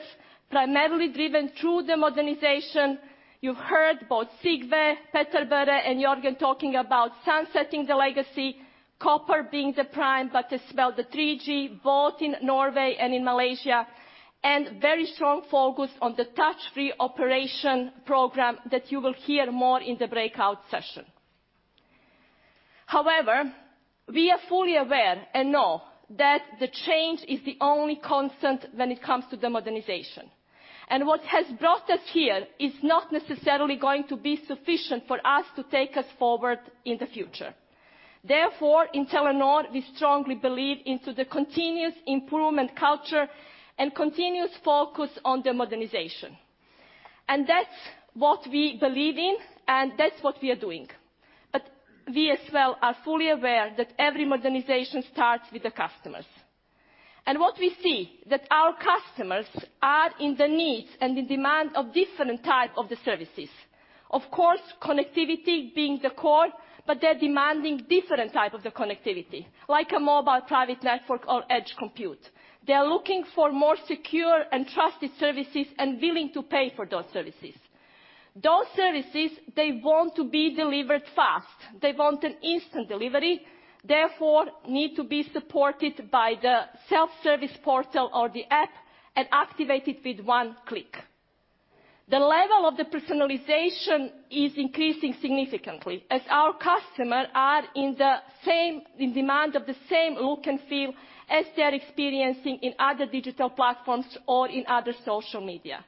primarily driven through the modernization. You heard both Sigve, Petter-Børre, and Jørgen talking about sunsetting the legacy copper, being the prime, but as well the 3G, both in Norway and in Malaysia, and very strong focus on the touch-free operation program that you will hear more in the breakout session. However, we are fully aware and know that the change is the only constant when it comes to the modernization. What has brought us here is not necessarily going to be sufficient for us to take us forward in the future. Therefore, in Telenor we strongly believe into the continuous improvement culture and continuous focus on the modernization. That's what we believe in, and that's what we are doing. We as well are fully aware that every modernization starts with the customers. What we see, that our customers are in the need and in demand of different type of the services. Of course, connectivity being the core, but they're demanding different type of the connectivity, like a mobile private network or edge computing. They are looking for more secure and trusted services and willing to pay for those services. Those services, they want to be delivered fast. They want an instant delivery, therefore need to be supported by the self-service portal or the app and activated with one click. The level of the personalization is increasing significantly as our customers are in demand of the same look and feel as they are experiencing in other digital platforms or in other social media.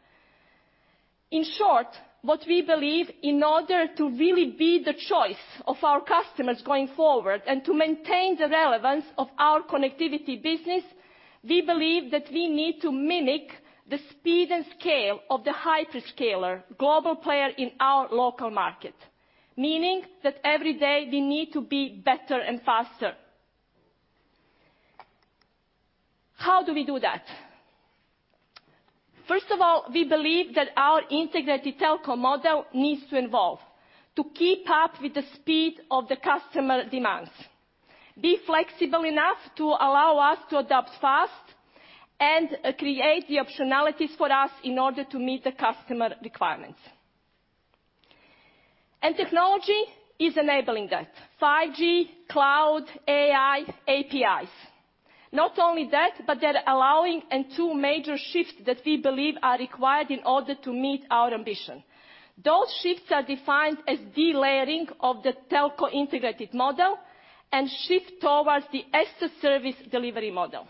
In short, what we believe, in order to really be the choice of our customers going forward and to maintain the relevance of our connectivity business, we believe that we need to mimic the speed and scale of the hyperscaler global player in our local market. Meaning that every day we need to be better and faster. How do we do that? First of all, we believe that our integrated telco model needs to evolve to keep up with the speed of the customer demands, be flexible enough to allow us to adapt fast and create the optionalities for us in order to meet the customer requirements. Technology is enabling that, 5G, cloud, AI, APIs. Not only that, but they're allowing, and two major shifts that we believe are required in order to meet our ambition. Those shifts are defined as delayering of the telco integrated model and shift towards the as-a-service delivery model.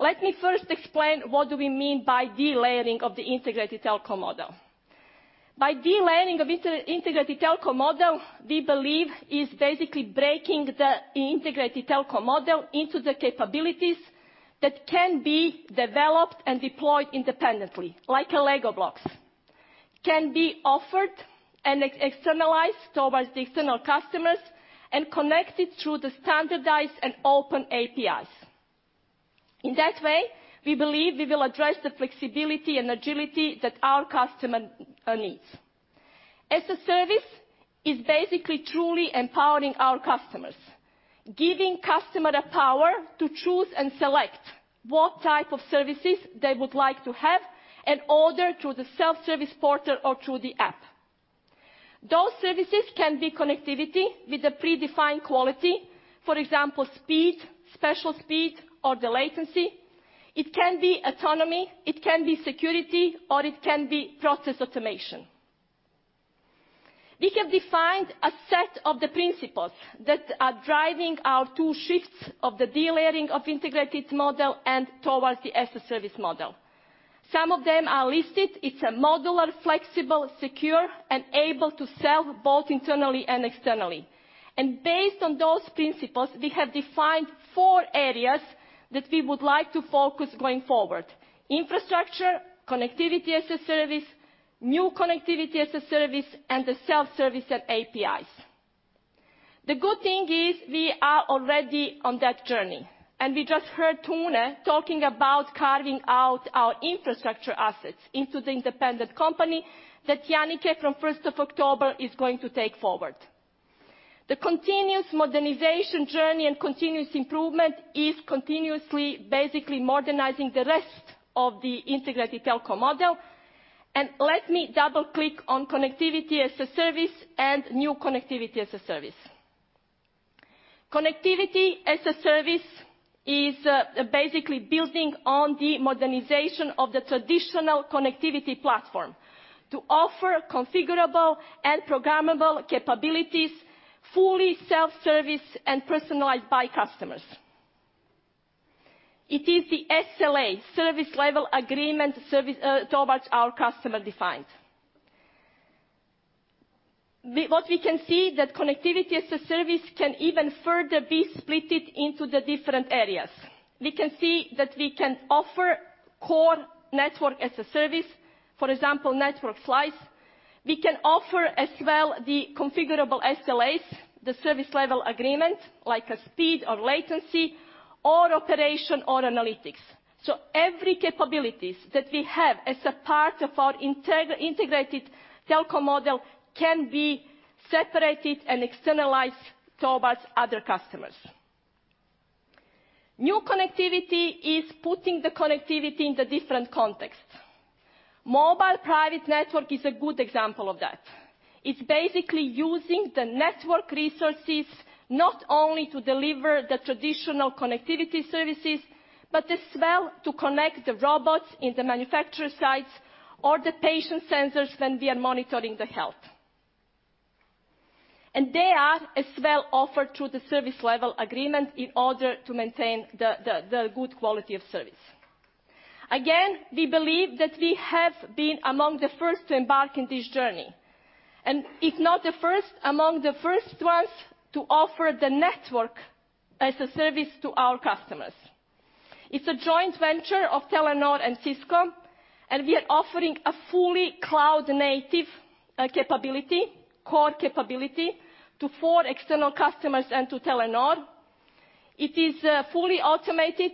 Let me first explain what do we mean by delayering of the integrated telco model. By delayering of the integrated telco model, we believe is basically breaking the integrated telco model into the capabilities that can be developed and deployed independently, like Lego blocks. Can be offered and externalized towards the external customers and connected through the standardized and open APIs. In that way, we believe we will address the flexibility and agility that our customer needs. As a service is basically truly empowering our customers, giving customer the power to choose and select what type of services they would like to have and order through the self-service portal or through the app. Those services can be connectivity with a predefined quality. For example, speed, specific speed, or the latency. It can be autonomy, it can be security, or it can be process automation. We have defined a set of the principles that are driving our two shifts of the delayering of integrated model and towards the as a service model. Some of them are listed. It's a modular, flexible, secure, and able to sell both internally and externally. Based on those principles, we have defined four areas that we would like to focus going forward. Infrastructure, connectivity-as-a-service, new connectivity-as-a-service, and the self-service and APIs. The good thing is we are already on that journey and we just heard Tone talking about carving out our infrastructure assets into the independent company that Jannicke from 1st of October is going to take forward. The continuous modernization journey and continuous improvement is continuously basically modernizing the rest of the integrated telco model. Let me double-click on connectivity-as-a-service and new connectivity-as-a-service. Connectivity-as-a-service is basically building on the modernization of the traditional connectivity platform to offer configurable and programmable capabilities, fully self-service, and personalized by customers. It is the SLA, service level agreement, service towards our customer defined. What we can see that connectivity-as-a-service can even further be splitted into the different areas. We can see that we can offer core network as a service, for example, network slice. We can offer as well the configurable SLAs, the service level agreement, like a speed or latency or operation or analytics. Every capabilities that we have as a part of our integrated telco model can be separated and externalized towards other customers. New connectivity is putting the connectivity in the different context. Mobile private network is a good example of that. It's basically using the network resources not only to deliver the traditional connectivity services, but as well to connect the robots in the manufacturing sites or the patient sensors when we are monitoring the health. They are as well offered through the service level agreement in order to maintain the good quality of service. We believe that we have been among the first to embark on this journey, and if not the first, among the first ones to offer the network as a service to our customers. It's a joint venture of Telenor and Cisco, and we are offering a fully cloud-native capability, core capability to four external customers and to Telenor. It is fully automated,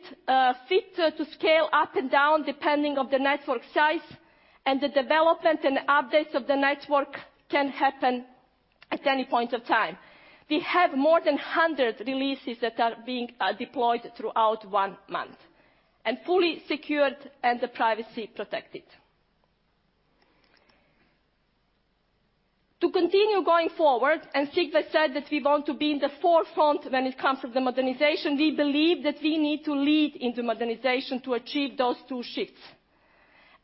fit to scale up and down depending on the network size and the development and updates of the network can happen at any point of time. We have more than 100 releases that are being deployed throughout one month, and fully secured and the privacy protected. To continue going forward, Sigve said that we want to be in the forefront when it comes to the modernization. We believe that we need to lead in the modernization to achieve those two shifts.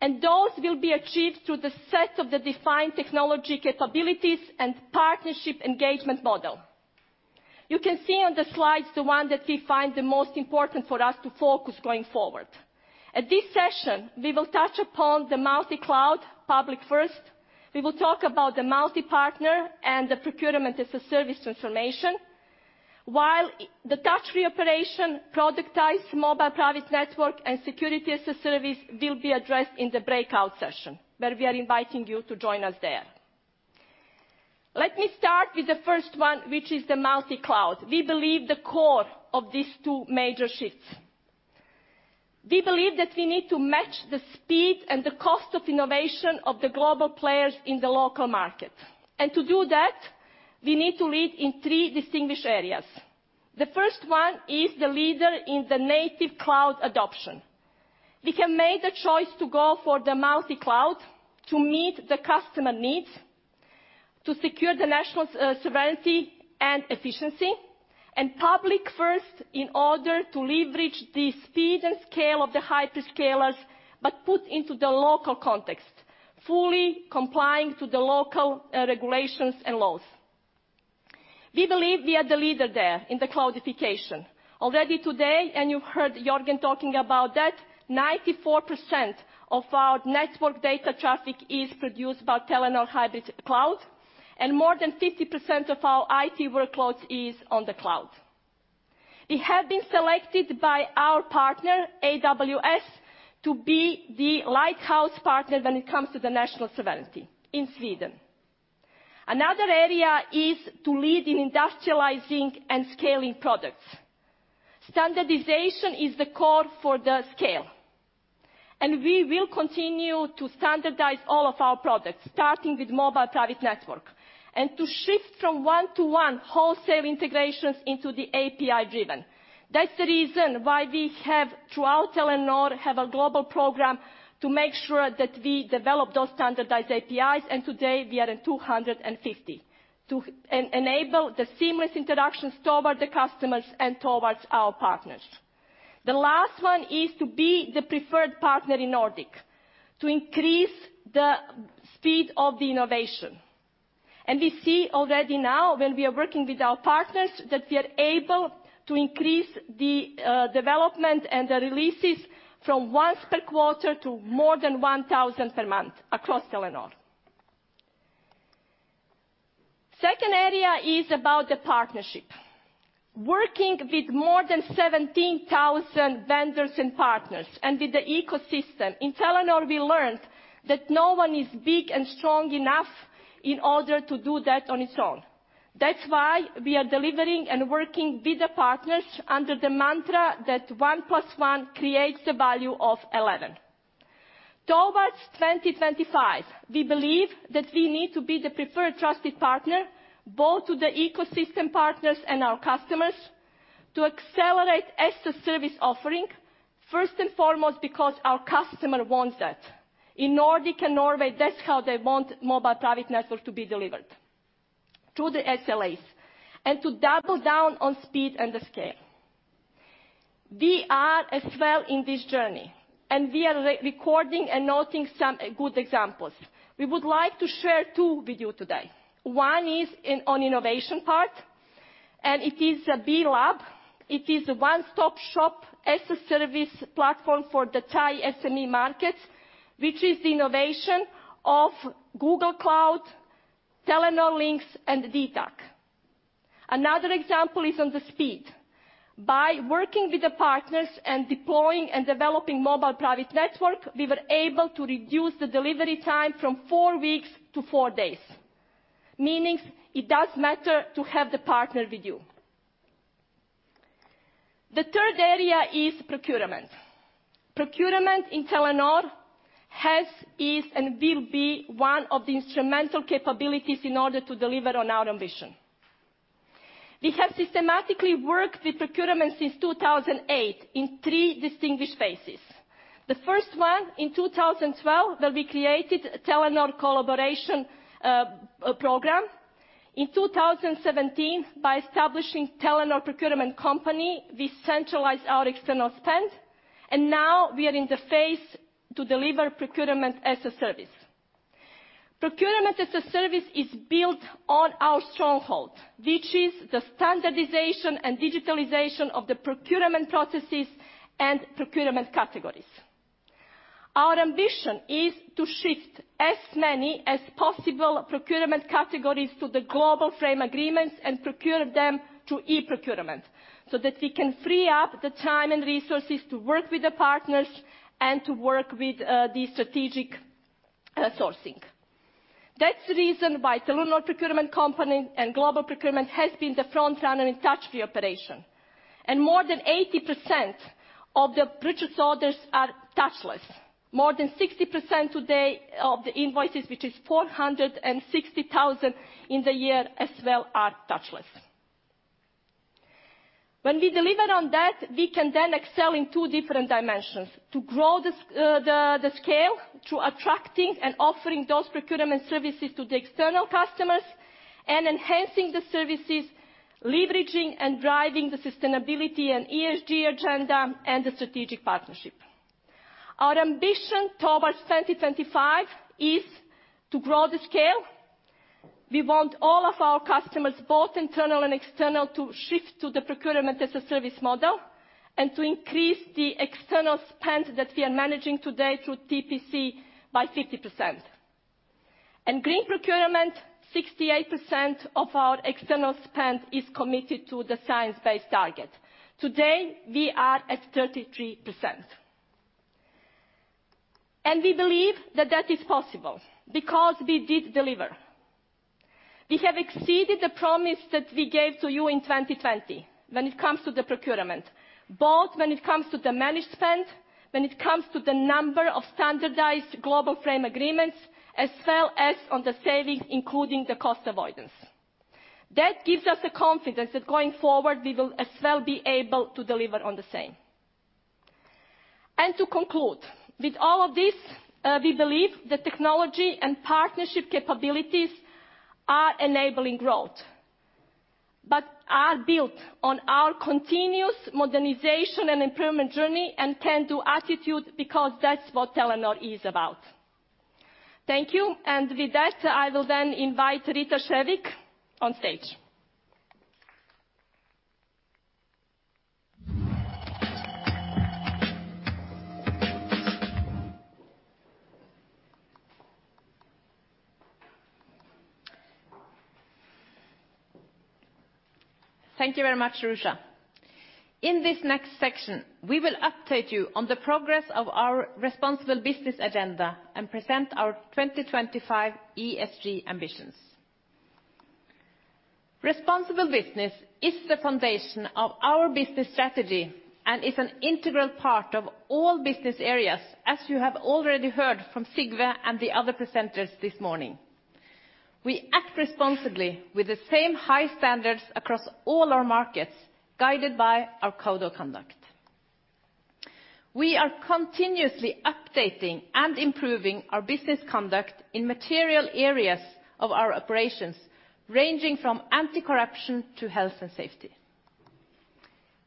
Those will be achieved through the set of the defined technology capabilities and partnership engagement model. You can see on the slides the one that we find the most important for us to focus going forward. At this session, we will touch upon the multi-cloud public first. We will talk about the multi-partner and the procurement as a service transformation. While the touch-free operation, productize mobile private network, and security as a service will be addressed in the breakout session. Where we are inviting you to join us there. Let me start with the first one, which is the multi-cloud. We believe the core of these two major shifts. We believe that we need to match the speed and the cost of innovation of the global players in the local market. To do that, we need to lead in three distinguished areas. The first one is the leader in the native cloud adoption. We can make the choice to go for the multi-cloud to meet the customer needs, to secure the national sovereignty and efficiency, and public first in order to leverage the speed and scale of the hyperscalers, but put into the local context, fully complying to the local regulations and laws. We believe we are the leader there in the cloudification. Already today, and you heard Jørgen talking about that, 94% of our network data traffic is produced by Telenor Hybrid Cloud, and more than 50% of our IT workloads is on the cloud. We have been selected by our partner, AWS, to be the lighthouse partner when it comes to the national sovereignty in Sweden. Another area is to lead in industrializing and scaling products. Standardization is the core for the scale, and we will continue to standardize all of our products, starting with mobile private network, and to shift from one-to-one wholesale integrations into the API-driven. That's the reason why we have, throughout Telenor, a global program to make sure that we develop those standardized APIs, and today we are at 250. To enable the seamless introductions towards the customers and towards our partners. The last one is to be the preferred partner in Nordic, to increase the speed of the innovation. We see already now when we are working with our partners that we are able to increase the development and the releases from once per quarter to more than 1,000 per month across Telenor. Second area is about the partnership. Working with more than 17,000 vendors and partners and with the ecosystem, in Telenor, we learned that no one is big and strong enough in order to do that on its own. That's why we are delivering and working with the partners under the mantra that one plus one creates the value of 11. Towards 2025, we believe that we need to be the preferred trusted partner, both to the ecosystem partners and our customers, to accelerate as a service offering, first and foremost because our customer wants that. In Nordics and Norway, that's how they want mobile private network to be delivered, through the SLAs, and to double down on speed and the scale. We are as well in this journey, and we are accelerating and noting some good examples. We would like to share two with you today. One is in on innovation part, and it is a B Lab. It is a one-stop shop as a service platform for the Thai SME markets, which is the innovation of Google Cloud, Telenor Linx, and dtac. Another example is on the speed. By working with the partners and deploying and developing mobile private network, we were able to reduce the delivery time from four weeks to four days. Meaning it does matter to have the partner with you. The third area is procurement. Procurement in Telenor has, is, and will be one of the instrumental capabilities in order to deliver on our ambition. We have systematically worked with procurement since 2008 in three distinguished phases. The first one in 2012, where we created Telenor Collaboration Program. In 2017, by establishing Telenor Procurement Company, we centralized our external spend. Now we are in the phase to deliver procurement as a service. Procurement as a service is built on our stronghold, which is the standardization and digitalization of the procurement processes and procurement categories. Our ambition is to shift as many as possible procurement categories to the global frame agreements and procure them through e-procurement so that we can free up the time and resources to work with the partners and to work with the strategic sourcing. That's the reason why Telenor Procurement Company and Global Procurement has been the frontrunner in touch-free operation. More than 80% of the purchase orders are touchless. More than 60% today of the invoices, which is 460,000 in the year as well, are touchless. When we deliver on that, we can then excel in two different dimensions, to grow the scale through attracting and offering those procurement services to the external customers and enhancing the services, leveraging and driving the sustainability and ESG agenda and the strategic partnership. Our ambition towards 2025 is to grow the scale. We want all of our customers, both internal and external, to shift to the procurement as a service model and to increase the external spend that we are managing today through TPC by 50%. In green procurement, 68% of our external spend is cdmmitted to the science-based target. Today, we are at 33%. We believe that that is possible because we did deliver. We have exceeded the promise that we gave to you in 2020 when it comes to the procurement, both when it comes to the managed spend, when it comes to the number of standardized global frame agreements, as well as on the savings, including the cost avoidance. That gives us the confidence that going forward, we will as well be able to deliver on the same. To conclude, with all of this, we believe that technology and partnership capabilities are enabling growth, but are built on our continuous modernization and improvement journey and can-do attitude because that's what Telenor is about. Thank you. With that, I will then invite Rita Skjærvik on stage. Thank you very much, Ruza. In this next section, we will update you on the progress of our responsible business agenda and present our 2025 ESG ambitions. Responsible business is the foundation of our business strategy and is an integral part of all business areas, as you have already heard from Sigve and the other presenters this morning. We act responsibly with the same high standards across all our markets, guided by our code of conduct. We are continuously updating and improving our business conduct in material areas of our operations, ranging from anti-corruption to health and safety.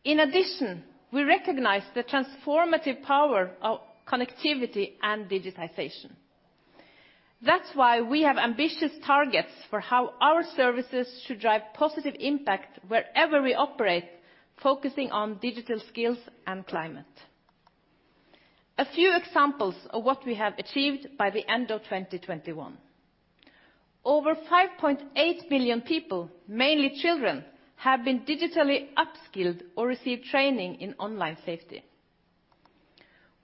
In addition, we recognize the transformative power of connectivity and digitization. That's why we have ambitious targets for how our services should drive positive impact wherever we operate, focusing on digital skills and climate. A few examples of what we have achieved by the end of 2021. Over 5.8 billion people, mainly children, have been digitally upskilled or received training in online safety.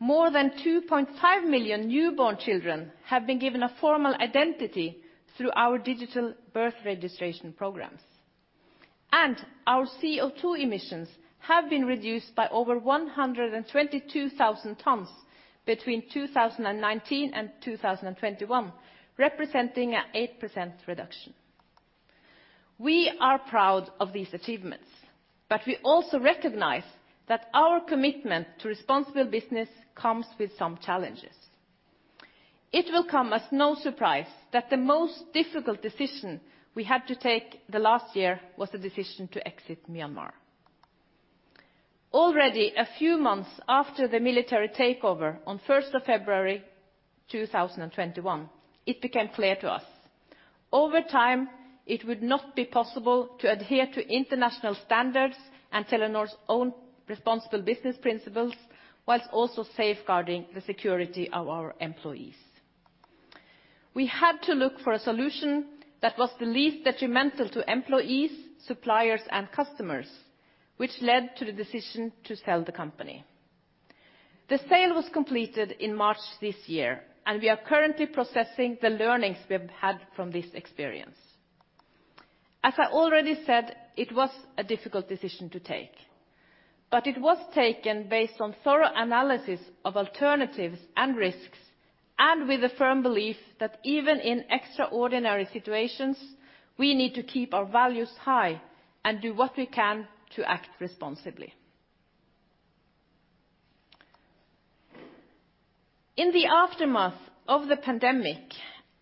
More than 2.5 million newborn children have been given a formal identity through our digital birth registration programs. Our CO2 emissions have been reduced by over 122,000 tons between 2019 and 2021, representing an 8% reduction. We are proud of these achievements, but we also recognize that our commitment to responsible business comes with some challenges. It will come as no surprise that the most difficult decision we had to take the last year was the decision to exit Myanmar. Already a few months after the military takeover on 1st of February 2021, it became clear to us over time it would not be possible to adhere to international standards and Telenor's own responsible business principles whilst also safeguarding the security of our employees. We had to look for a solution that was the least detrimental to employees, suppliers, and customers, which led to the decision to sell the company. The sale was completed in March this year, and we are currently processing the learnings we have had from this experience. As I already said, it was a difficult decision to take, but it was taken based on thorough analysis of alternatives and risks, and with a firm belief that even in extraordinary situations, we need to keep our values high and do what we can to act responsibly. In the aftermath of the pandemic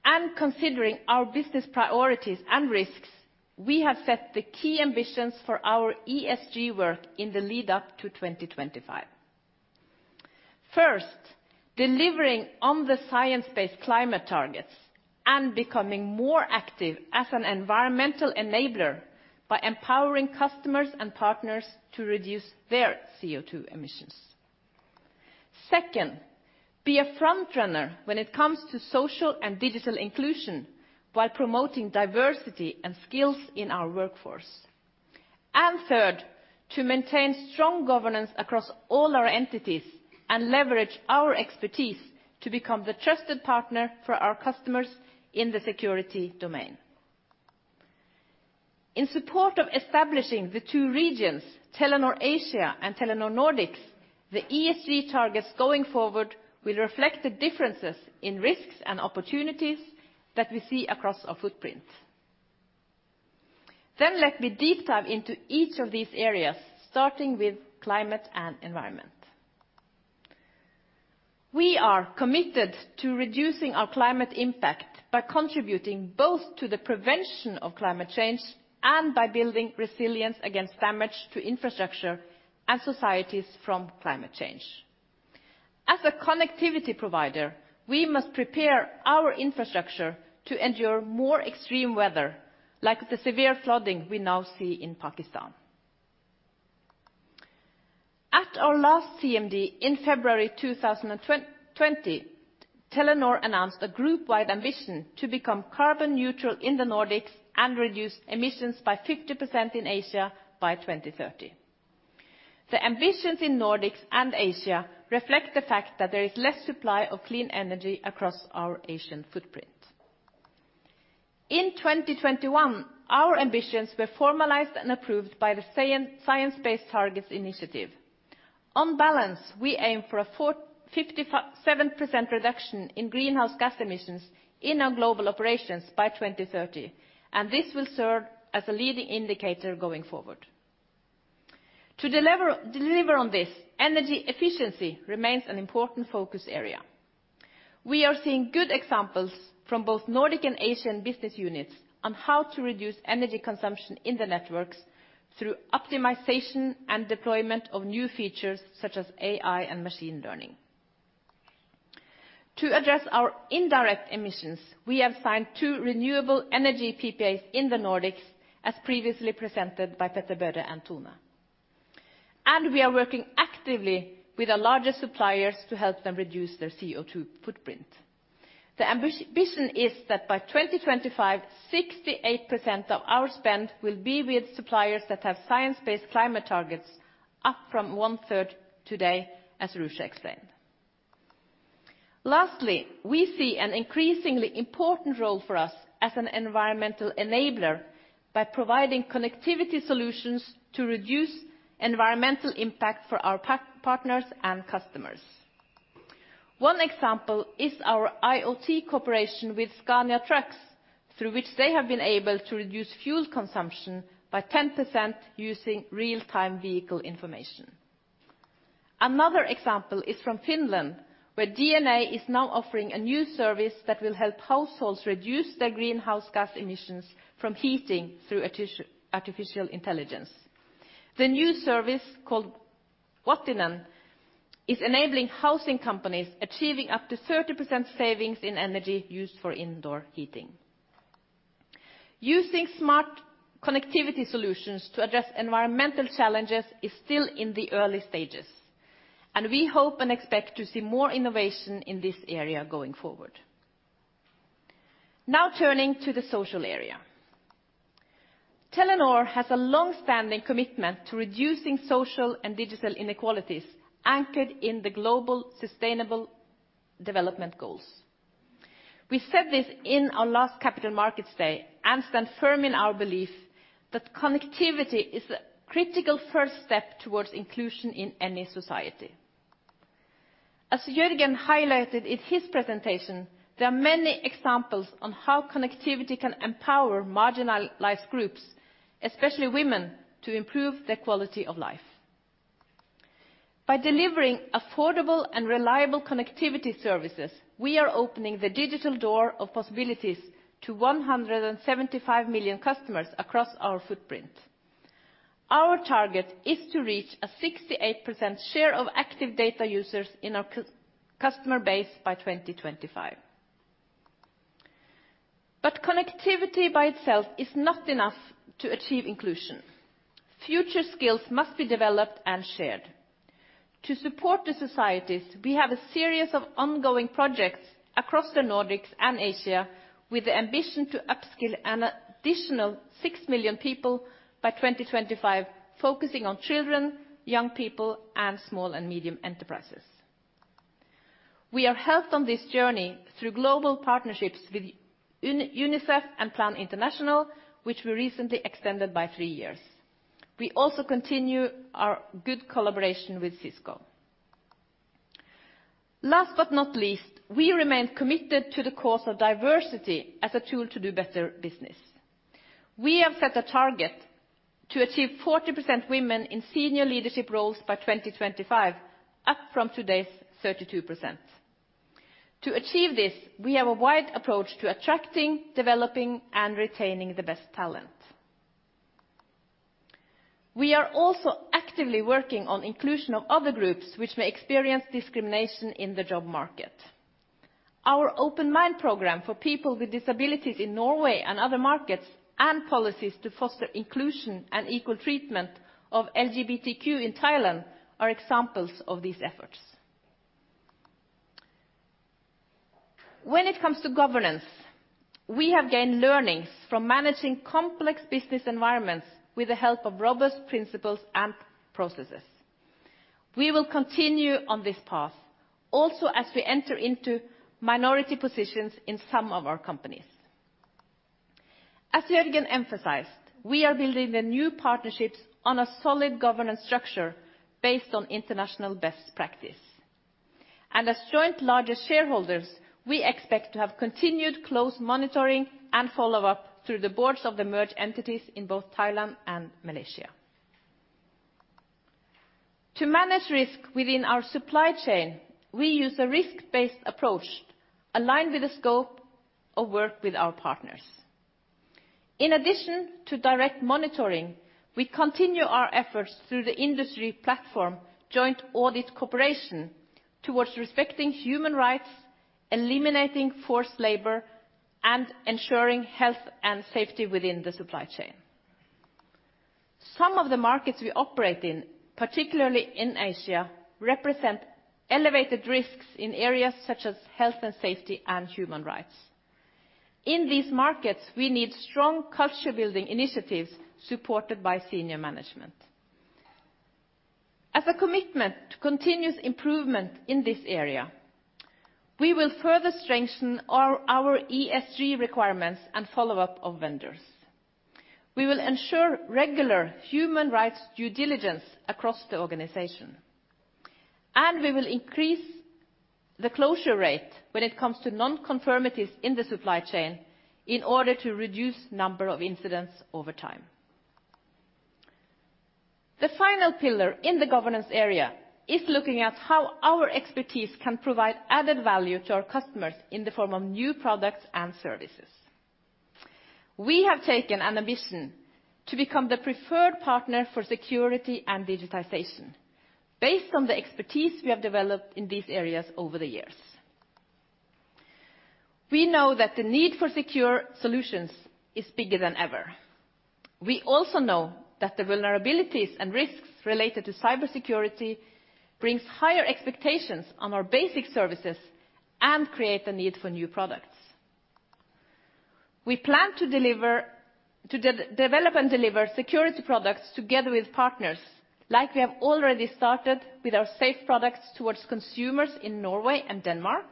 and considering our business priorities and risks, we have set the key ambitions for our ESG work in the lead up to 2025. First, delivering on the science-based climate targets and becoming more active as an environmental enabler by empowering customers and partners to reduce their CO2 emissions. Second, be a front runner when it comes to social and digital inclusion while promoting diversity and skills in our workforce. Third, to maintain strong governance across all our entities and leverage our expertise to become the trusted partner for our customers in the security domain. In support of establishing the two regions, Telenor Asia and Telenor Nordics, the ESG targets going forward will reflect the differences in risks and opportunities that we see across our footprint. Let me deep dive into each of these areas, starting with climate and environment. We are committed to reducing our climate impact by contributing both to the prevention of climate change and by building resilience against damage to infrastructure and societies from climate change. As a connectivity provider, we must prepare our infrastructure to endure more extreme weather, like the severe flooding we now see in Pakistan. At our last CMD in February 2020, Telenor announced a group-wide ambition to become carbon neutral in the Nordics and reduce emissions by 50% in Asia by 2030. The ambitions in Nordics and Asia reflect the fact that there is less supply of clean energy across our Asian footprint. In 2021, our ambitions were formalized and approved by the Science Based Targets initiative. On balance, we aim for a 57% reduction in greenhouse gas emissions in our global operations by 2030, and this will serve as a leading indicator going forward. To deliver on this, energy efficiency remains an important focus area. We are seeing good examples from both Nordic and Asian business units on how to reduce energy consumption in the networks through optimization and deployment of new features such as AI and machine learning. To address our indirect emissions, we have signed two renewable energy PPAs in the Nordics, as previously presented by Petter-Børre and Tone. We are working actively with our larger suppliers to help them reduce their CO2 footprint. The ambition is that by 2025, 68% of our spend will be with suppliers that have science-based climate targets up from one-third today, as Ruza explained. Lastly, we see an increasingly important role for us as an environmental enabler by providing connectivity solutions to reduce environmental impact for our partners and customers. One example is our IoT cooperation with Scania Trucks, through which they have been able to reduce fuel consumption by 10% using real-time vehicle information. Another example is from Finland, where DNA is now offering a new service that will help households reduce their greenhouse gas emissions from heating through artificial intelligence. The new service, called Wattinen, is enabling housing companies achieving up to 30% savings in energy used for indoor heating. Using smart connectivity solutions to address environmental challenges is still in the early stages, and we hope and expect to see more innovation in this area going forward. Now turning to the social area. Telenor has a long-standing commitment to reducing social and digital inequalities anchored in the global sustainable development goals. We said this in our last Capital Markets Day and stand firm in our belief that connectivity is a critical first step towards inclusion in any society. As Jørgen highlighted in his presentation, there are many examples on how connectivity can empower marginalized groups, especially women, to improve their quality of life. By delivering affordable and reliable connectivity services, we are opening the digital door of possibilities to 175 million customers across our footprint. Our target is to reach a 68% share of active data users in our customer base by 2025. Connectivity by itself is not enough to achieve inclusion. Future skills must be developed and shared. To support the societies, we have a series of ongoing projects across the Nordics and Asia with the ambition to upskill an additional 6 million people by 2025, focusing on children, young people, and small and medium enterprises. We are helped on this journey through global partnerships with UNICEF and Plan International, which we recently extended by three years. We also continue our good collaboration with Cisco. Last but not least, we remain committed to the cause of diversity as a tool to do better business. We have set a target to achieve 40% women in senior leadership roles by 2025, up from today's 32%. To achieve this, we have a wide approach to attracting, developing, and retaining the best talent. We are also actively working on inclusion of other groups which may experience discrimination in the job market. Our Open Mind program for people with disabilities in Norway and other markets, and policies to foster inclusion and equal treatment of LGBTQ in Thailand are examples of these efforts. When it comes to governance, we have gained learnings from managing complex business environments with the help of robust principles and processes. We will continue on this path also as we enter into minority positions in some of our companies. As Jørgen emphasized, we are building the new partnerships on a solid governance structure based on international best practice. As joint largest shareholders, we expect to have continued close monitoring and follow-up through the boards of the merged entities in both Thailand and Malaysia. To manage risk within our supply chain, we use a risk-based approach aligned with the scope of work with our partners. In addition to direct monitoring, we continue our efforts through the industry platform Joint Audit Cooperation towards respecting human rights, eliminating forced labor, and ensuring health and safety within the supply chain. Some of the markets we operate in, particularly in Asia, represent elevated risks in areas such as health and safety and human rights. In these markets, we need strong culture-building initiatives supported by senior management. As a commitment to continuous improvement in this area, we will further strengthen our ESG requirements and follow-up of vendors. We will ensure regular human rights due diligence across the organization, and we will increase the closure rate when it comes to non-conformities in the supply chain in order to reduce number of incidents over time. The final pillar in the governance area is looking at how our expertise can provide added value to our customers in the form of new products and services. We have taken an ambition to become the preferred partner for security and digitization based on the expertise we have developed in these areas over the years. We know that the need for secure solutions is bigger than ever. We also know that the vulnerabilities and risks related to cybersecurity brings higher expectations on our basic services and create the need for new products. We plan to develop and deliver security products together with partners like we have already started with our Safe products towards consumers in Norway and Denmark,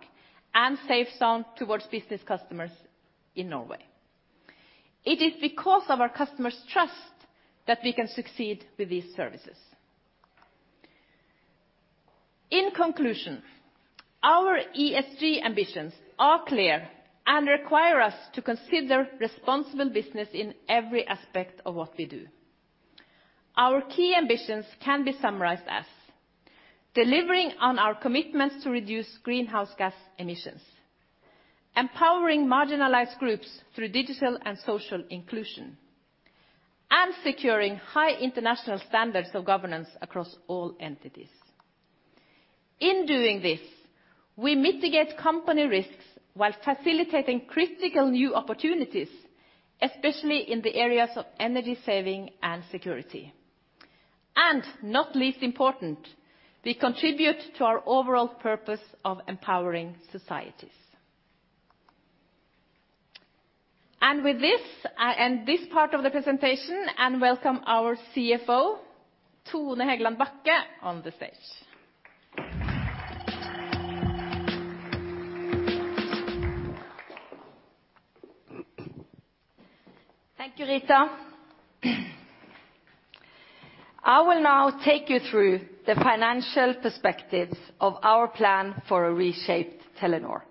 and SafeZone towards business customers in Norway. It is because of our customers' trust that we can succeed with these services. In conclusion, our ESG ambitions are clear and require us to consider responsible business in every aspect of what we do. Our key ambitions can be summarized as delivering on our commitments to reduce greenhouse gas emissions, empowering marginalized groups through digital and social inclusion, and securing high international standards of governance across all entities. In doing this, we mitigate company risks while facilitating critical new opportunities, especially in the areas of energy saving and security. And not least important, we contribute to our overall purpose of empowering societies. And with this, I end this part of the presentation and welcome our CFO, Tone Hegland Bachke, on the stage. Thank you, Rita. I will now take you through the financial perspectives of our plan for a reshaped Telenor.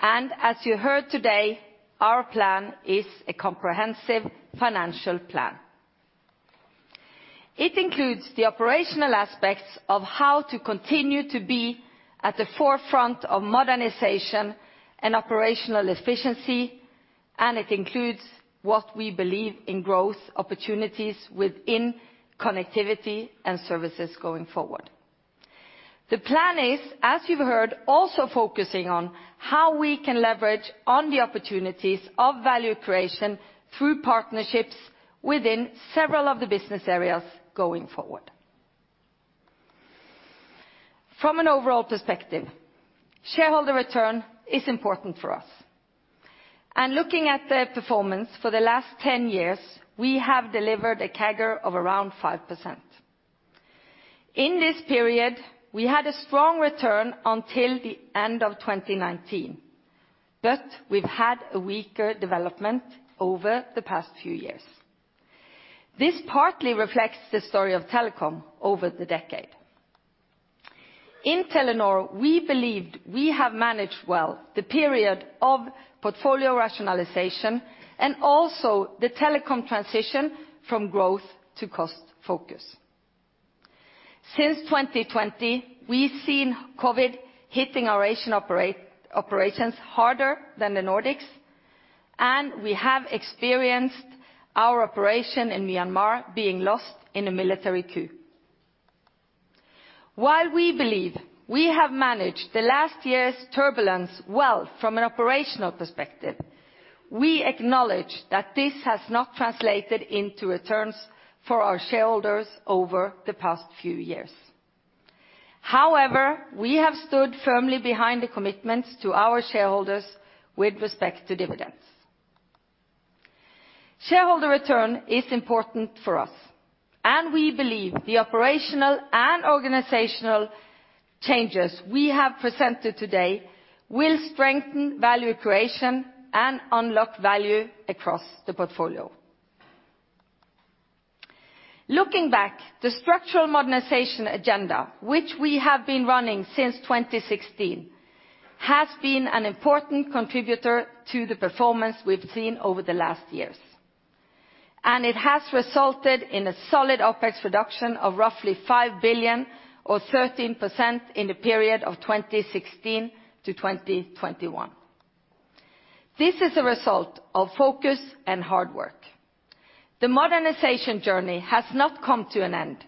As you heard today, our plan is a comprehensive financial plan. It includes the operational aspects of how to continue to be at the forefront of modernization and operational efficiency, and it includes what we believe in growth opportunities within connectivity and services going forward. The plan is, as you've heard, also focusing on how we can leverage on the opportunities of value creation through partnerships within several of the business areas going forward. From an overall perspective, shareholder return is important for us. Looking at the performance for the last 10 years, we have delivered a CAGR of around 5%. In this period, we had a strong return until the end of 2019, but we've had a weaker development over the past few years. This partly reflects the story of telecom over the decade. In Telenor, we believed we have managed well the period of portfolio rationalization and also the telecom transition from growth to cost focus. Since 2020, we've seen COVID hitting our Asian operations harder than the Nordics, and we have experienced our operation in Myanmar being lost in a military coup. While we believe we have managed the last year's turbulence well from an operational perspective, we acknowledge that this has not translated into returns for our shareholders over the past few years. However, we have stood firmly behind the commitments to our shareholders with respect to dividends. Shareholder return is important for us, and we believe the operational and organizational changes we have presented today will strengthen value creation and unlock value across the portfolio. Looking back, the structural modernization agenda, which we have been running since 2016, has been an important contributor to the performance we've seen over the last years, and it has resulted in a solid OpEx reduction of roughly 5 billion or 13% in the period of 2016 to 2021. This is a result of focus and hard work. The modernization journey has not come to an end,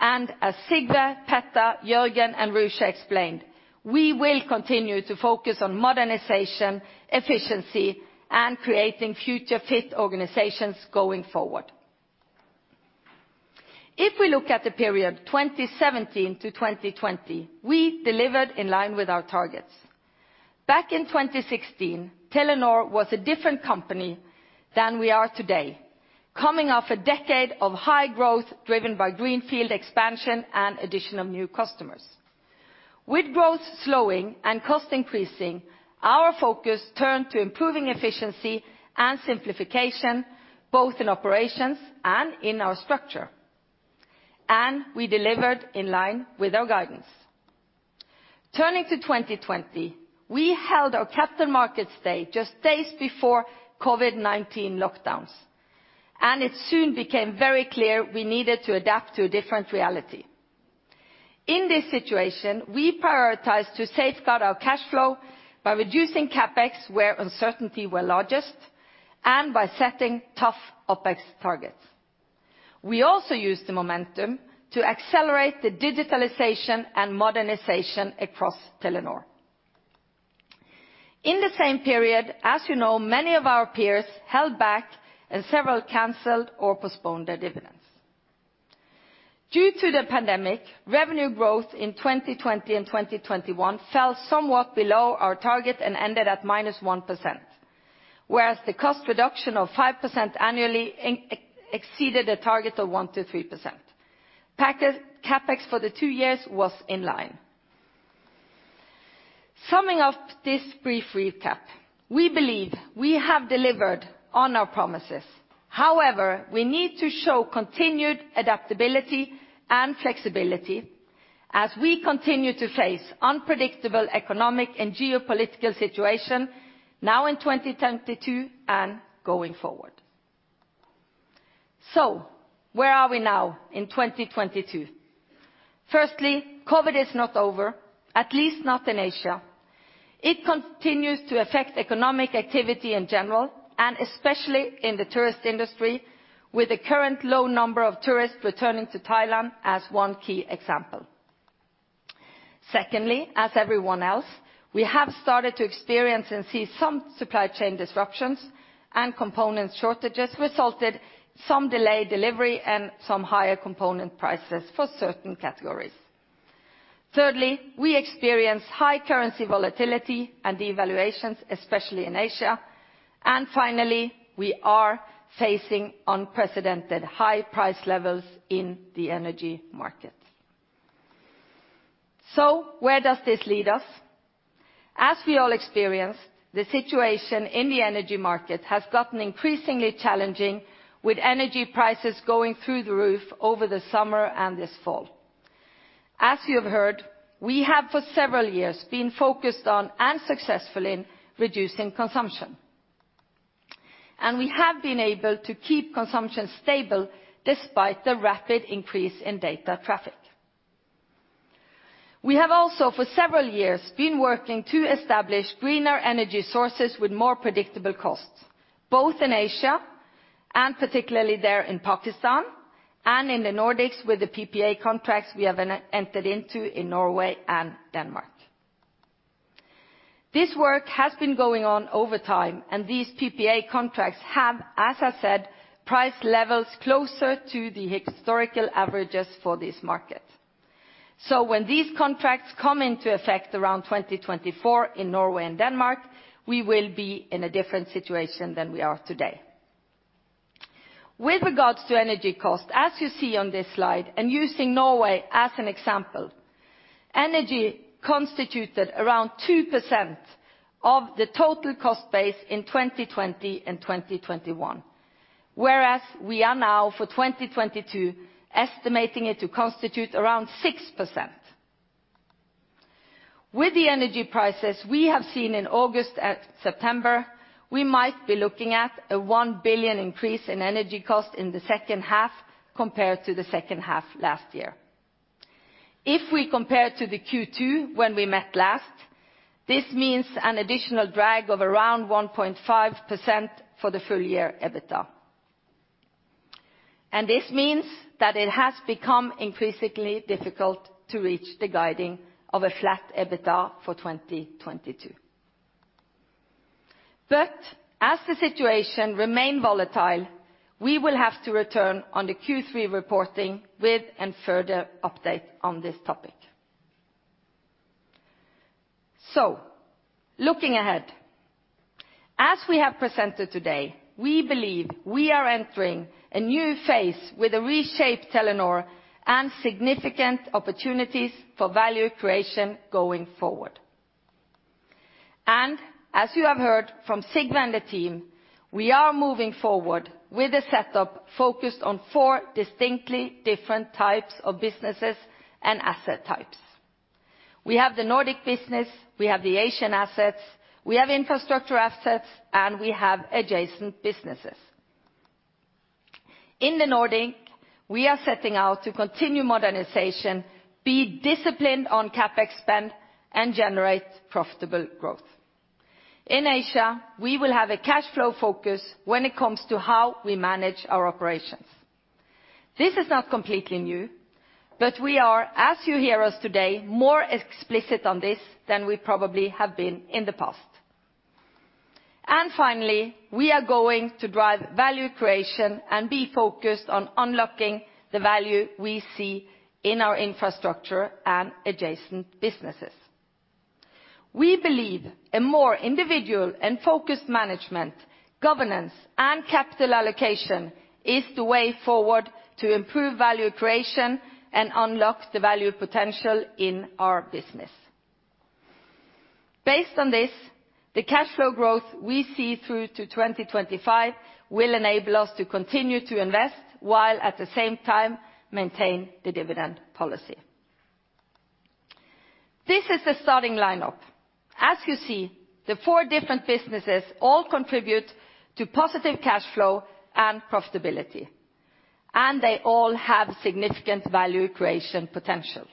and as Sigve, Petter, Jørgen, and Ruza explained, we will continue to focus on modernization, efficiency, and creating future fit organizations going forward. If we look at the period 2017 to 2020, we delivered in line with our targets. Back in 2016, Telenor was a different company than we are today, coming off a decade of high growth driven by greenfield expansion and addition of new customers. With growth slowing and cost increasing, our focus turned to improving efficiency and simplification both in operations and in our structure, and we delivered in line with our guidance. Turning to 2020, we held our Capital Markets Day just days before COVID-19 lockdowns, and it soon became very clear we needed to adapt to a different reality. In this situation, we prioritized to safeguard our cash flow by reducing CapEx where uncertainty were largest and by setting tough OpEx targets. We also used the momentum to accelerate the digitalization and modernization across Telenor. In the same period, as you know, many of our peers held back, and several canceled or postponed their dividends. Due to the pandemic, revenue growth in 2020 and 2021 fell somewhat below our target and ended at -1%, whereas the cost reduction of 5% annually exceeded a target of 1%-3%. Packaged CapEx for the two years was in line. Summing up this brief recap, we believe we have delivered on our promises. However, we need to show continued adaptability and flexibility as we continue to face unpredictable economic and geopolitical situation now in 2022 and going forward. Where are we now in 2022? Firstly, COVID is not over, at least not in Asia. It continues to affect economic activity in general, and especially in the tourist industry, with the current low number of tourists returning to Thailand as one key example. Secondly, as everyone else, we have started to experience and see some supply chain disruptions and component shortages resulted some delayed delivery and some higher component prices for certain categories. Thirdly, we experience high currency volatility and devaluations, especially in Asia. Finally, we are facing unprecedented high price levels in the energy market. Where does this lead us? As we all experience, the situation in the energy market has gotten increasingly challenging with energy prices going through the roof over the summer and this fall. As you have heard, we have for several years been focused on and successful in reducing consumption, and we have been able to keep consumption stable despite the rapid increase in data traffic. We have also for several years been working to establish greener energy sources with more predictable costs, both in Asia and particularly there in Pakistan, and in the Nordics with the PPA contracts we have entered into in Norway and Denmark. This work has been going on over time, and these PPA contracts have, as I said, price levels closer to the historical averages for this market. When these contracts come into effect around 2024 in Norway and Denmark, we will be in a different situation than we are today. With regards to energy cost, as you see on this slide, and using Norway as an example, energy constituted around 2% of the total cost base in 2020 and 2021. Whereas we are now for 2022 estimating it to constitute around 6%. With the energy prices we have seen in August and September, we might be looking at a 1 billion increase in energy cost in the second half compared to the second half last year. If we compare to the Q2 when we met last, this means an additional drag of around 1.5% for the full year EBITDA. This means that it has become increasingly difficult to reach the guidance of a flat EBITDA for 2022. As the situation remains volatile, we will have to return on the Q3 reporting with a further update on this topic. Looking ahead, as we have presented today, we believe we are entering a new phase with a reshaped Telenor and significant opportunities for value creation going forward. As you have heard from Sigve and the team, we are moving forward with a setup focused on four distinctly different types of businesses and asset types. We have the Nordic business, we have the Asian assets, we have infrastructure assets, and we have adjacent businesses. In the Nordic, we are setting out to continue modernization, be disciplined on CapEx spend, and generate profitable growth. In Asia, we will have a cash flow focus when it comes to how we manage our operations. This is not completely new, but we are, as you hear us today, more explicit on this than we probably have been in the past. Finally, we are going to drive value creation and be focused on unlocking the value we see in our infrastructure and adjacent businesses. We believe a more individual and focused management, governance, and capital allocation is the way forward to improve value creation and unlock the value potential in our business. Based on this, the cash flow growth we see through to 2025 will enable us to continue to invest, while at the same time maintain the dividend policy. This is the starting lineup. As you see, the four different businesses all contribute to positive cash flow and profitability, and they all have significant value creation potential.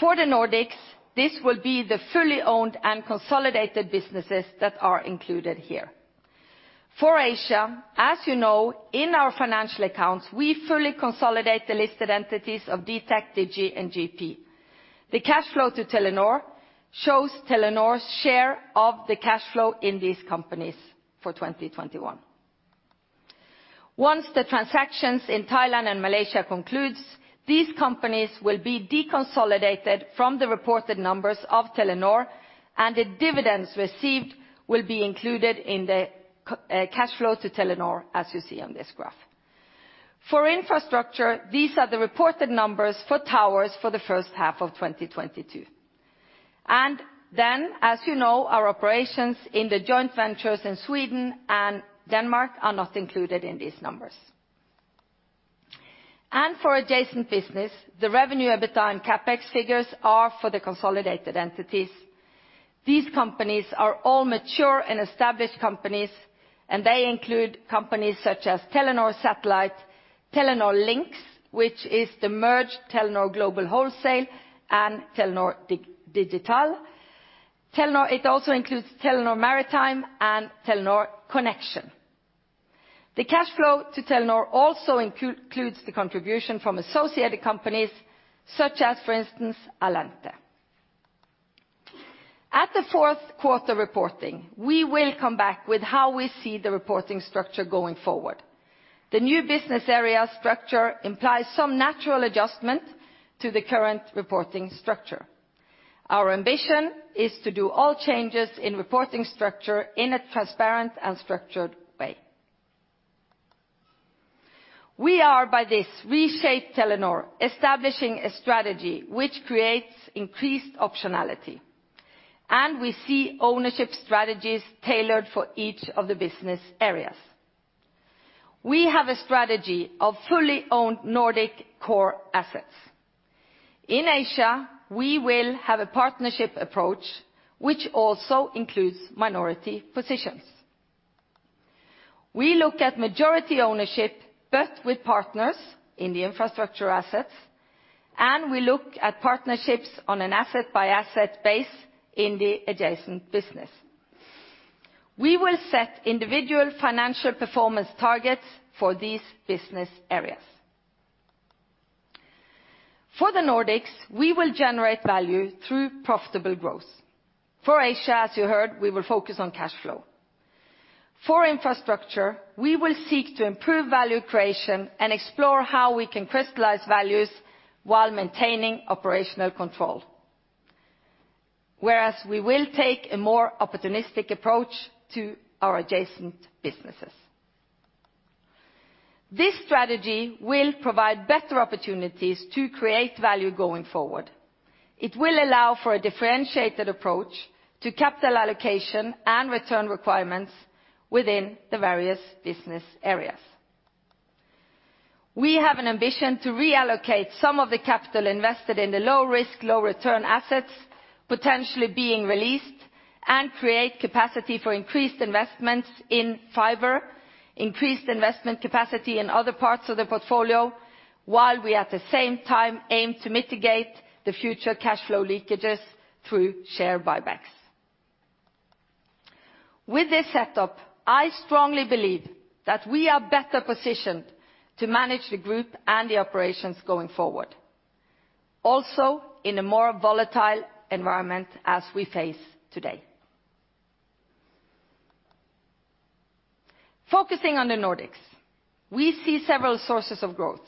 For the Nordics, this will be the fully owned and consolidated businesses that are included here. For Asia, as you know, in our financial accounts, we fully consolidate the listed entities of dtac, Digi, and GP. The cash flow to Telenor shows Telenor's share of the cash flow in these companies for 2021. Once the transactions in Thailand and Malaysia concludes, these companies will be deconsolidated from the reported numbers of Telenor, and the dividends received will be included in the cash flow to Telenor, as you see on this graph. For infrastructure, these are the reported numbers for towers for the first half of 2022. Then, as you know, our operations in the joint ventures in Sweden and Denmark are not included in these numbers. For adjacent business, the revenue, EBITDA, and CapEx figures are for the consolidated entities. These companies are all mature and established companies, and they include companies such as Telenor Satellite, Telenor Linx, which is the merged Telenor Global Services and Telenor Digital. Telenor. It also includes Telenor Maritime and Telenor Connexion. The cash flow to Telenor also includes the contribution from associated companies such as, for instance, Allente. At the fourth quarter reporting, we will come back with how we see the reporting structure going forward. The new business area structure implies some natural adjustment to the current reporting structure. Our ambition is to do all changes in reporting structure in a transparent and structured way. We are, by this reshaped Telenor, establishing a strategy which creates increased optionality, and we see ownership strategies tailored for each of the business areas. We have a strategy of fully owned Nordic core assets. In Asia, we will have a partnership approach, which also includes minority positions. We look at majority ownership, but with partners in the infrastructure assets. We look at partnerships on an asset by asset base in the adjacent business. We will set individual financial performance targets for these business areas. For the Nordics, we will generate value through profitable growth. For Asia, as you heard, we will focus on cash flow. For infrastructure, we will seek to improve value creation and explore how we can crystallize values while maintaining operational control. Whereas we will take a more opportunistic approach to our adjacent businesses. This strategy will provide better opportunities to create value going forward. It will allow for a differentiated approach to capital allocation and return requirements within the various business areas. We have an ambition to reallocate some of the capital invested in the low risk, low return assets, potentially being released, and create capacity for increased investments in fiber, increased investment capacity in other parts of the portfolio, while we at the same time aim to mitigate the future cash flow leakages through share buybacks. With this setup, I strongly believe that we are better positioned to manage the group and the operations going forward, also in a more volatile environment as we face today. Focusing on the Nordics, we see several sources of growth,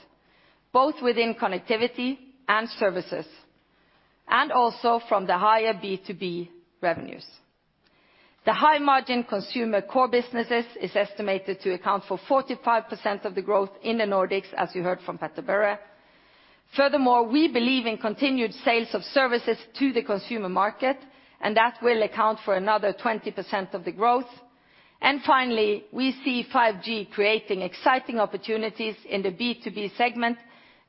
both within connectivity and services, and also from the higher B2B revenues. The high margin consumer core businesses is estimated to account for 45% of the growth in the Nordics, as you heard from Petter-Børre. Furthermore, we believe in continued sales of services to the consumer market, and that will account for another 20% of the growth. Finally, we see 5G creating exciting opportunities in the B2B segment,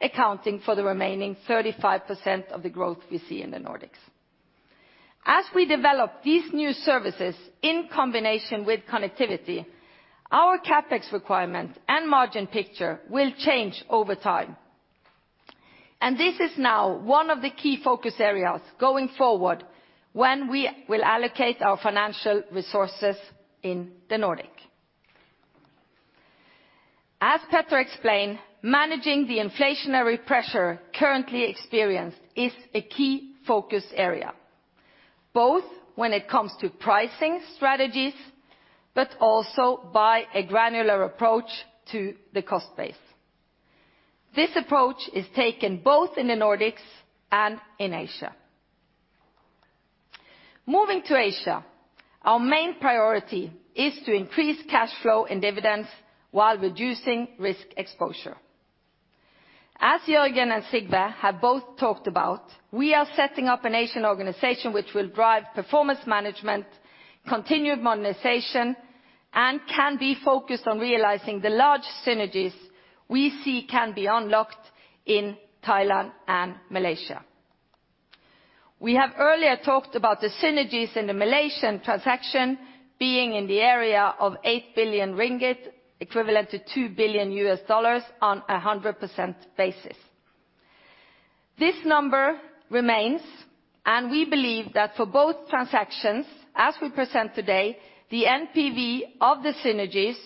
accounting for the remaining 35% of the growth we see in the Nordics. As we develop these new services in combination with connectivity, our CapEx requirement and margin picture will change over time. This is now one of the key focus areas going forward when we will allocate our financial resources in the Nordics. As Petter explained, managing the inflationary pressure currently experienced is a key focus area, both when it comes to pricing strategies, but also by a granular approach to the cost base. This approach is taken both in the Nordics and in Asia. Moving to Asia, our main priority is to increase cash flow and dividends while reducing risk exposure. As Jørgen and Sigve have both talked about, we are setting up an Asian organization which will drive performance management, continued monetization, and can be focused on realizing the large synergies we see can be unlocked in Thailand and Malaysia. We have earlier talked about the synergies in the Malaysian transaction being in the area of 8 billion ringgit, equivalent to $2 billion on a 100% basis. This number remains, and we believe that for both transactions, as we present today, the NPV of the synergies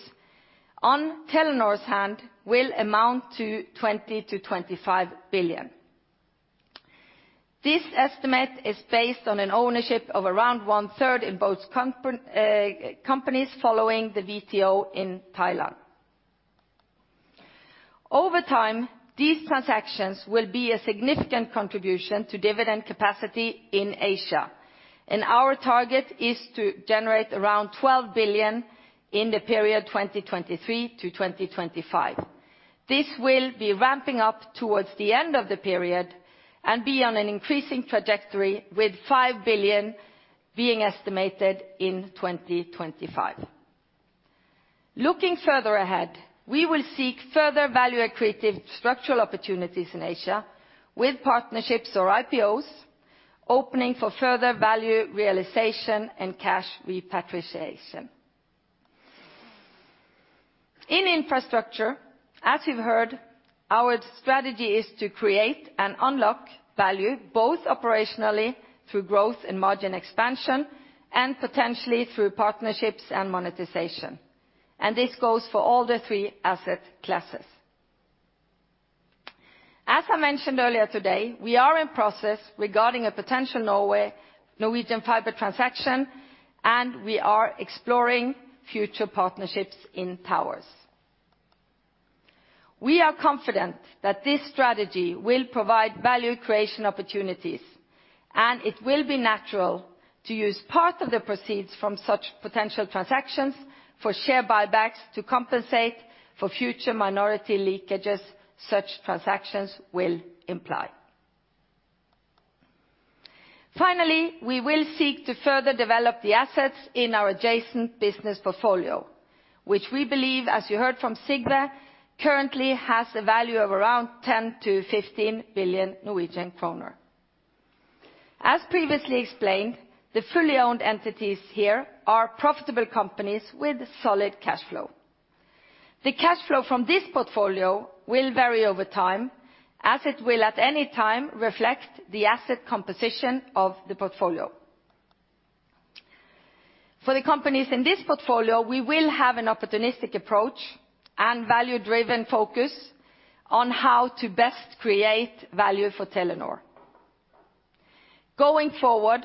on Telenor's hand will amount to 20 billion-25 billion. This estimate is based on an ownership of around one-third in both companies following the VTO in Thailand. Over time, these transactions will be a significant contribution to dividend capacity in Asia, and our target is to generate around 12 billion in the period 2023-2025. This will be ramping up towards the end of the period and be on an increasing trajectory, with 5 billion being estimated in 2025. Looking further ahead, we will seek further value-accretive structural opportunities in Asia with partnerships or IPOs, opening for further value realization and cash repatriation. In infrastructure, as you've heard, our strategy is to create and unlock value, both operationally through growth and margin expansion, and potentially through partnerships and monetization. This goes for all the three asset classes. As I mentioned earlier today, we are in process regarding a potential Norwegian fiber transaction, and we are exploring future partnerships in towers. We are confident that this strategy will provide value creation opportunities, and it will be natural to use part of the proceeds from such potential transactions for share buybacks to compensate for future minority leakages such transactions will imply. Finally, we will seek to further develop the assets in our adjacent business portfolio, which we believe, as you heard from Sigve, currently has a value of around 10 billion-15 billion Norwegian kroner. As previously explained, the fully owned entities here are profitable companies with solid cash flow. The cash flow from this portfolio will vary over time as it will, at any time, reflect the asset composition of the portfolio. For the companies in this portfolio, we will have an opportunistic approach and value-driven focus on how to best create value for Telenor. Going forward,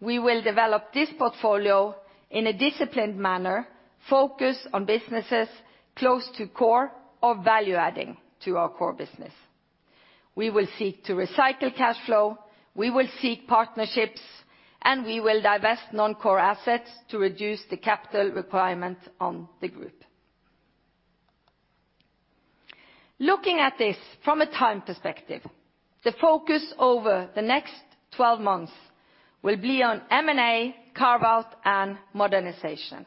we will develop this portfolio in a disciplined manner, focused on businesses close to core or value-adding to our core business. We will seek to recycle cash flow, we will seek partnerships, and we will divest non-core assets to reduce the capital requirement on the group. Looking at this from a time perspective, the focus over the next 12 months will be on M&A, carve-out, and modernization.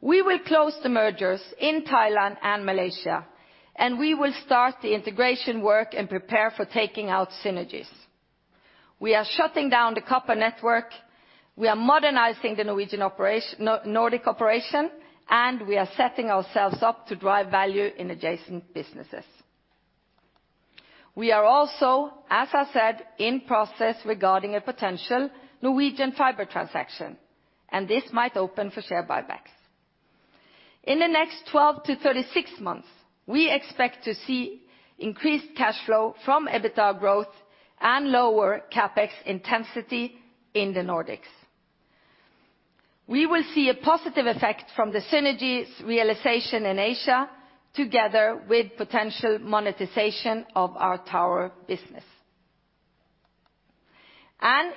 We will close the mergers in Thailand and Malaysia, and we will start the integration work and prepare for taking out synergies. We are shutting down the copper network, we are modernizing the Nordic operation, and we are setting ourselves up to drive value in adjacent businesses. We are also, as I said, in process regarding a potential Norwegian fiber transaction, and this might open for share buybacks. In the next 12-36 months, we expect to see increased cash flow from EBITDA growth and lower CapEx intensity in the Nordics. We will see a positive effect from the synergies realization in Asia, together with potential monetization of our tower business.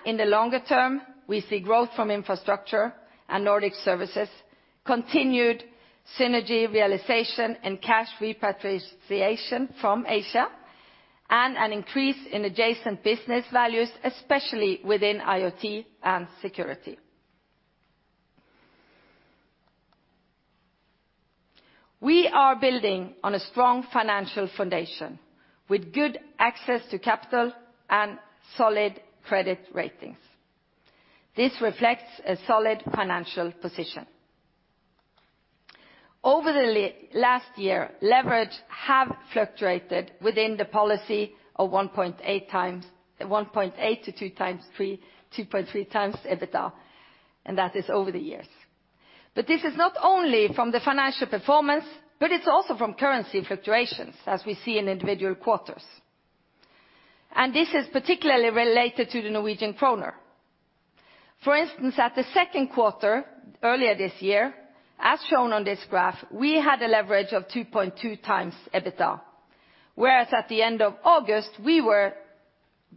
In the longer term, we see growth from infrastructure and Nordic services, continued synergy realization and cash repatriation from Asia, and an increase in adjacent business values, especially within IoT and security. We are building on a strong financial foundation with good access to capital and solid credit ratings. This reflects a solid financial position. Over the last year, leverage have fluctuated within the policy of 1.8x, 1.8x-2.3x EBITDA, and that is over the years. But this is not only from the financial performance, but it's also from currency fluctuations as we see in individual quarters. This is particularly related to the Norwegian kroner. For instance, at the second quarter earlier this year, as shown on this graph, we had a leverage of 2.2x EBITDA, whereas at the end of August, we were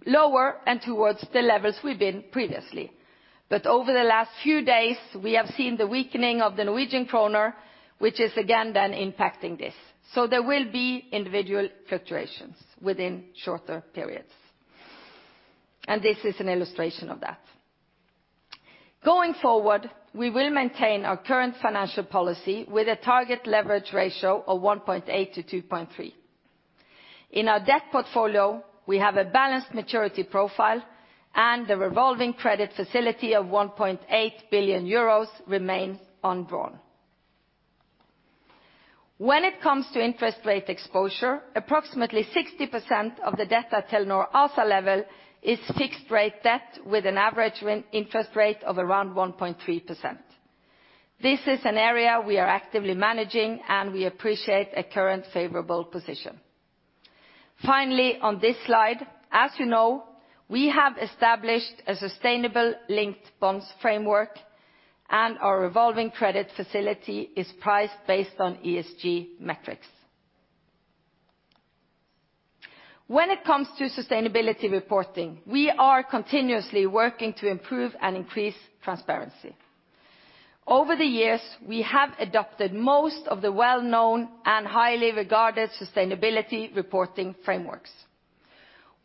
lower and towards the levels we've been previously. Over the last few days, we have seen the weakening of the Norwegian kroner, which is again then impacting this. There will be individual fluctuations within shorter periods, and this is an illustration of that. Going forward, we will maintain our current financial policy with a target leverage ratio of 1.8x-2.3x. In our debt portfolio, we have a balanced maturity profile, and the revolving credit facility of 1.8 billion euros remains undrawn. When it comes to interest rate exposure, approximately 60% of the debt at Telenor ASA level is fixed rate debt with an average interest rate of around 1.3%. This is an area we are actively managing, and we appreciate a current favorable position. Finally, on this slide, as you know, we have established a sustainable linked bonds framework, and our revolving credit facility is priced based on ESG metrics. When it comes to sustainability reporting, we are continuously working to improve and increase transparency. Over the years, we have adopted most of the well-known and highly regarded sustainability reporting frameworks.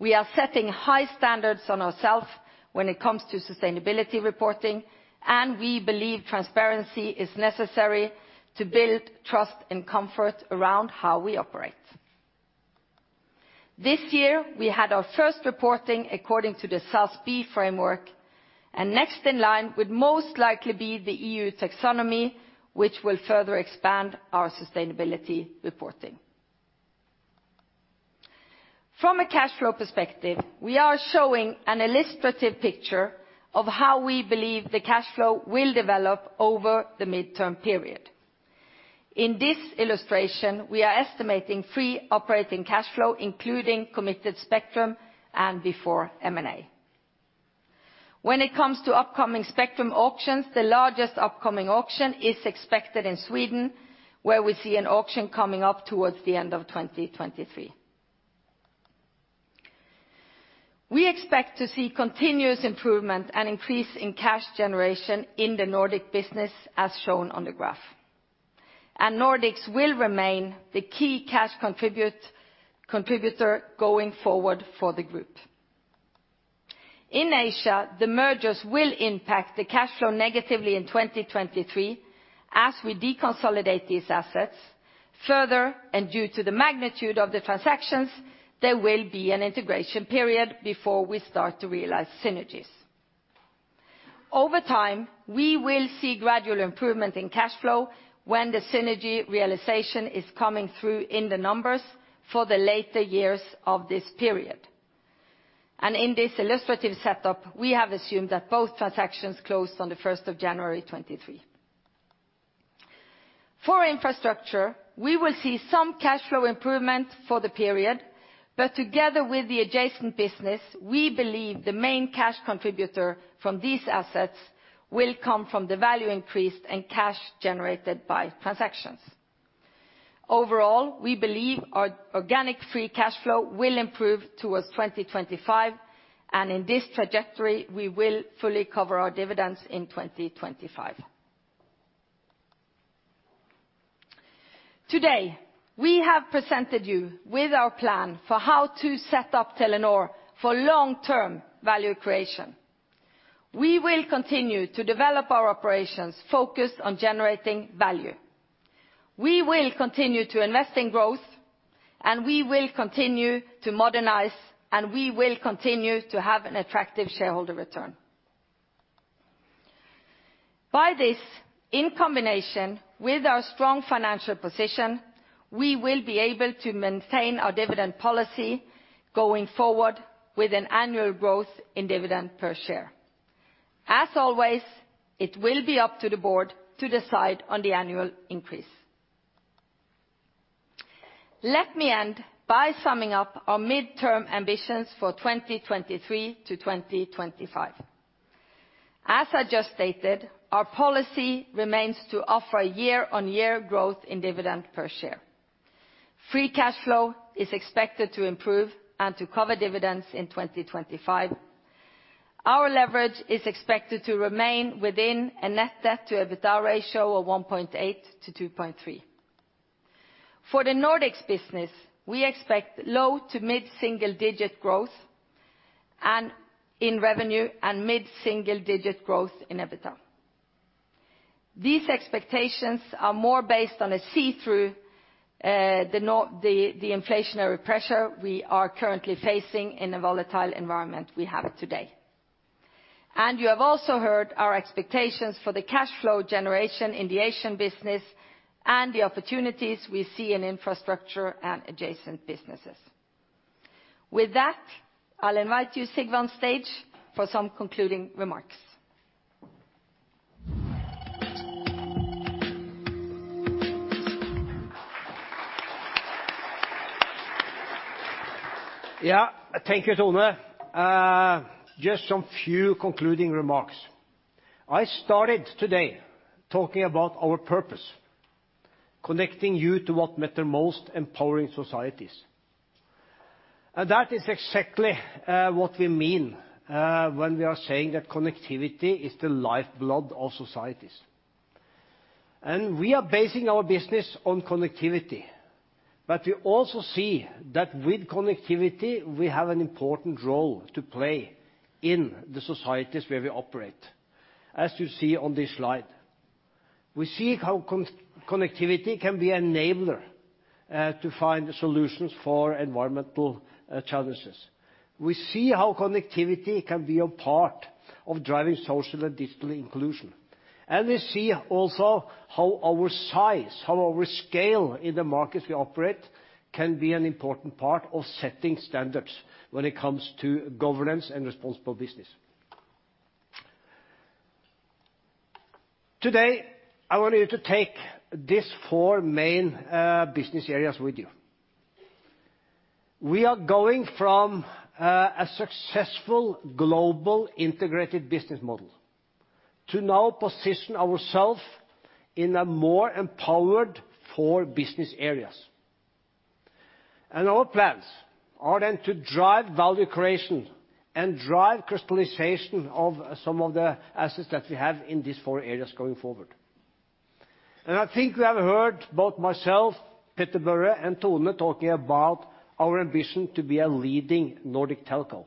We are setting high standards on ourselves when it comes to sustainability reporting, and we believe transparency is necessary to build trust and comfort around how we operate. This year, we had our first reporting according to the SASB framework, and next in line would most likely be the EU taxonomy, which will further expand our sustainability reporting. From a cash flow perspective, we are showing an illustrative picture of how we believe the cash flow will develop over the midterm period. In this illustration, we are estimating free operating cash flow, including committed spectrum and before M&A. When it comes to upcoming spectrum auctions, the largest upcoming auction is expected in Sweden, where we see an auction coming up towards the end of 2023. We expect to see continuous improvement and increase in cash generation in the Nordic business, as shown on the graph. Nordics will remain the key cash contributor going forward for the group. In Asia, the mergers will impact the cash flow negatively in 2023 as we deconsolidate these assets. Further, due to the magnitude of the transactions, there will be an integration period before we start to realize synergies. Over time, we will see gradual improvement in cash flow when the synergy realization is coming through in the numbers for the later years of this period. In this illustrative setup, we have assumed that both transactions closed on the 1st of January 2023. For infrastructure, we will see some cash flow improvement for the period, but together with the adjacent business, we believe the main cash contributor from these assets will come from the value increase and cash generated by transactions. Overall, we believe our organic free cash flow will improve towards 2025, and in this trajectory, we will fully cover our dividends in 2025. Today, we have presented you with our plan for how to set up Telenor for long-term value creation. We will continue to develop our operations focused on generating value. We will continue to invest in growth, and we will continue to modernize, and we will continue to have an attractive shareholder return. By this, in combination with our strong financial position, we will be able to maintain our dividend policy going forward with an annual growth in dividend per share. As always, it will be up to the board to decide on the annual increase. Let me end by summing up our midterm ambitions for 2023-2025. As I just stated, our policy remains to offer year-on-year growth in dividend per share. Free cash flow is expected to improve and to cover dividends in 2025. Our leverage is expected to remain within a net debt to EBITDA ratio of 1.8x-2.3x. For the Nordics business, we expect low- to mid-single-digit growth in revenue and mid-single-digit growth in EBITDA. These expectations are more based on the inflationary pressure we are currently facing in the volatile environment we have today. You have also heard our expectations for the cash flow generation in the Asian business and the opportunities we see in infrastructure and adjacent businesses. With that, I'll invite you, Sigve, on stage for some concluding remarks. Yeah, thank you, Tone. Just some few concluding remarks. I started today talking about our purpose, connecting you to what matter most, empowering societies. That is exactly what we mean when we are saying that connectivity is the lifeblood of societies. We are basing our business on connectivity. But we also see that with connectivity, we have an important role to play in the societies where we operate, as you see on this slide. We see how connectivity can be enabler to find the solutions for environmental challenges. We see how connectivity can be a part of driving social and digital inclusion. We see also how our size, how our scale in the markets we operate can be an important part of setting standards when it comes to governance and responsible business. Today, I want you to take these four main business areas with you. We are going from a successful global integrated business model to now position ourself in a more empowered four business areas. Our plans are then to drive value creation and drive crystallization of some of the assets that we have in these four areas going forward. I think you have heard both myself, Petter-Børre, and Tone talking about our ambition to be a leading Nordic telco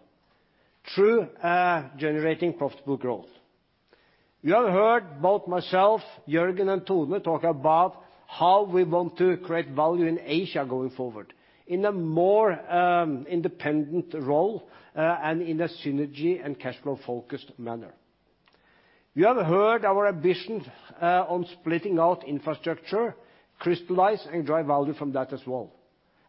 through generating profitable growth. You have heard both myself, Jørgen, and Tone talk about how we want to create value in Asia going forward in a more independent role and in a synergy and cash flow-focused manner. You have heard our ambitions on splitting out infrastructure, crystallize, and drive value from that as well.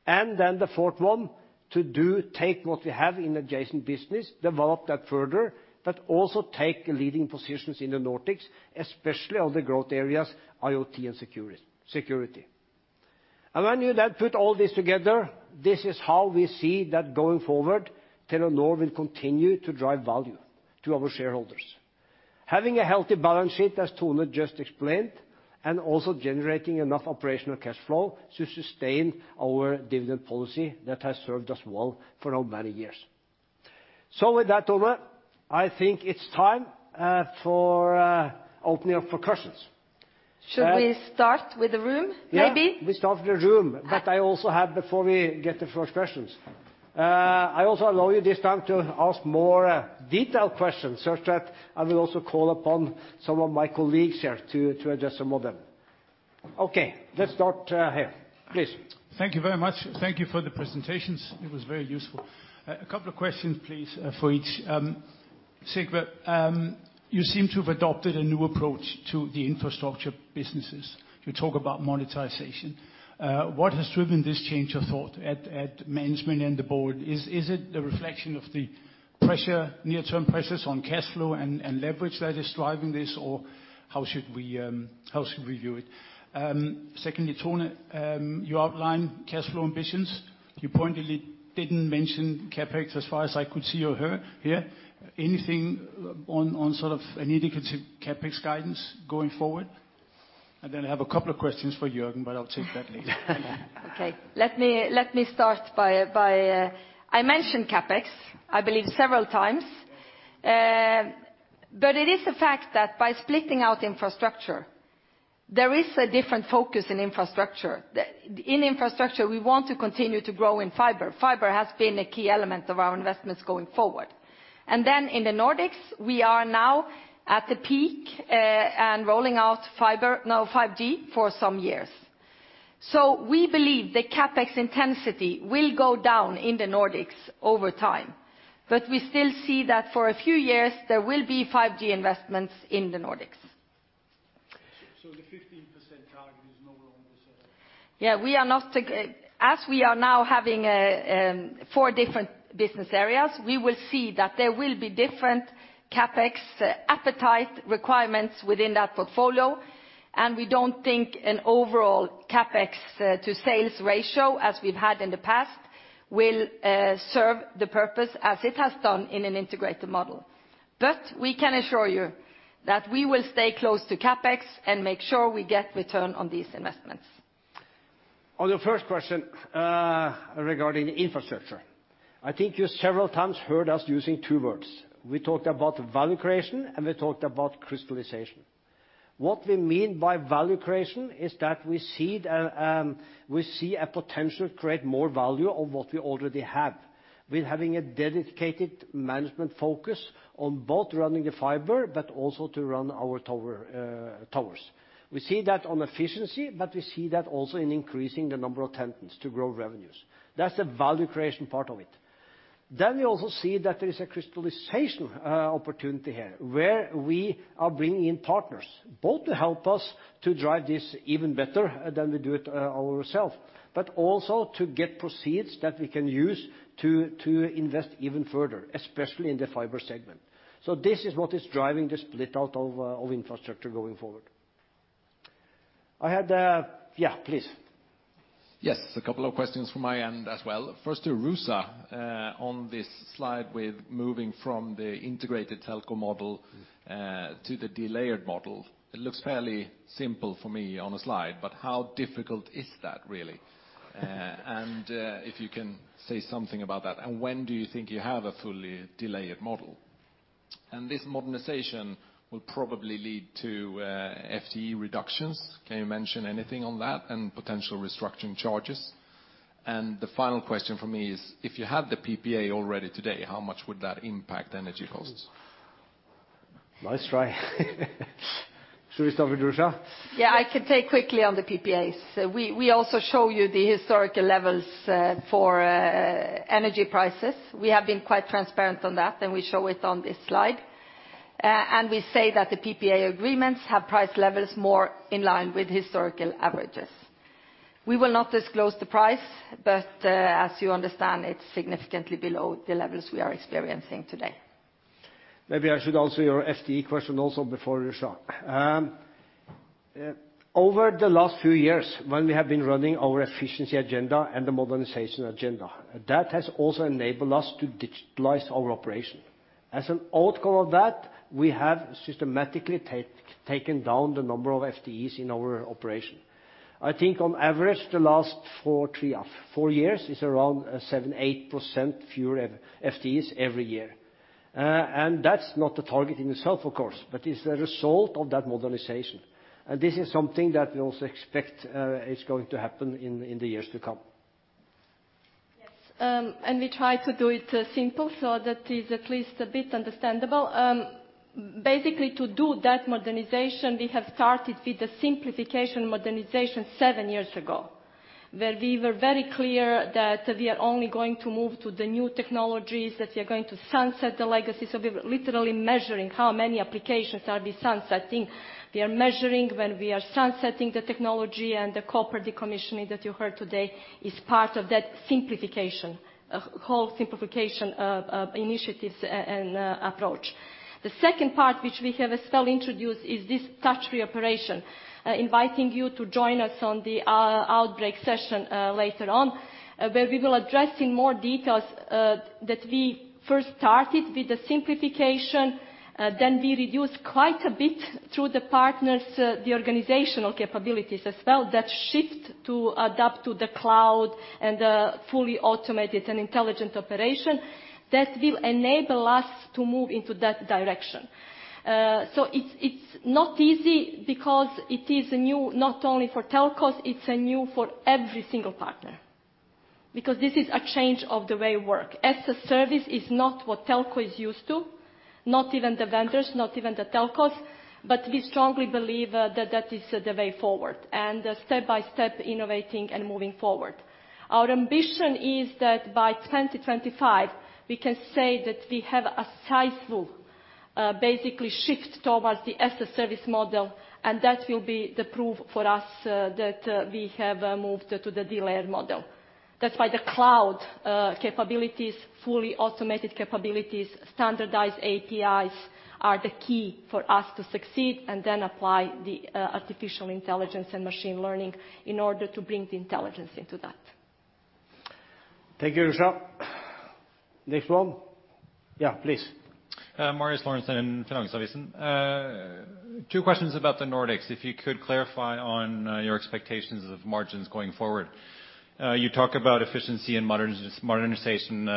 Then the fourth one, to take what we have in adjacent business, develop that further, but also take leading positions in the Nordics, especially on the growth areas, IoT and security. When you then put all this together, this is how we see that going forward, Telenor will continue to drive value to our shareholders. Having a healthy balance sheet, as Tone just explained, and also generating enough operational cash flow to sustain our dividend policy that has served us well for so many years. With that, Tone, I think it's time for opening up for questions. Should we start with the room, maybe? Yeah, we start with the room. I also have, before we get the first questions, I also allow you this time to ask more detailed questions such that I will also call upon some of my colleagues here to address some of them. Okay, let's start here, please. Thank you very much. Thank you for the presentations. It was very useful. A couple of questions, please, for each. Sigve, you seem to have adopted a new approach to the infrastructure businesses. You talk about monetization. What has driven this change of thought at management and the board? Is it the reflection of the pressure, near-term pressures on cash flow and leverage that is driving this? Or how should we view it? Secondly, Tone, you outline cash flow ambitions. You pointedly didn't mention CapEx as far as I could see or hear here. Anything on sort of an indicative CapEx guidance going forward? Then I have a couple of questions for Jørgen, but I'll take that later. Okay. I mentioned CapEx, I believe several times. It is a fact that by splitting out infrastructure, there is a different focus in infrastructure. In infrastructure, we want to continue to grow in fiber. Fiber has been a key element of our investments going forward. In the Nordics, we are now at the peak and rolling out fiber, now 5G, for some years. We believe the CapEx intensity will go down in the Nordics over time. We still see that for a few years there will be 5G investments in the Nordics. The 15% target is no longer suitable? Yeah. As we are now having four different business areas, we will see that there will be different CapEx appetite requirements within that portfolio, and we don't think an overall CapEx to sales ratio as we've had in the past will serve the purpose as it has done in an integrated model. We can assure you that we will stay close to CapEx and make sure we get return on these investments. On your first question, regarding infrastructure, I think you several times heard us using two words. We talked about value creation, and we talked about crystallization. What we mean by value creation is that we see a potential to create more value of what we already have. With having a dedicated management focus on both running the fiber, but also to run our tower, towers. We see that on efficiency, but we see that also in increasing the number of tenants to grow revenues. That's the value creation part of it. We also see that there is a crystallization opportunity here, where we are bringing in partners, both to help us to drive this even better than we do it ourselves, but also to get proceeds that we can use to invest even further, especially in the fiber segment. This is what is driving the split out of infrastructure going forward. Yeah, please. Yes. A couple of questions from my end as well. First to Ruza, on this slide with moving from the integrated telco model, to the delayered model. It looks fairly simple for me on a slide, but how difficult is that really? If you can say something about that, and when do you think you have a fully delayered model? This modernization will probably lead to FTE reductions. Can you mention anything on that and potential restructuring charges? The final question from me is, if you had the PPA already today, how much would that impact energy costs? Nice try. Should we start with Ruza? Yeah, I can take quickly on the PPAs. We also show you the historical levels for energy prices. We have been quite transparent on that, and we show it on this slide. We say that the PPA agreements have price levels more in line with historical averages. We will not disclose the price, but as you understand, it's significantly below the levels we are experiencing today. Maybe I should answer your FTE question also before Ruza. Over the last few years, when we have been running our efficiency agenda and the modernization agenda, that has also enabled us to digitalize our operation. As an outcome of that, we have systematically taken down the number of FTEs in our operation. I think on average, the last three-four years is around 7%-8% fewer FTEs every year. That's not the target in itself, of course, but it's the result of that modernization. This is something that we also expect is going to happen in the years to come. Yes. We try to do it simply, so that is at least a bit understandable. Basically to do that modernization, we have started with the simplification and modernization seven years ago, where we were very clear that we are only going to move to the new technologies, that we are going to sunset the legacy. We were literally measuring how many applications we are sunsetting. We are measuring when we are sunsetting the technology and the copper decommissioning that you heard today is part of that simplification, a whole simplification of initiatives and approach. The second part, which we have as well introduced, is this touch-free operation. Inviting you to join us on our breakout session later on, where we will address in more detail that we first started with the simplification, then we reduced quite a bit through the partners, the organizational capabilities as well, that shift to adapt to the cloud and the fully automated and intelligent operation that will enable us to move into that direction. It's not easy because it is new not only for telcos, it's new for every single partner. Because this is a change of the way work. As-a-service is not what telco is used to, not even the vendors, not even the telcos. We strongly believe that that is the way forward, and step by step innovating and moving forward. Our ambition is that by 2025, we can say that we have a sizeable, basically shift towards the as-a-service model, and that will be the proof for us that we have moved to the de-layered model. That's why the cloud capabilities, fully automated capabilities, standardized APIs are the key for us to succeed, and then apply the artificial intelligence and machine learning in order to bring the intelligence into that. Thank you, Ruza. Next one. Yeah, please. Marius Lorentzen in Finansavisen. Two questions about the Nordics, if you could clarify on your expectations of margins going forward. You talk about efficiency and modernization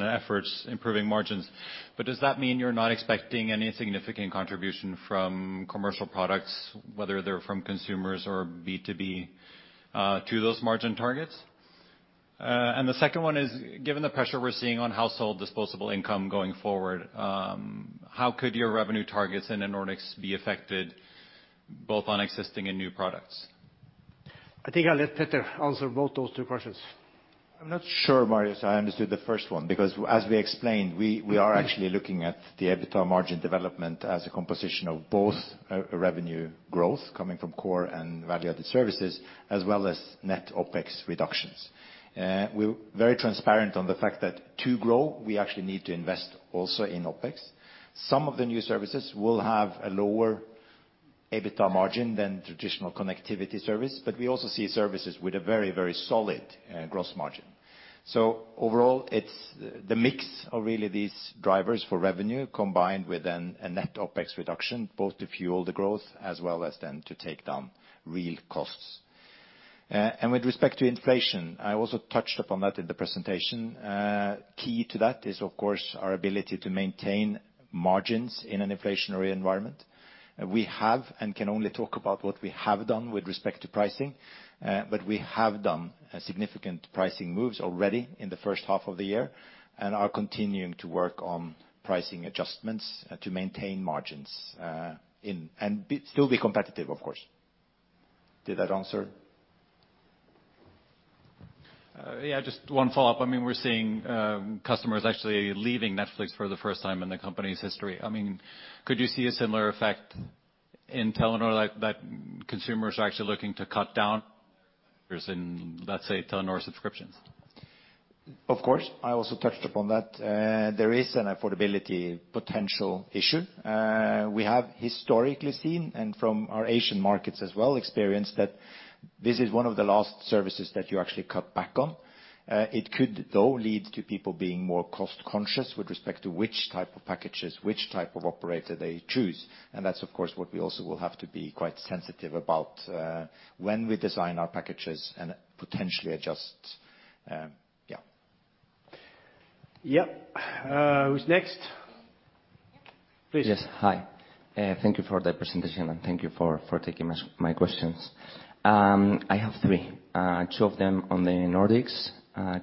efforts improving margins. Does that mean you're not expecting any significant contribution from commercial products, whether they're from consumers or B2B, to those margin targets? And the second one is, given the pressure we're seeing on household disposable income going forward, how could your revenue targets in the Nordics be affected both on existing and new products? I think I'll let Petter answer both those two questions. I'm not sure, Marius, I understood the first one, because as we explained, we are actually looking at the EBITDA margin development as a composition of both a revenue growth coming from core and value-added services, as well as net OpEx reductions. We're very transparent on the fact that to grow, we actually need to invest also in OpEx. Some of the new services will have a lower EBITDA margin than traditional connectivity service, but we also see services with a very, very solid gross margin. Overall, it's the mix of really these drivers for revenue combined with then a net OpEx reduction, both to fuel the growth as well as then to take down real costs. With respect to inflation, I also touched upon that in the presentation. Key to that is, of course, our ability to maintain margins in an inflationary environment. We have and can only talk about what we have done with respect to pricing, but we have done significant pricing moves already in the first half of the year, and are continuing to work on pricing adjustments to maintain margins and still be competitive, of course. Did that answer? Yeah, just one follow-up. I mean, we're seeing customers actually leaving Netflix for the first time in the company's history. I mean, could you see a similar effect in Telenor that consumers are actually looking to cut down in, let's say, Telenor subscriptions? Of course, I also touched upon that. There is an affordability potential issue. We have historically seen, and from our Asian markets as well, experienced that this is one of the last services that you actually cut back on. It could, though, lead to people being more cost-conscious with respect to which type of packages, which type of operator they choose. That's of course what we also will have to be quite sensitive about, when we design our packages and potentially adjust. Yeah. Who's next? Please. Yes. Hi. Thank you for the presentation, and thank you for taking my questions. I have three, two of them on the Nordics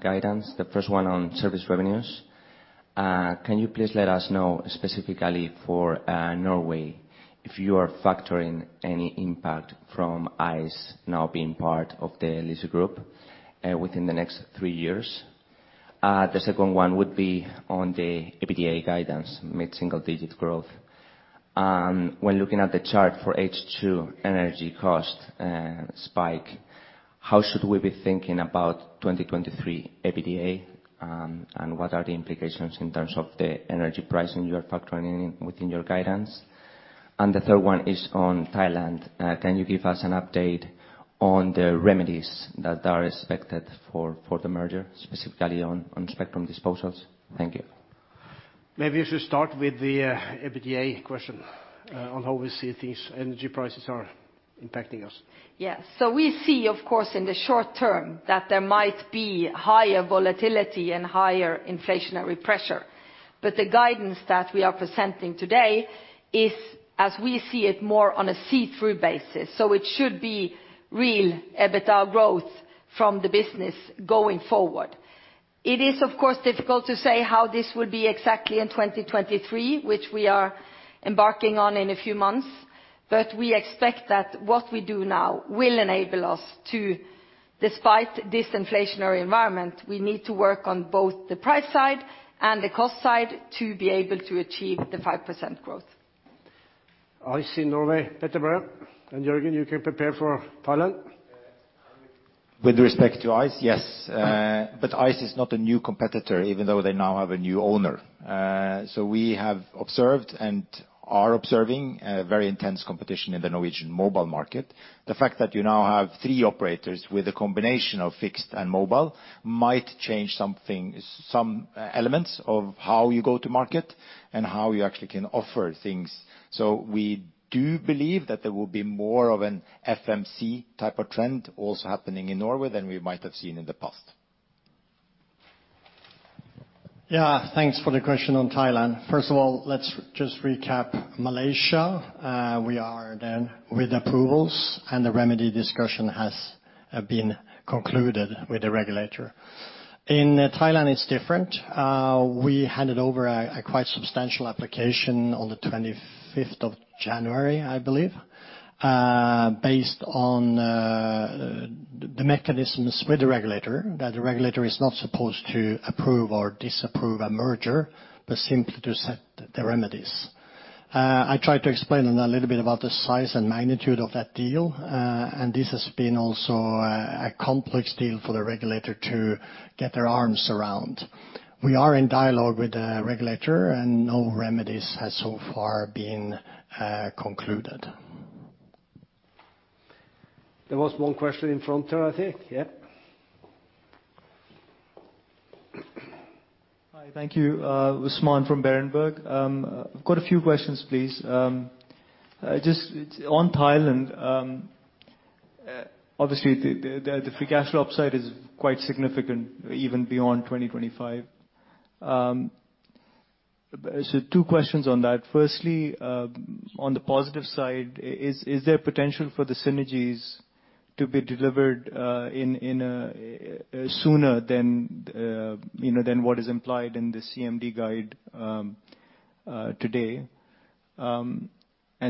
guidance. The first one on service revenues. Can you please let us know specifically for Norway if you are factoring any impact from Ice now being part of the Lyse group within the next three years? The second one would be on the EBITDA guidance, mid-single digit growth. When looking at the chart for H2 energy cost spike, how should we be thinking about 2023 EBITDA, and what are the implications in terms of the energy pricing you are factoring in, within your guidance? The third one is on Thailand. Can you give us an update on the remedies that are expected for the merger, specifically on spectrum disposals? Thank you. Maybe you should start with the EBITDA question on how we see these energy prices are impacting us. Yeah. We see, of course, in the short term that there might be higher volatility and higher inflationary pressure. The guidance that we are presenting today is, as we see it, more on a see-through basis. It should be real EBITDA growth from the business going forward. It is, of course, difficult to say how this will be exactly in 2023, which we are embarking on in a few months. We expect that what we do now will enable us to, despite this inflationary environment, we need to work on both the price side and the cost side to be able to achieve the 5% growth. Ice in Norway, Petter-Børre. Jørgen, you can prepare for Thailand. With respect to Ice, yes. Ice is not a new competitor, even though they now have a new owner. We have observed and are observing a very intense competition in the Norwegian mobile market. The fact that you now have three operators with a combination of fixed and mobile might change something, some elements of how you go to market and how you actually can offer things. We do believe that there will be more of an FMC type of trend also happening in Norway than we might have seen in the past. Yeah, thanks for the question on Thailand. First of all, let's just recap Malaysia. We are done with approvals, and the remedy discussion has been concluded with the regulator. In Thailand, it's different. We handed over a quite substantial application on the 25th of January, I believe, based on the mechanisms with the regulator, that the regulator is not supposed to approve or disapprove a merger, but simply to set the remedies. I tried to explain a little bit about the size and magnitude of that deal, and this has been also a complex deal for the regulator to get their arms around. We are in dialogue with the regulator, and no remedies have so far been concluded. There was one question in front here, I think. Yep. Hi, thank you. Usman from Berenberg. I've got a few questions, please. Just on Thailand, obviously the free cash flow upside is quite significant even beyond 2025. So two questions on that. Firstly, on the positive side, is there potential for the synergies to be delivered sooner than you know than what is implied in the CMD guide today? And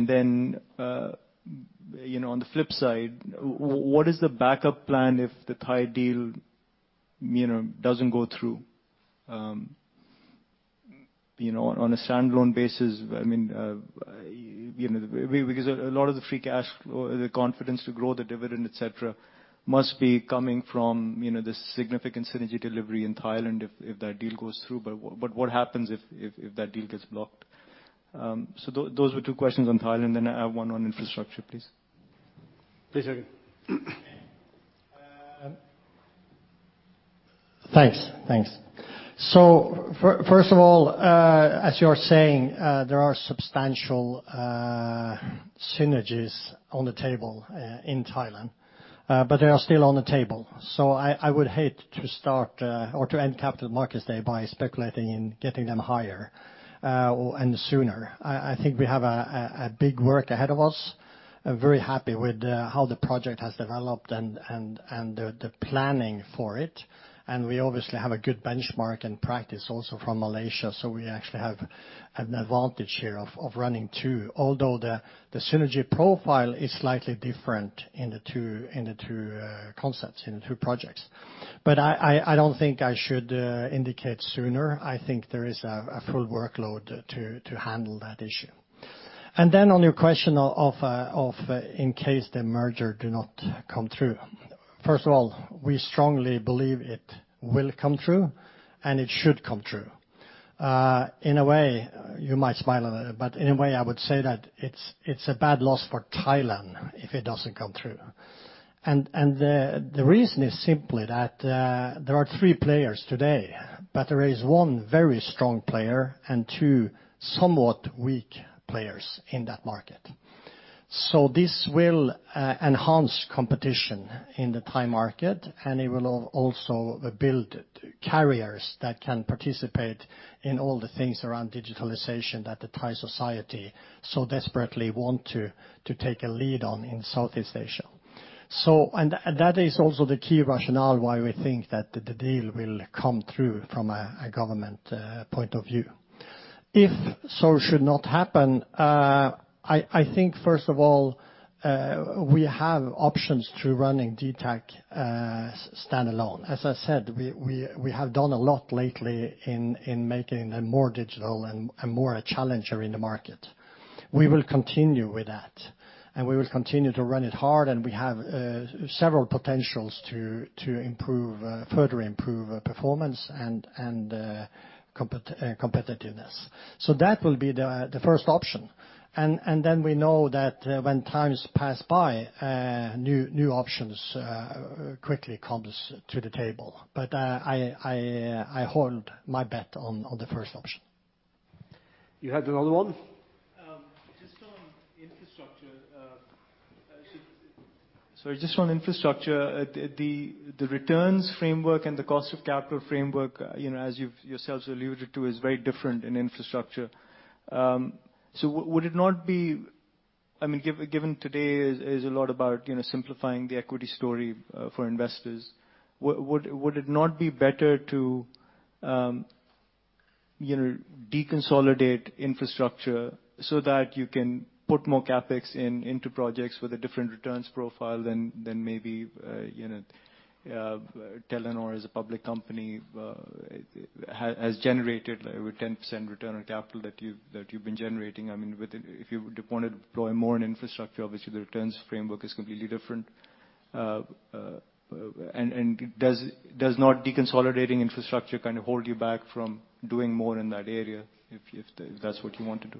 then, you know, on the flip side, what is the backup plan if the Thai deal, you know, doesn't go through? You know, on a standalone basis, I mean, you know, because a lot of the free cash flow, the confidence to grow the dividend, et cetera, must be coming from, you know, the significant synergy delivery in Thailand if that deal goes through. What happens if that deal gets blocked? Those were two questions on Thailand, then I have one on infrastructure, please. Please, Jørgen. Thanks. First of all, as you're saying, there are substantial synergies on the table in Thailand, but they are still on the table. I would hate to start or to end Capital Markets Day by speculating in getting them higher and sooner. I think we have a big work ahead of us. I'm very happy with how the project has developed and the planning for it, and we obviously have a good benchmark and practice also from Malaysia. We actually have an advantage here of running two, although the synergy profile is slightly different in the two concepts, in the two projects. But I don't think I should indicate sooner. I think there is a full workload to handle that issue. Then on your question of in case the merger do not come through. First of all, we strongly believe it will come through, and it should come true. In a way, you might smile a little, but in a way, I would say that it's a bad loss for Thailand if it doesn't come through. The reason is simply that there are three players today, but there is one very strong player and two somewhat weak players in that market. This will enhance competition in the Thai market, and it will also build carriers that can participate in all the things around digitalization that the Thai society so desperately want to take a lead on in Southeast Asia. That is also the key rationale why we think that the deal will come through from a government point of view. If so should not happen, I think, first of all, we have options to running dtac standalone. As I said, we have done a lot lately in making them more digital and more a challenger in the market. We will continue with that, and we will continue to run it hard, and we have several potentials to further improve performance and competitiveness. That will be the first option. Then we know that when times pass by, new options quickly comes to the table. I hold my bet on the first option. You had another one? Sorry, just on infrastructure, the returns framework and the cost of capital framework, you know, as you've yourselves alluded to, is very different in infrastructure. I mean, given today is a lot about, you know, simplifying the equity story for investors. Would it not be better to, you know, deconsolidate infrastructure so that you can put more CapEx into projects with a different returns profile than maybe, you know, Telenor as a public company has generated over 10% return on capital that you've been generating. I mean, if you want to deploy more in infrastructure, obviously the returns framework is completely different. Does not deconsolidating infrastructure kind of hold you back from doing more in that area if that's what you want to do?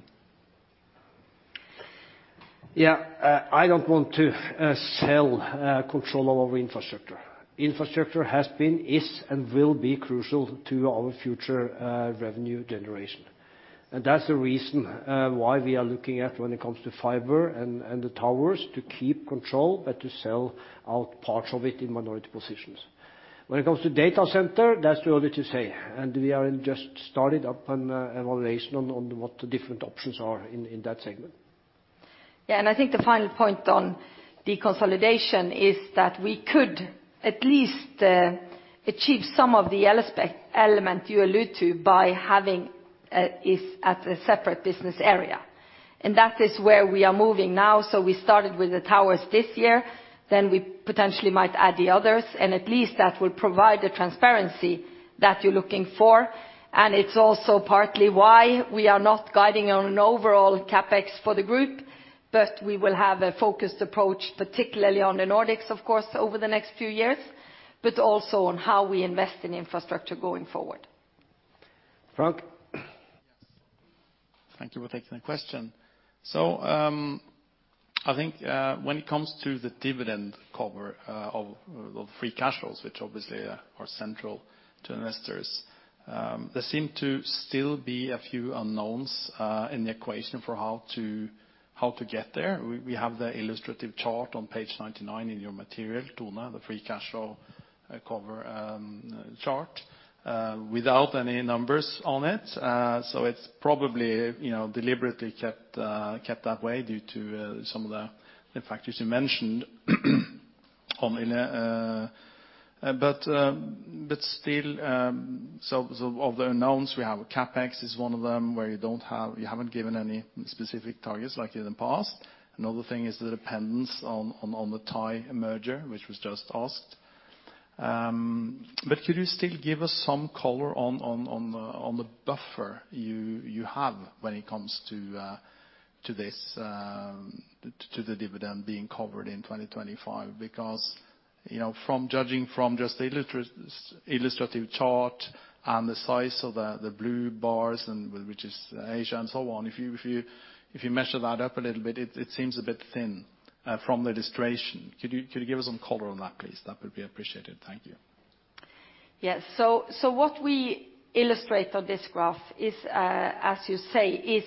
Yeah. I don't want to sell control over infrastructure. Infrastructure has been, is, and will be crucial to our future revenue generation. That's the reason why we are looking at when it comes to fiber and the towers to keep control but to sell out parts of it in minority positions. When it comes to data center, that's too early to say, and we have just started up an evaluation on what the different options are in that segment. Yeah, I think the final point on deconsolidation is that we could at least achieve some of the element you allude to by having it as a separate business area. That is where we are moving now, so we started with the towers this year, then we potentially might add the others, and at least that will provide the transparency that you're looking for. It's also partly why we are not guiding on an overall CapEx for the group, but we will have a focused approach, particularly on the Nordics of course over the next few years, but also on how we invest in infrastructure going forward. Frank? Yes. Thank you for taking the question. I think, when it comes to the dividend cover of free cash flows, which obviously are central to investors, there seem to still be a few unknowns in the equation for how to get there. We have the illustrative chart on page 99 in your material, Tone, the free cash flow cover chart without any numbers on it. It's probably, you know, deliberately kept that way due to some of the factors you mentioned earlier in. Of the unknowns we have CapEx is one of them where you haven't given any specific targets like in the past. Another thing is the dependence on the Thai merger, which was just asked. Could you still give us some color on the buffer you have when it comes to this to the dividend being covered in 2025? Because, you know, from judging from just the illustrative chart and the size of the blue bars and which is Asia and so on, if you measure that up a little bit, it seems a bit thin from the illustration. Could you give us some color on that, please? That would be appreciated. Thank you. Yes. What we illustrate on this graph is, as you say,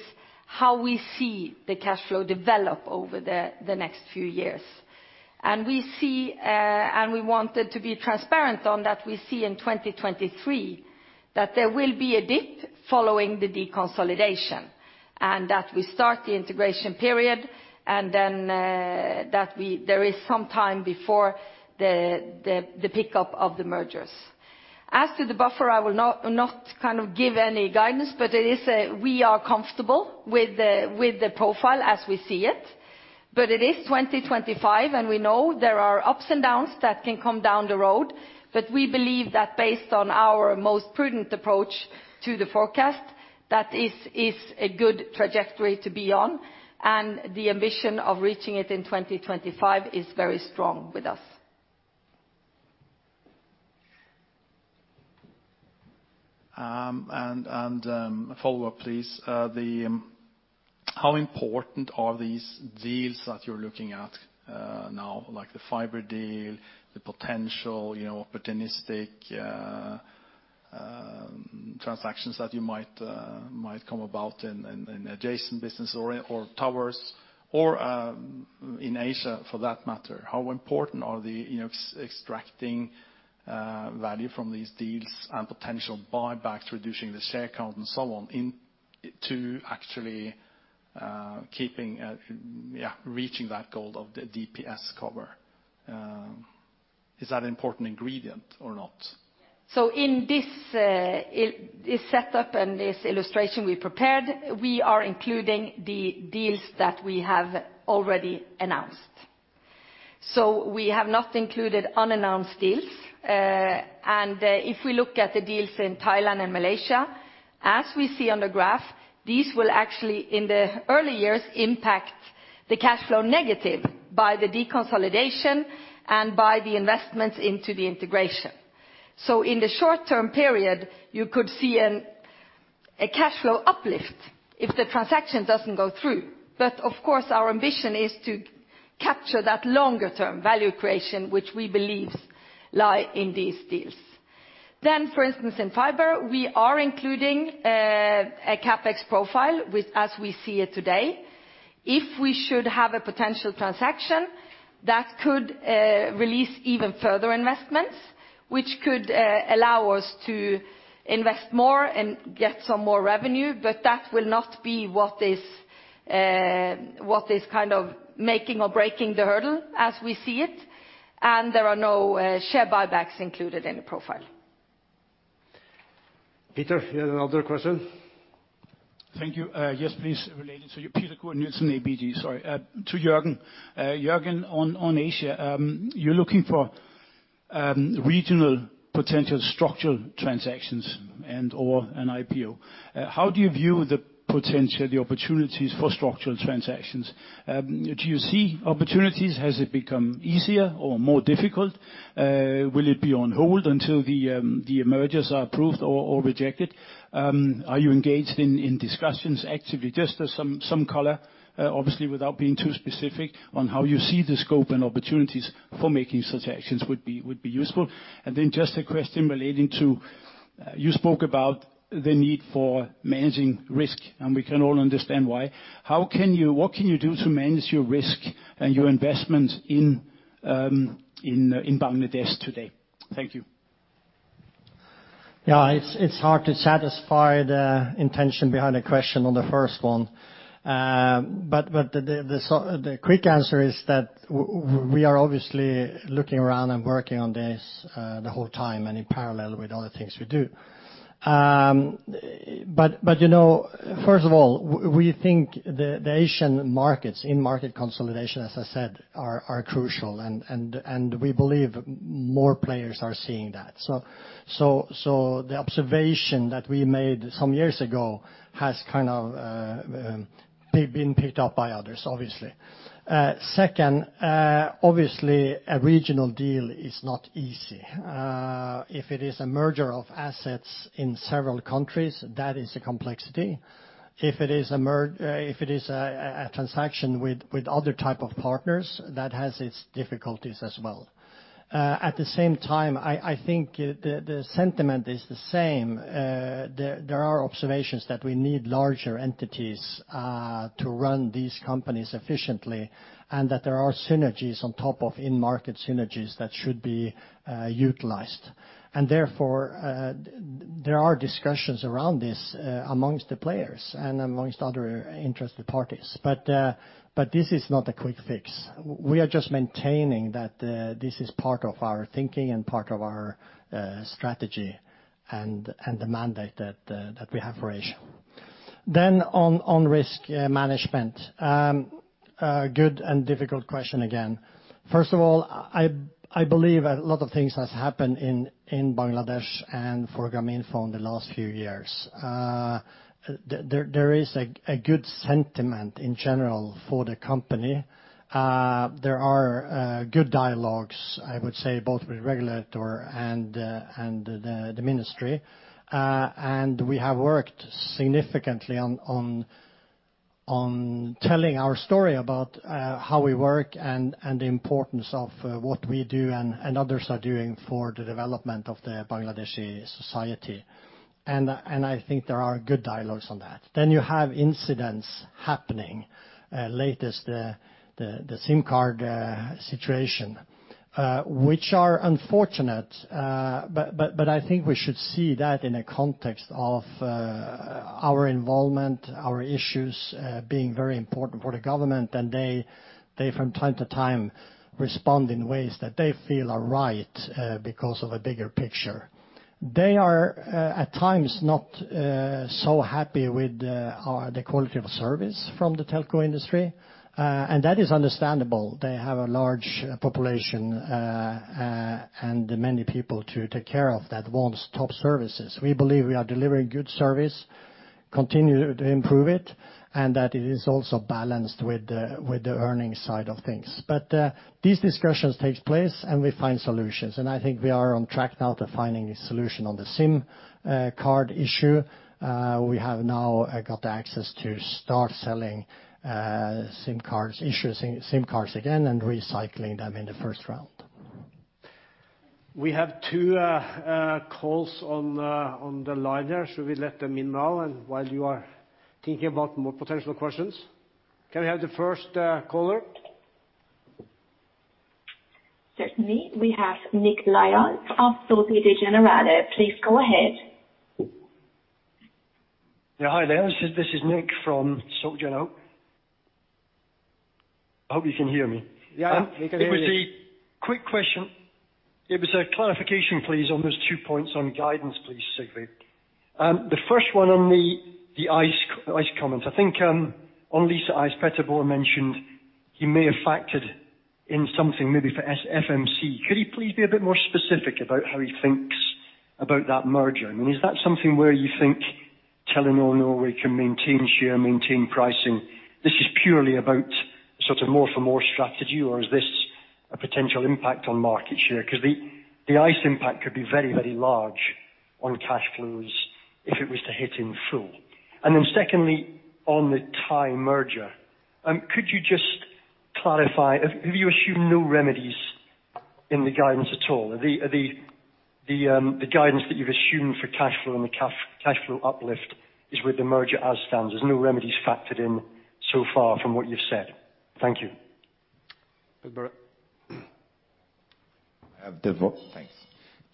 how we see the cash flow develop over the next few years. We see, and we wanted to be transparent on that we see in 2023 that there will be a dip following the deconsolidation. That we start the integration period, and then that there is some time before the pickup of the mergers. As to the buffer, I will not kind of give any guidance, but it is. We are comfortable with the profile as we see it. It is 2025, and we know there are ups and downs that can come down the road. We believe that based on our most prudent approach to the forecast, that is a good trajectory to be on. The ambition of reaching it in 2025 is very strong with us. A follow-up please. How important are these deals that you're looking at now like the fiber deal, the potential, you know, opportunistic transactions that you might come about in adjacent business or towers or in Asia for that matter. How important are the, you know, extracting value from these deals and potential buybacks, reducing the share count and so on into actually keeping yeah reaching that goal of the DPS cover? Is that an important ingredient or not? In this setup and this illustration we prepared, we are including the deals that we have already announced. We have not included unannounced deals. If we look at the deals in Thailand and Malaysia, as we see on the graph, these will actually in the early years impact the cash flow negative by the deconsolidation and by the investments into the integration. In the short-term period, you could see a cash flow uplift if the transaction doesn't go through. Of course, our ambition is to capture that longer term value creation, which we believe lie in these deals. For instance, in fiber, we are including a CapEx profile with as we see it today. If we should have a potential transaction, that could release even further investments, which could allow us to invest more and get some more revenue, but that will not be what is kind of making or breaking the hurdle as we see it. There are no share buybacks included in the profile. Peter, you had another question? Thank you. Yes, please related to you. Peter Kurt Nielsen, ABG. Sorry. To Jørgen. Jørgen, on Asia, you're looking for regional potential structural transactions and or an IPO. How do you view the potential, the opportunities for structural transactions? Do you see opportunities? Has it become easier or more difficult? Will it be on hold until the mergers are approved or rejected? Are you engaged in discussions actively? Just as some color, obviously without being too specific on how you see the scope and opportunities for making such actions would be useful. Then just a question relating to. You spoke about the need for managing risk, and we can all understand why. What can you do to manage your risk and your investment in Bangladesh today? Thank you. Yeah. It's hard to satisfy the intention behind the question on the first one. The quick answer is that we are obviously looking around and working on this the whole time and in parallel with other things we do. You know, first of all, we think the Asian markets in market consolidation, as I said, are crucial and we believe more players are seeing that. The observation that we made some years ago has kind of been picked up by others, obviously. Second, obviously, a regional deal is not easy. If it is a merger of assets in several countries, that is a complexity. If it is a transaction with other type of partners, that has its difficulties as well. At the same time, I think the sentiment is the same. There are observations that we need larger entities to run these companies efficiently and that there are synergies on top of in-market synergies that should be utilized. Therefore, there are discussions around this amongst the players and amongst other interested parties. This is not a quick fix. We are just maintaining that this is part of our thinking and part of our strategy and the mandate that we have for Asia. On risk management. A good and difficult question again. First of all, I believe a lot of things has happened in Bangladesh and for Grameenphone the last few years. There is a good sentiment in general for the company. There are good dialogues, I would say, both with regulator and the ministry. We have worked significantly on telling our story about how we work and the importance of what we do and others are doing for the development of the Bangladeshi society. I think there are good dialogues on that. You have incidents happening, the latest SIM card situation, which are unfortunate. I think we should see that in a context of our involvement, our issues being very important for the government, and they from time to time respond in ways that they feel are right because of a bigger picture. They are at times not so happy with the quality of service from the telco industry, and that is understandable. They have a large population, and many people to take care of that wants top services. We believe we are delivering good service, continue to improve it, and that it is also balanced with the earnings side of things. These discussions takes place, and we find solutions. I think we are on track now to finding a solution on the SIM card issue. We have now got access to start selling SIM cards, issuing SIM cards again and recycling them in the first round. We have two calls on the line there. Should we let them in now and while you are thinking about more potential questions? Can we have the first caller? Certainly. We have Nick Lyall of Société Générale. Please go ahead. Yeah. Hi there. This is Nick from SocGen. I hope you can hear me. Yeah. We can hear you. It was a quick question. It was a clarification, please, on those two points on guidance, please, Sigve. The first one on the Ice comment. I think on Lyse Ice Petter-Børre mentioned he may have factored in something maybe for S-FMC. Could he please be a bit more specific about how he thinks about that merger? I mean, is that something where you think Telenor Norway can maintain share, maintain pricing? This is purely about sort of more for more strategy, or is this a potential impact on market share? 'Cause the Ice impact could be very, very large on cash flows if it was to hit in full. Then secondly, on the Thai merger, could you just clarify, have you assumed no remedies in the guidance at all? Is the guidance that you've assumed for cash flow and the cash flow uplift with the merger as standard, no remedies factored in so far from what you've said? Thank you. Petter. Thanks.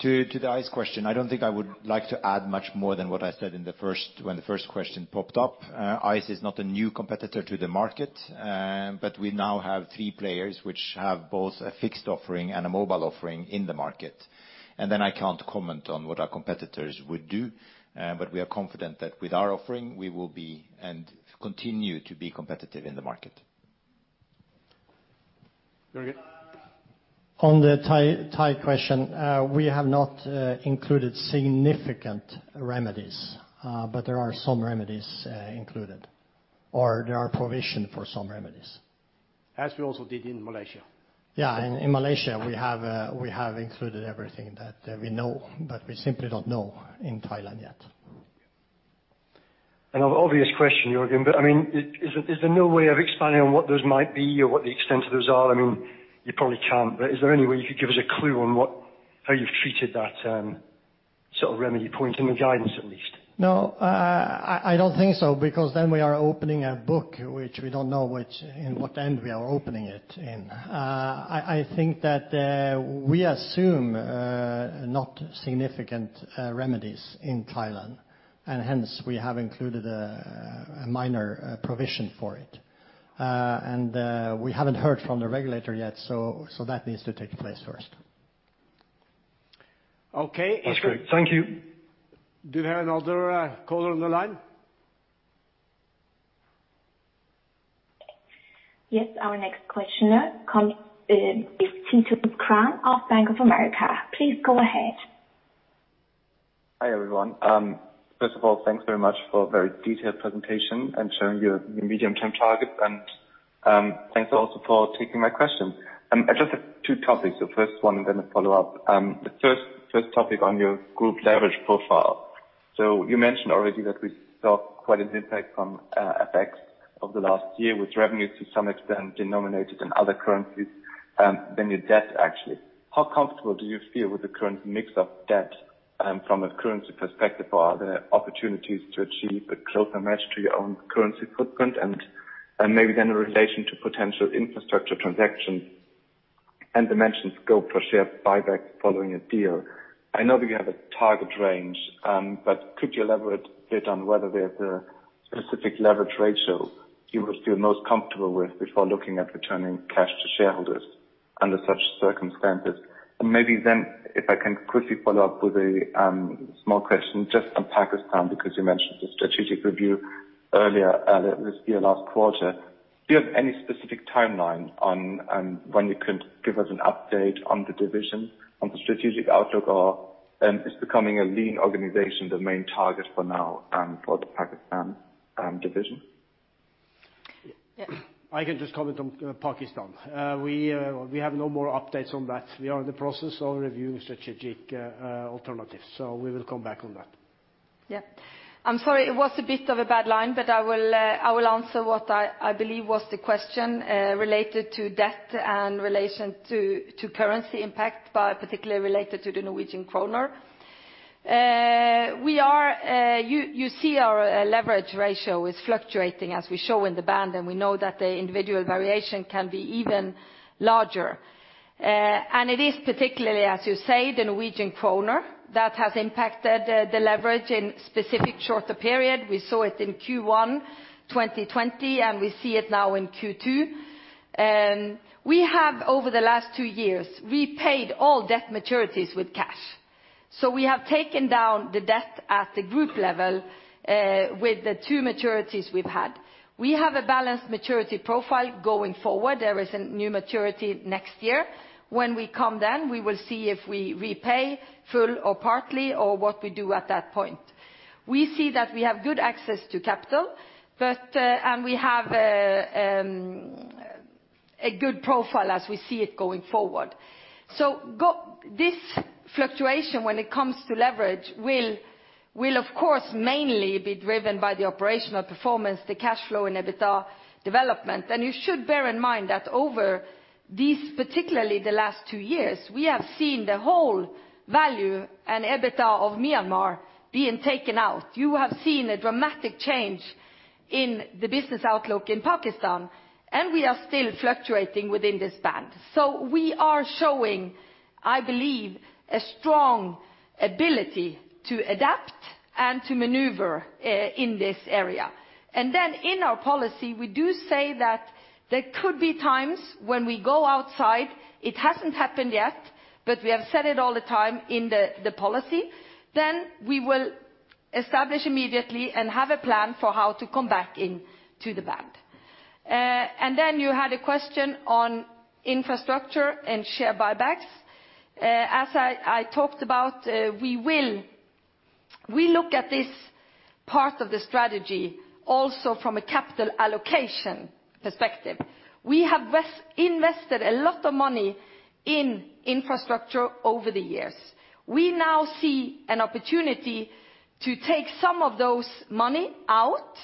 To the Ice question, I don't think I would like to add much more than what I said when the first question popped up. Ice is not a new competitor to the market, but we now have three players which have both a fixed offering and a mobile offering in the market. I can't comment on what our competitors would do, but we are confident that with our offering, we will be and continue to be competitive in the market. Very good. On the Thai question, we have not included significant remedies, but there are some remedies included, or there are provision for some remedies. As we also did in Malaysia. Yeah. In Malaysia, we have included everything that we know, but we simply don't know in Thailand. An obvious question, Jørgen, but I mean, is there no way of expanding on what those might be or what the extent of those are? I mean, you probably can't, but is there any way you could give us a clue on how you've treated that sort of remedy point in the guidance at least? No, I don't think so, because then we are opening a book which we don't know which end we are opening it in. I think that we assume not significant remedies in Thailand, and hence we have included a minor provision for it. We haven't heard from the regulator yet, so that needs to take place first. Okay. That's great. Thank you. Do you have another caller on the line? Yes. Our next questioner is Titus Krahn of Bank of America. Please go ahead. Hi, everyone. First of all, thanks very much for a very detailed presentation and sharing your medium-term targets and, thanks also for taking my question. I just have two topics, the first one and then a follow-up. The first topic on your group leverage profile. You mentioned already that we saw quite an impact from FX over the last year with revenue to some extent denominated in other currencies than your debt, actually. How comfortable do you feel with the current mix of debt from a currency perspective? Are there opportunities to achieve a closer match to your own currency footprint? Maybe then in relation to potential infrastructure transactions and the mentioned scope for share buyback following a deal, I know that you have a target range, but could you elaborate a bit on whether there's a specific leverage ratio you would feel most comfortable with before looking at returning cash to shareholders under such circumstances? Maybe then if I can quickly follow up with a small question just on Pakistan, because you mentioned the strategic review earlier, this year, last quarter. Do you have any specific timeline on when you could give us an update on the division, on the strategic outlook? Is becoming a lean organization the main target for now, for the Pakistan division? I can just comment on Pakistan. We have no more updates on that. We are in the process of reviewing strategic alternatives. We will come back on that. Yeah. I'm sorry it was a bit of a bad line, but I will answer what I believe was the question related to debt and relation to currency impact, but particularly related to the Norwegian kroner. You see our leverage ratio is fluctuating as we show in the band, and we know that the individual variation can be even larger. It is particularly, as you say, the Norwegian kroner that has impacted the leverage in specific shorter period. We saw it in Q1 2020, and we see it now in Q2. Over the last two years, we paid all debt maturities with cash. We have taken down the debt at the group level with the two maturities we've had. We have a balanced maturity profile going forward. There is a new maturity next year. When we come then, we will see if we repay full or partly or what we do at that point. We see that we have good access to capital, but and we have a good profile as we see it going forward. This fluctuation when it comes to leverage will of course mainly be driven by the operational performance, the cash flow and EBITDA development. You should bear in mind that over these, particularly the last two years, we have seen the whole value and EBITDA of Myanmar being taken out. You have seen a dramatic change in the business outlook in Pakistan, and we are still fluctuating within this band. We are showing, I believe, a strong ability to adapt and to maneuver in this area. In our policy, we do say that there could be times when we go outside. It hasn't happened yet, but we have said it all the time in the policy. We will establish immediately and have a plan for how to come back into the band. You had a question on infrastructure and share buybacks. As I talked about, we look at this part of the strategy also from a capital allocation perspective. We have invested a lot of money in infrastructure over the years. We now see an opportunity to take some of those money out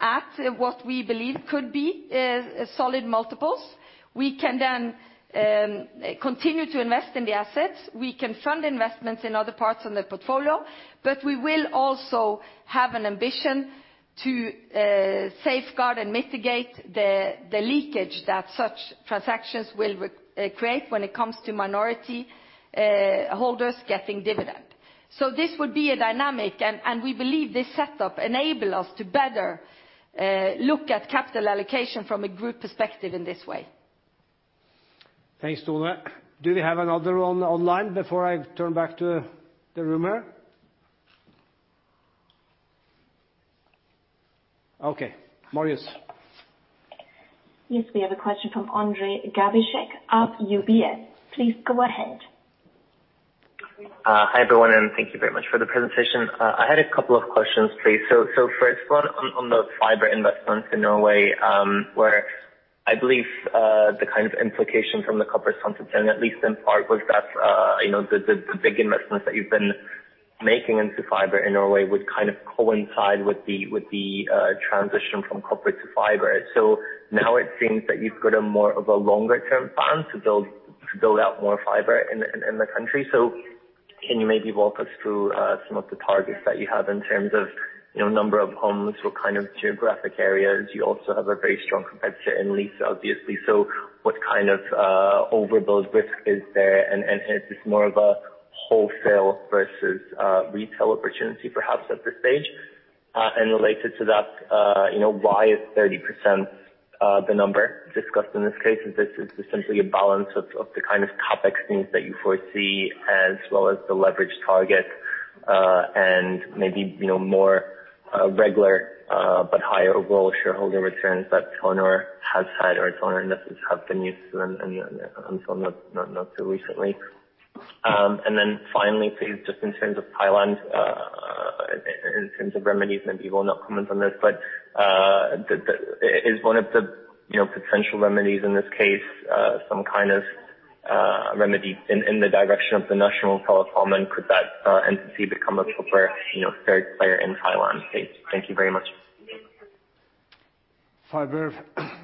at what we believe could be solid multiples. We can then continue to invest in the assets. We can fund investments in other parts of the portfolio, but we will also have an ambition to safeguard and mitigate the leakage that such transactions will create when it comes to minority holders getting dividend. This would be a dynamic and we believe this setup enable us to better look at capital allocation from a group perspective in this way. Thanks, Tone. Do we have another online before I turn back to the room here? Okay, Marius. Yes. We have a question from Ondrej Cabejšek of UBS. Please go ahead. Hi, everyone, and thank you very much for the presentation. I had a couple of questions, please. First one on the fiber investments in Norway, where I believe the kind of implication from the copper 10% at least in part was that, you know, the big investments that you've been making into fiber in Norway would kind of coincide with the transition from copper to fiber. Now it seems that you've got more of a longer-term plan to build out more fiber in the country. Can you maybe walk us through some of the targets that you have in terms of, you know, number of homes? What kind of geographic areas? You also have a very strong competitor in Lyse, obviously. What kind of overbuild risk is there? Is this more of a wholesale versus retail opportunity perhaps at this stage? And related to that, you know, why is 30% the number discussed in this case? Is this simply a balance of the kind of CapEx things that you foresee, as well as the leverage target, and maybe you know, more regular, but higher overall shareholder returns that Telenor has had or Telenor investors have been used to until not too recently. And then finally, please, just in terms of Thailand, in terms of remedies, maybe you will not comment on this, but is one of the potential remedies in this case some kind of remedy in the direction of the national telephone? Could that entity become a player, you know, third player in Thailand? Thank you very much. Fiber.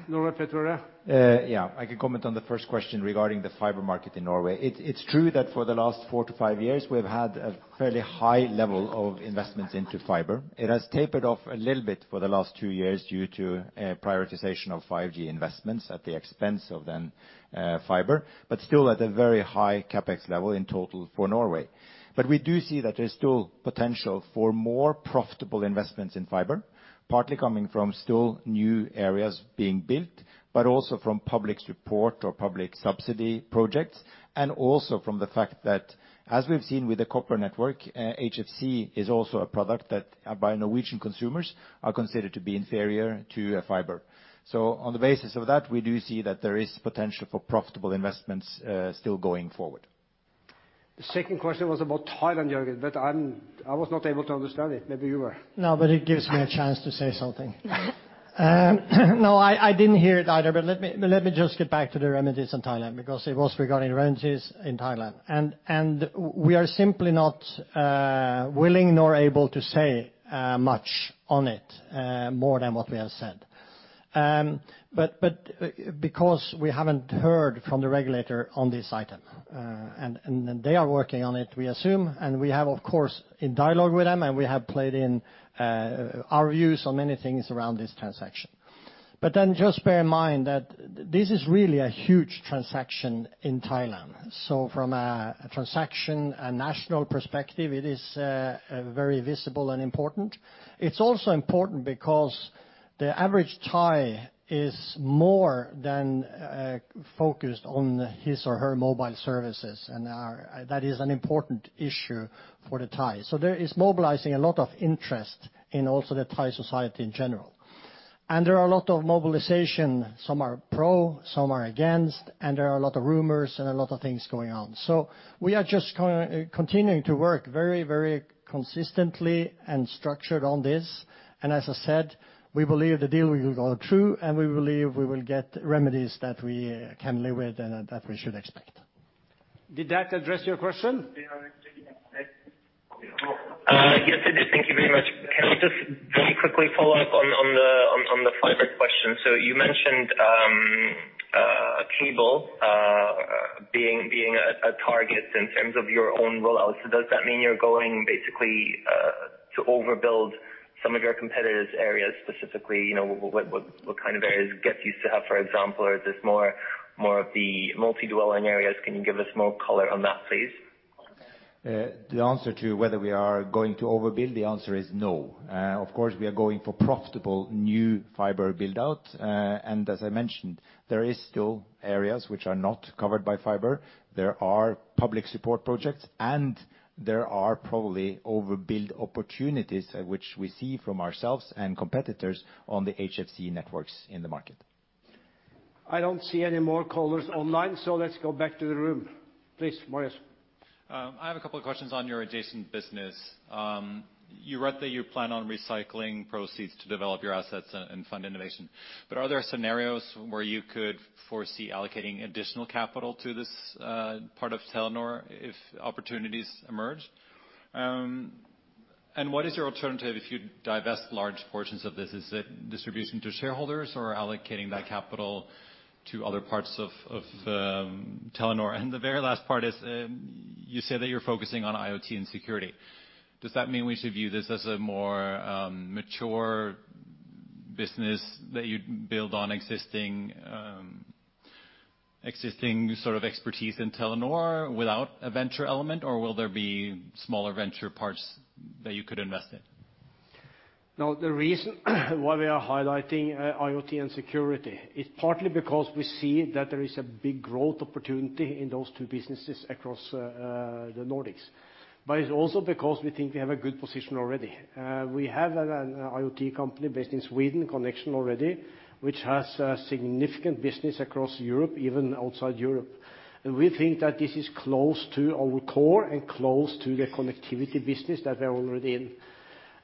Laura Petrea. Yeah, I can comment on the first question regarding the fiber market in Norway. It's true that for the last four to five years, we've had a fairly high level of investments into fiber. It has tapered off a little bit for the last two years due to a prioritization of 5G investments at the expense of fiber, but still at a very high CapEx level in total for Norway. We do see that there's still potential for more profitable investments in fiber, partly coming from still new areas being built, but also from public support or public subsidy projects. From the fact that as we've seen with the copper network, HFC is also a product that by Norwegian consumers are considered to be inferior to a fiber. On the basis of that, we do see that there is potential for profitable investments, still going forward. The second question was about Thailand, Jørgen, but I was not able to understand it. Maybe you were. No, but it gives me a chance to say something. No, I didn't hear it either, but let me just get back to the remedies in Thailand because it was regarding remedies in Thailand. We are simply not willing nor able to say much on it more than what we have said. Because we haven't heard from the regulator on this item and they are working on it, we assume. We have, of course, in dialogue with them, and we have played in our views on many things around this transaction. Just bear in mind that this is really a huge transaction in Thailand. From a transaction national perspective, it is very visible and important. It's also important because the average Thai is more than focused on his or her mobile services. That is an important issue for the Thai. There is a lot of interest and also in the Thai society in general. There are a lot of mobilizations. Some are pro, some are against, and there are a lot of rumors and a lot of things going on. We are just continuing to work very, very consistently and structured on this. As I said, we believe the deal will go through, and we believe we will get remedies that we can live with and that we should expect. Did that address your question? Yes, it did. Thank you very much. Can I just very quickly follow up on the fiber question? So you mentioned cable being a target in terms of your own rollout. Does that mean you're going basically to overbuild some of your competitors' areas, specifically, you know, what kind of areas Get used to have, for example, or is this more of the multi-dwelling areas? Can you give us more color on that, please? The answer to whether we are going to overbuild, the answer is no. Of course, we are going for profitable new fiber build out. As I mentioned, there is still areas which are not covered by fiber. There are public support projects, and there are probably overbuild opportunities which we see from ourselves and competitors on the HFC networks in the market. I don't see any more callers online, so let's go back to the room, please. Marius. I have a couple of questions on your adjacent business. You wrote that you plan on recycling proceeds to develop your assets and fund innovation. Are there scenarios where you could foresee allocating additional capital to this part of Telenor if opportunities emerge? What is your alternative if you divest large portions of this? Is it distribution to shareholders or allocating that capital to other parts of Telenor? The very last part is, you say that you're focusing on IoT and security. Does that mean we should view this as a more mature business that you'd build on existing sort of expertise in Telenor without a venture element, or will there be smaller venture parts that you could invest in? Now, the reason why we are highlighting IoT and security is partly because we see that there is a big growth opportunity in those two businesses across the Nordics. It's also because we think we have a good position already. We have an IoT company based in Sweden, Connexion already, which has a significant business across Europe, even outside Europe. We think that this is close to our core and close to the connectivity business that we're already in.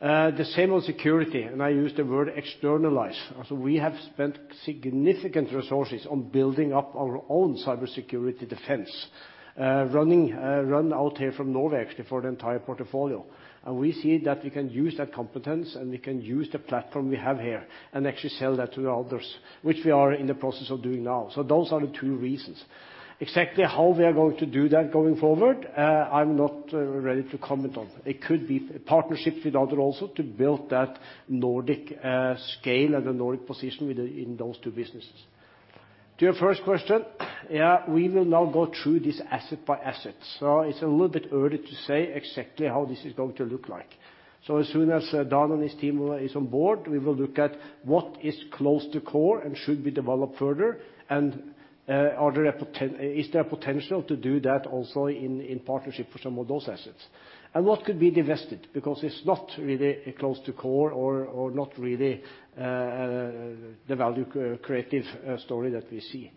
The same on security, and I use the word externalize. We have spent significant resources on building up our own cybersecurity defense, run out here from Norway actually for the entire portfolio. We see that we can use that competence, and we can use the platform we have here and actually sell that to others, which we are in the process of doing now. Those are the two reasons. Exactly how we are going to do that going forward, I'm not ready to comment on. It could be partnerships with others also to build that Nordic scale and the Nordic position within those two businesses. To your first question, yeah, we will now go through this asset by asset. It's a little bit early to say exactly how this is going to look like. As soon as Dan and his team is on board, we will look at what is close to core and should be developed further and, is there a potential to do that also in partnership for some of those assets? What could be divested because it's not really close to core or not really the value creation story that we see.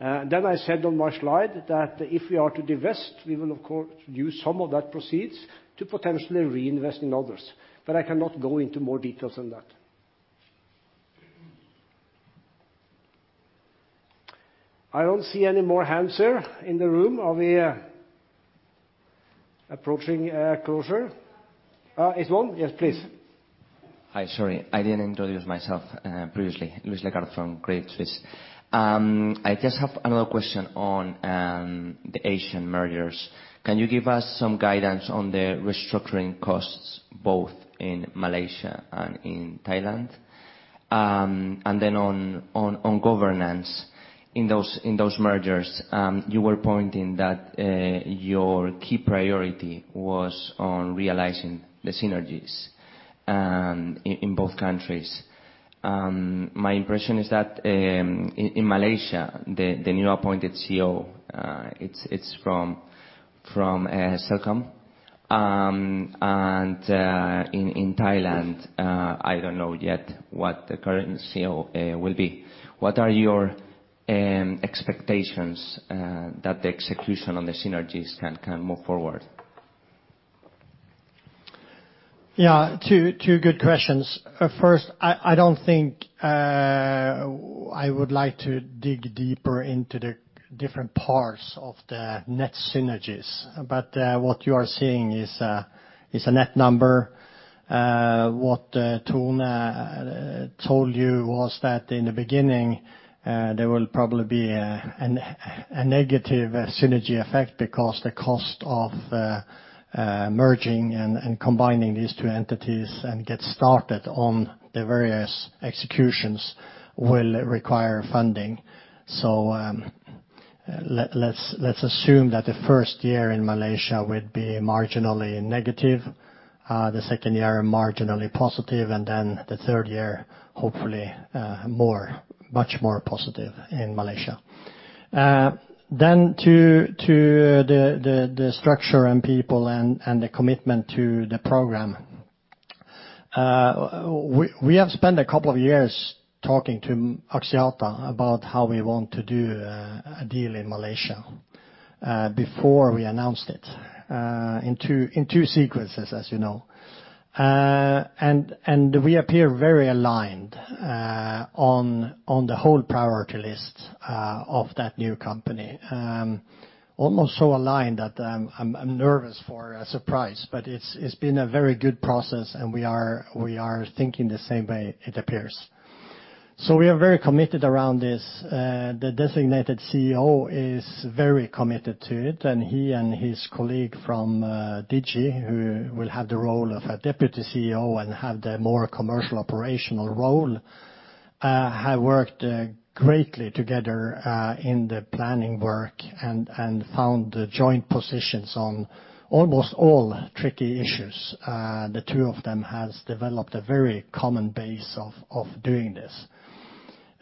I said on my slide that if we are to divest, we will of course use some of that proceeds to potentially reinvest in others. I cannot go into more details than that. I don't see any more hands here in the room. Are we approaching closure? Usman, yes, please. Hi. Sorry, I didn't introduce myself previously. Louis Legrand from Credit Suisse. I just have another question on the Asian mergers. Can you give us some guidance on the restructuring costs, both in Malaysia and in Thailand? And then on governance in those mergers, you were pointing that your key priority was on realizing the synergies in both countries. My impression is that in Malaysia, the new appointed CEO, it's from Celcom. And in Thailand, I don't know yet what the current CEO will be. What are your expectations that the execution on the synergies can move forward? Yeah. Two good questions. First, I don't think I would like to dig deeper into the different parts of the net synergies. What you are seeing is a net number. What Tone told you was that in the beginning, there will probably be a negative synergy effect because the cost of merging and combining these two entities and get started on the various executions will require funding. Let's assume that the first year in Malaysia would be marginally negative, the second year marginally positive, and then the third year, hopefully, much more positive in Malaysia. To the structure and people and the commitment to the program. We have spent a couple of years talking to Axiata about how we want to do a deal in Malaysia before we announced it in two sequences, as you know. We appear very aligned on the whole priority list of that new company. Almost so aligned that I'm nervous for a surprise. It's been a very good process, and we are thinking the same way it appears. We are very committed around this. The designated CEO is very committed to it, and he and his colleague from Digi, who will have the role of a deputy CEO and have the more commercial operational role, have worked greatly together in the planning work and found the joint positions on almost all tricky issues. The two of them has developed a very common base of doing this.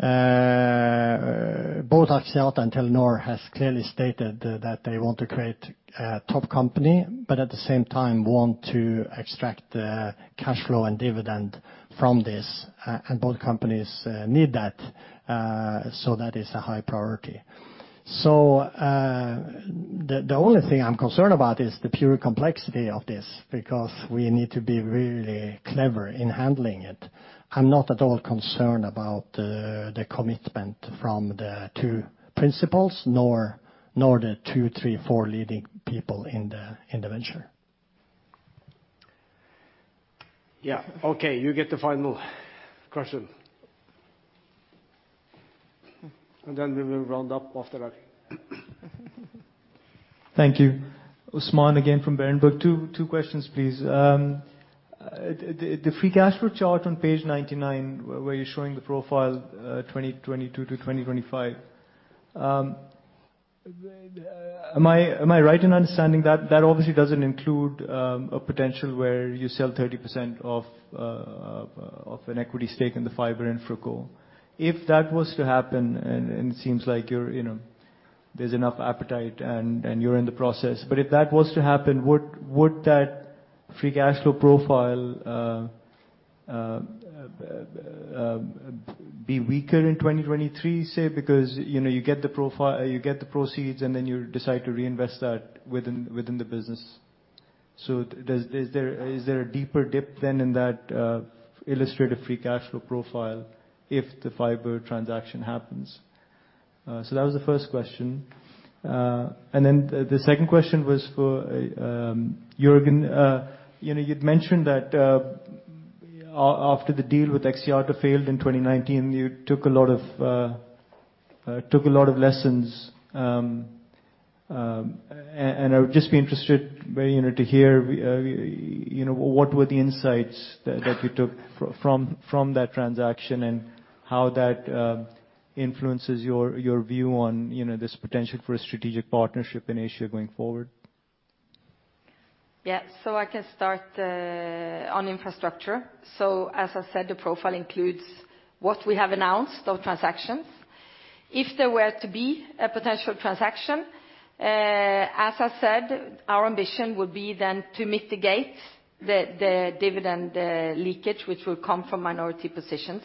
Both Axiata and Telenor has clearly stated that they want to create a top company, but at the same time want to extract the cash flow and dividend from this. Both companies need that, so that is a high priority. The only thing I'm concerned about is the pure complexity of this because we need to be really clever in handling it. I'm not at all concerned about the commitment from the two principals nor the two, three, four leading people in the venture. Yeah. Okay, you get the final question. We will round up after that. Thank you. Usman again from Berenberg. Two questions, please. The free cash flow chart on page 99 where you're showing the profile, 2022 to 2025, Am I right in understanding that that obviously doesn't include a potential where you sell 30% of an equity stake in the Fiber InfraCo? If that was to happen, and it seems like you're, you know, there's enough appetite and you're in the process. If that was to happen, would that free cash flow profile be weaker in 2023, say? Because, you know, you get the proceeds, and then you decide to reinvest that within the business. Is there a deeper dip than in that illustrative free cash flow profile if the fiber transaction happens? That was the first question. The second question was for Jørgen. You know, you'd mentioned that after the deal with Axiata failed in 2019, you took a lot of lessons. I would just be interested very, you know, to hear, you know, what were the insights that you took from that transaction and how that influences your view on, you know, this potential for a strategic partnership in Asia going forward. I can start on infrastructure. As I said, the profile includes what we have announced of transactions. If there were to be a potential transaction, as I said, our ambition would be then to mitigate the dividend leakage, which would come from minority positions.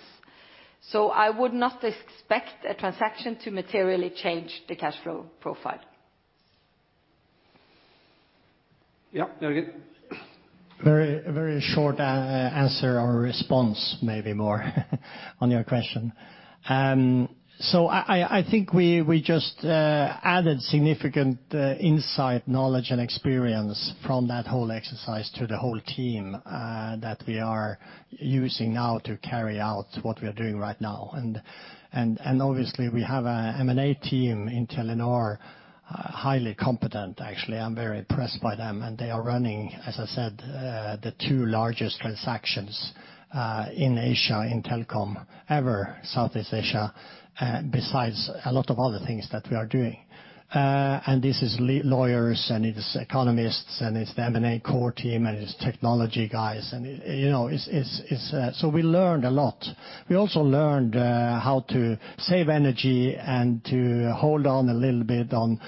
I would not expect a transaction to materially change the cash flow profile. Yeah. Jørgen. Very short answer or response, maybe more on your question. I think we just added significant insight, knowledge, and experience from that whole exercise to the whole team that we are using now to carry out what we are doing right now. Obviously we have a M&A team in Telenor, highly competent actually. I'm very impressed by them, and they are running, as I said, the two largest transactions in Asia in telecom ever, Southeast Asia, besides a lot of other things that we are doing. This is lawyers, and it is economists, and it's the M&A core team, and it's technology guys, and, you know, it's. We learned a lot. We also learned how to save energy and to hold on a little bit on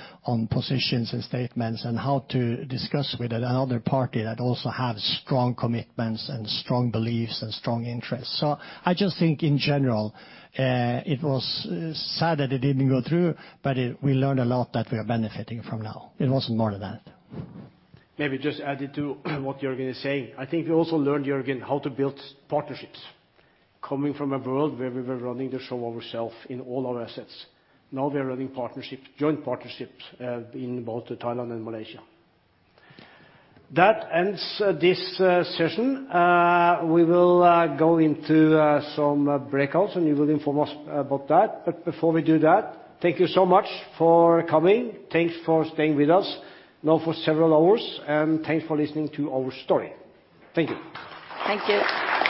positions and statements and how to discuss with another party that also have strong commitments and strong beliefs and strong interests. I just think in general it was sad that it didn't go through, but we learned a lot that we are benefiting from now. It wasn't more than that. Maybe just adding to what Jørgen is saying. I think we also learned, Jørgen, how to build partnerships coming from a world where we were running the show ourselves in all our assets. Now we are running partnerships, joint partnerships, in both Thailand and Malaysia. That ends this session. We will go into some breakouts, and you will inform us about that. But before we do that, thank you so much for coming. Thanks for staying with us now for several hours, and thanks for listening to our story. Thank you. Thank you.